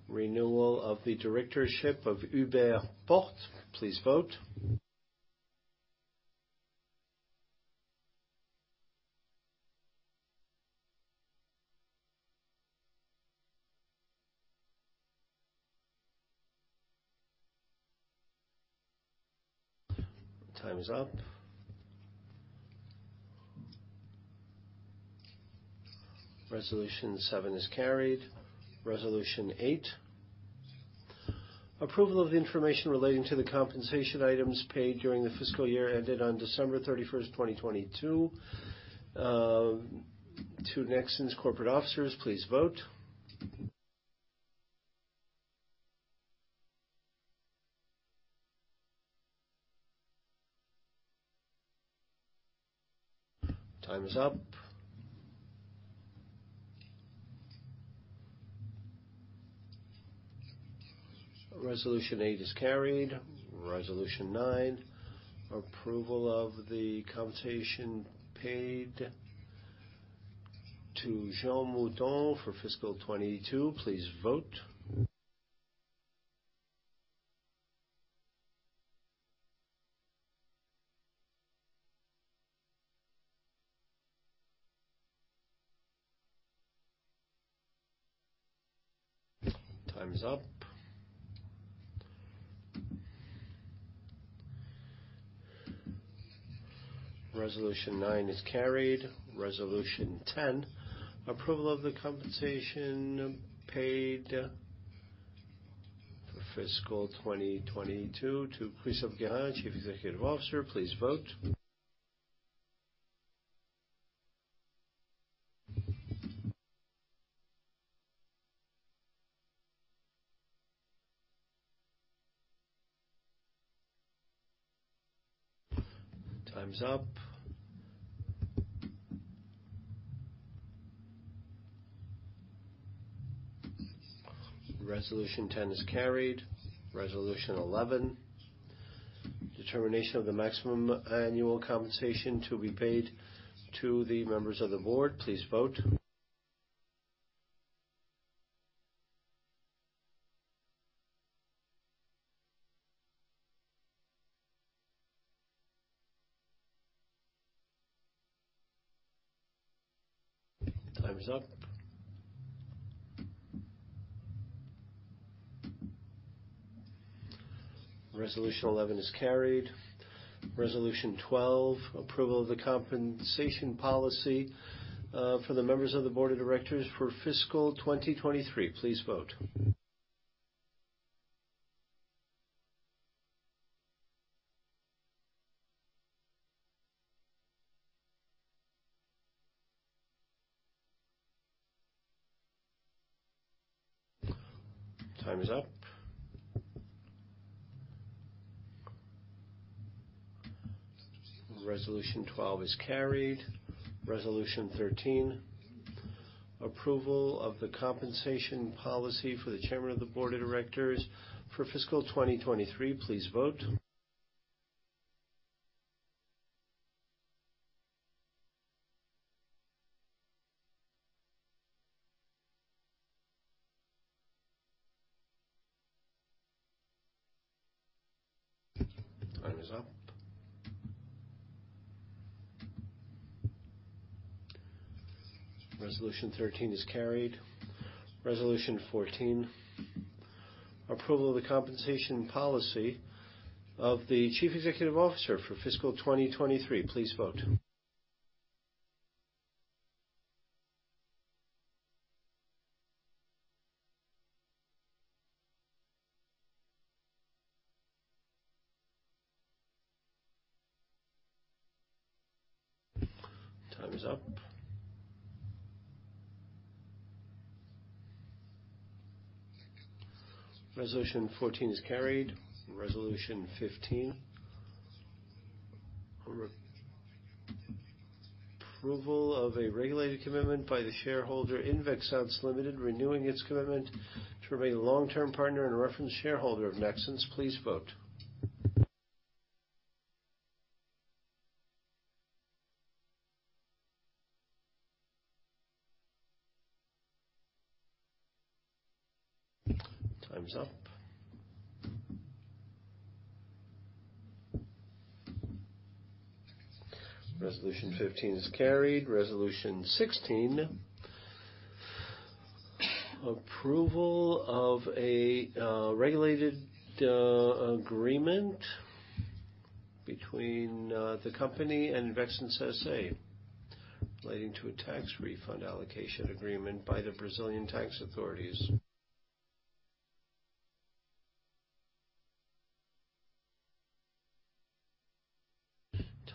renewal of the directorship of Hubert Porte. Please vote. Time is up. Resolution seven is carried. Resolution eight, approval of information relating to the compensation items paid during the fiscal year ended on December 31st, 2022, to Nexans corporate officers. Please vote. Time is up. Resolution eight is carried. Resolution nine, approval of the compensation paid to Jean Mouton for fiscal 2022. Please vote. Time is up. Resolution nine is carried. Resolution ten, approval of the compensation paid for fiscal 2022 to Christopher Guérin, Chief Executive Officer. Please vote. Time's up. Resolution ten is carried. Resolution eleven, determination of the maximum annual compensation to be paid to the members of the Board. Please vote. Time is up. Resolution eleven is carried. Resolution twelve, approval of the compensation policy, for the members of the Board of Directors for fiscal 2023. Please vote. Time is up. Resolution twelve is carried. Resolution 13, approval of the compensation policy for the chairman of the Board of Directors for fiscal 2023. Please vote. Time is up. Resolution 13 is carried. Resolution 14, approval of the compensation policy of the chief executive officer for fiscal 2023. Please vote. Time is up. Resolution 14 is carried. Resolution 15, approval of a regulated commitment by the shareholder Invexans Limited, renewing its commitment to remain a long-term partner and a reference shareholder of Nexans. Please vote. Time's up. Resolution 15 is carried. Resolution 16, approval of a regulated agreement between the company and Invexans S.A. relating to a tax refund allocation agreement by the Brazilian tax authorities.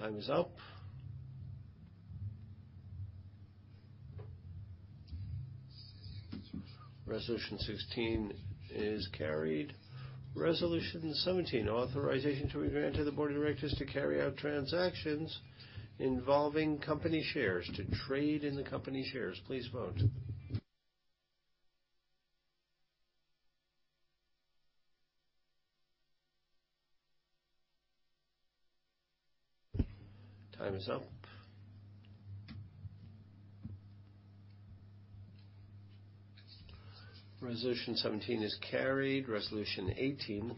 Time is up. Resolution 16 is carried. Resolution 17, authorization to be granted to the Board of Directors to carry out transactions involving company shares to trade in the company shares. Please vote. Time is up. Resolution 17 is carried. Resolution 18,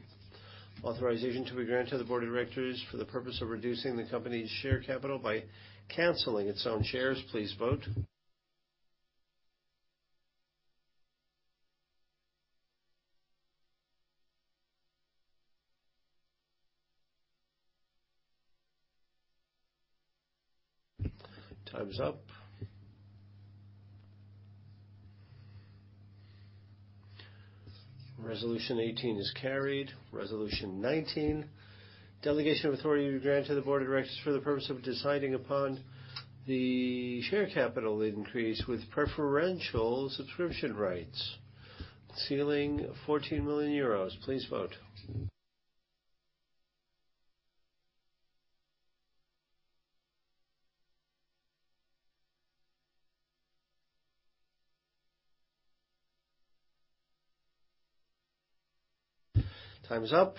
authorization to be granted to the Board of Directors for the purpose of reducing the company's share capital by canceling its own shares. Please vote. Time's up. Resolution 18 is carried. Resolution 19, delegation of authority to be granted to the Board of Directors for the purpose of deciding upon the share capital increase with preferential subscription rights, ceiling 14 million euros. Please vote. Time's up.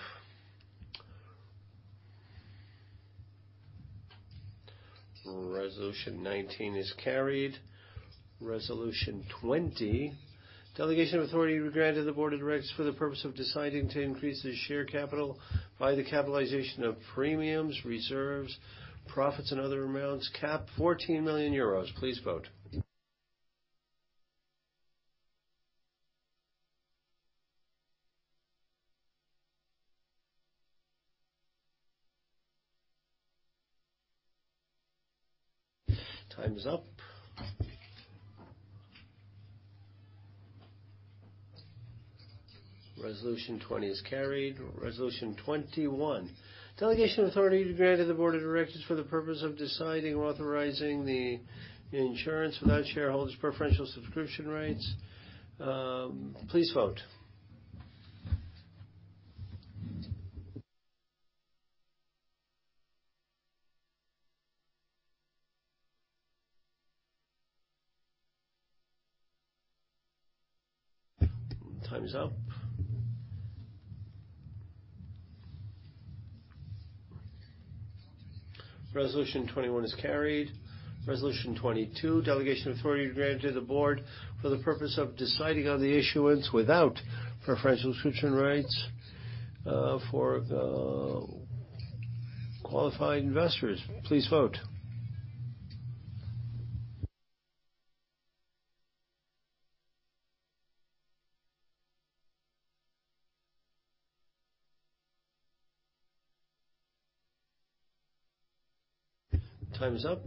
Resolution 19 is carried. Resolution 20, delegation of authority to be granted to the Board of Directors for the purpose of deciding to increase the share capital by the capitalization of premiums, reserves, profits, and other amounts, cap 14 million euros. Please vote. Time's up. Resolution 20 is carried. Resolution 21, delegation authority to be granted to the Board of Directors for the purpose of deciding, authorizing the issuance without shareholders' preferential subscription rights. Please vote. Time is up. Resolution 21 is carried. Resolution 22, delegation authority to be granted to the board for the purpose of deciding on the issuance without preferential subscription rights, for qualified investors. Please vote. Time is up.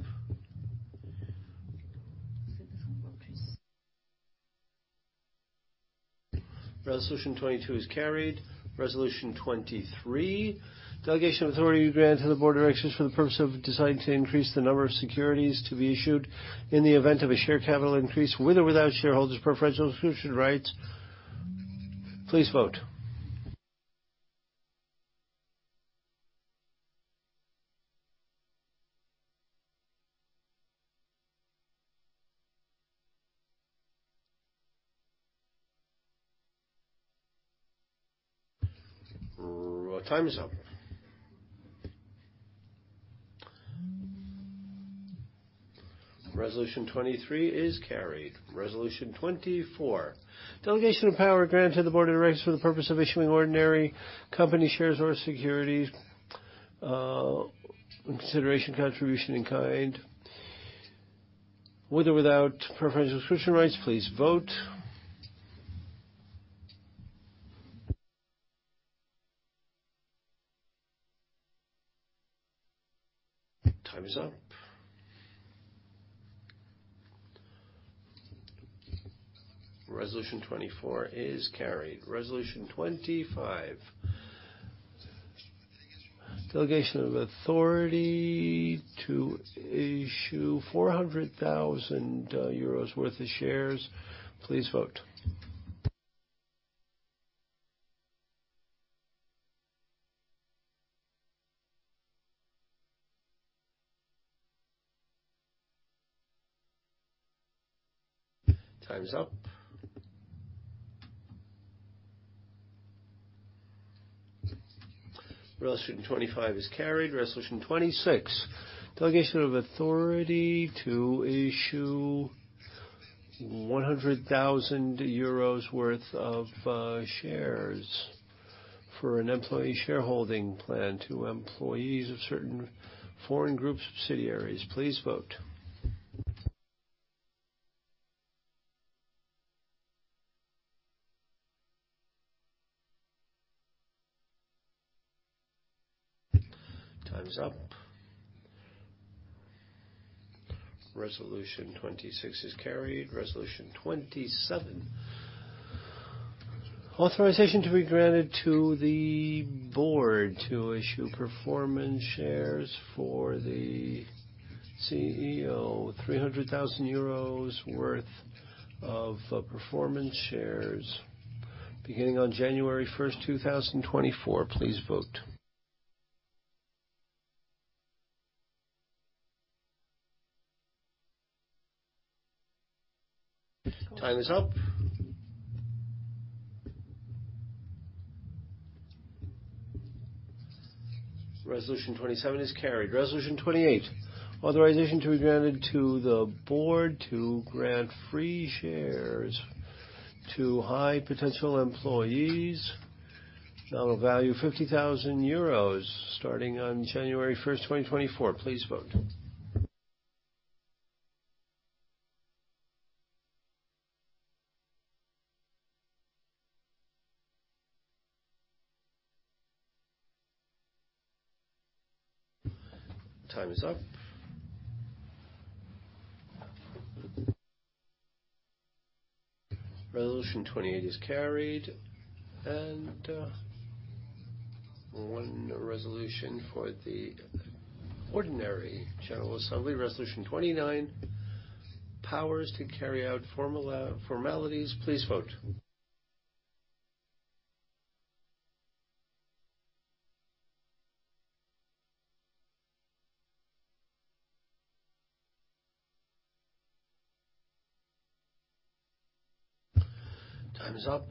Resolution 22 is carried. Resolution 23. Delegation of authority be granted to the Board of Directors for the purpose of deciding to increase the number of securities to be issued in the event of a share capital increase, with or without shareholders' preferential subscription rights. Please vote. Time is up. Resolution 23 is carried. Resolution 24. Delegation of power granted to the Board of Directors for the purpose of issuing ordinary company shares or securities, consideration, contribution in kind, with or without preferential subscription rights. Please vote. Time is up. Resolution 24 is carried. Resolution 25. Delegation of authority to issue 400,000 euros worth of shares. Please vote. Time is up. Resolution 25 is carried. Resolution 26. Delegation of authority to issue 100,000 euros worth of shares for an employee shareholding plan to employees of certain foreign group subsidiaries. Please vote. Time is up. Resolution 26 is carried. Resolution 27. Authorization to be granted to the board to issue performance shares for the CEO. 300,000 euros worth of performance shares beginning on January first, 2024. Please vote. Time is up. Resolution 27 is carried. Resolution 28. Authorization to be granted to the board to grant free shares to high potential employees. Nominal value 50,000 euros starting on January first, 2024. Please vote. Time is up. Resolution 28 is carried. 1 Resolution for the ordinary general assembly. Resolution 29. Powers to carry out formalities. Please vote. Time is up.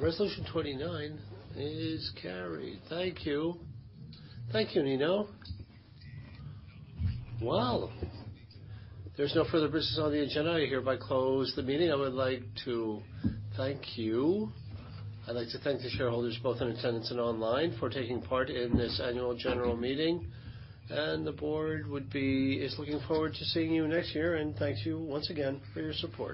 Resolution 29 is carried. Thank you. Thank you, Nino. Well, there's no further business on the agenda. I hereby close the meeting. I would like to thank you. I'd like to thank the shareholders, both in attendance and online, for taking part in this annual general meeting. The board is looking forward to seeing you next year and thanks you once again for your support.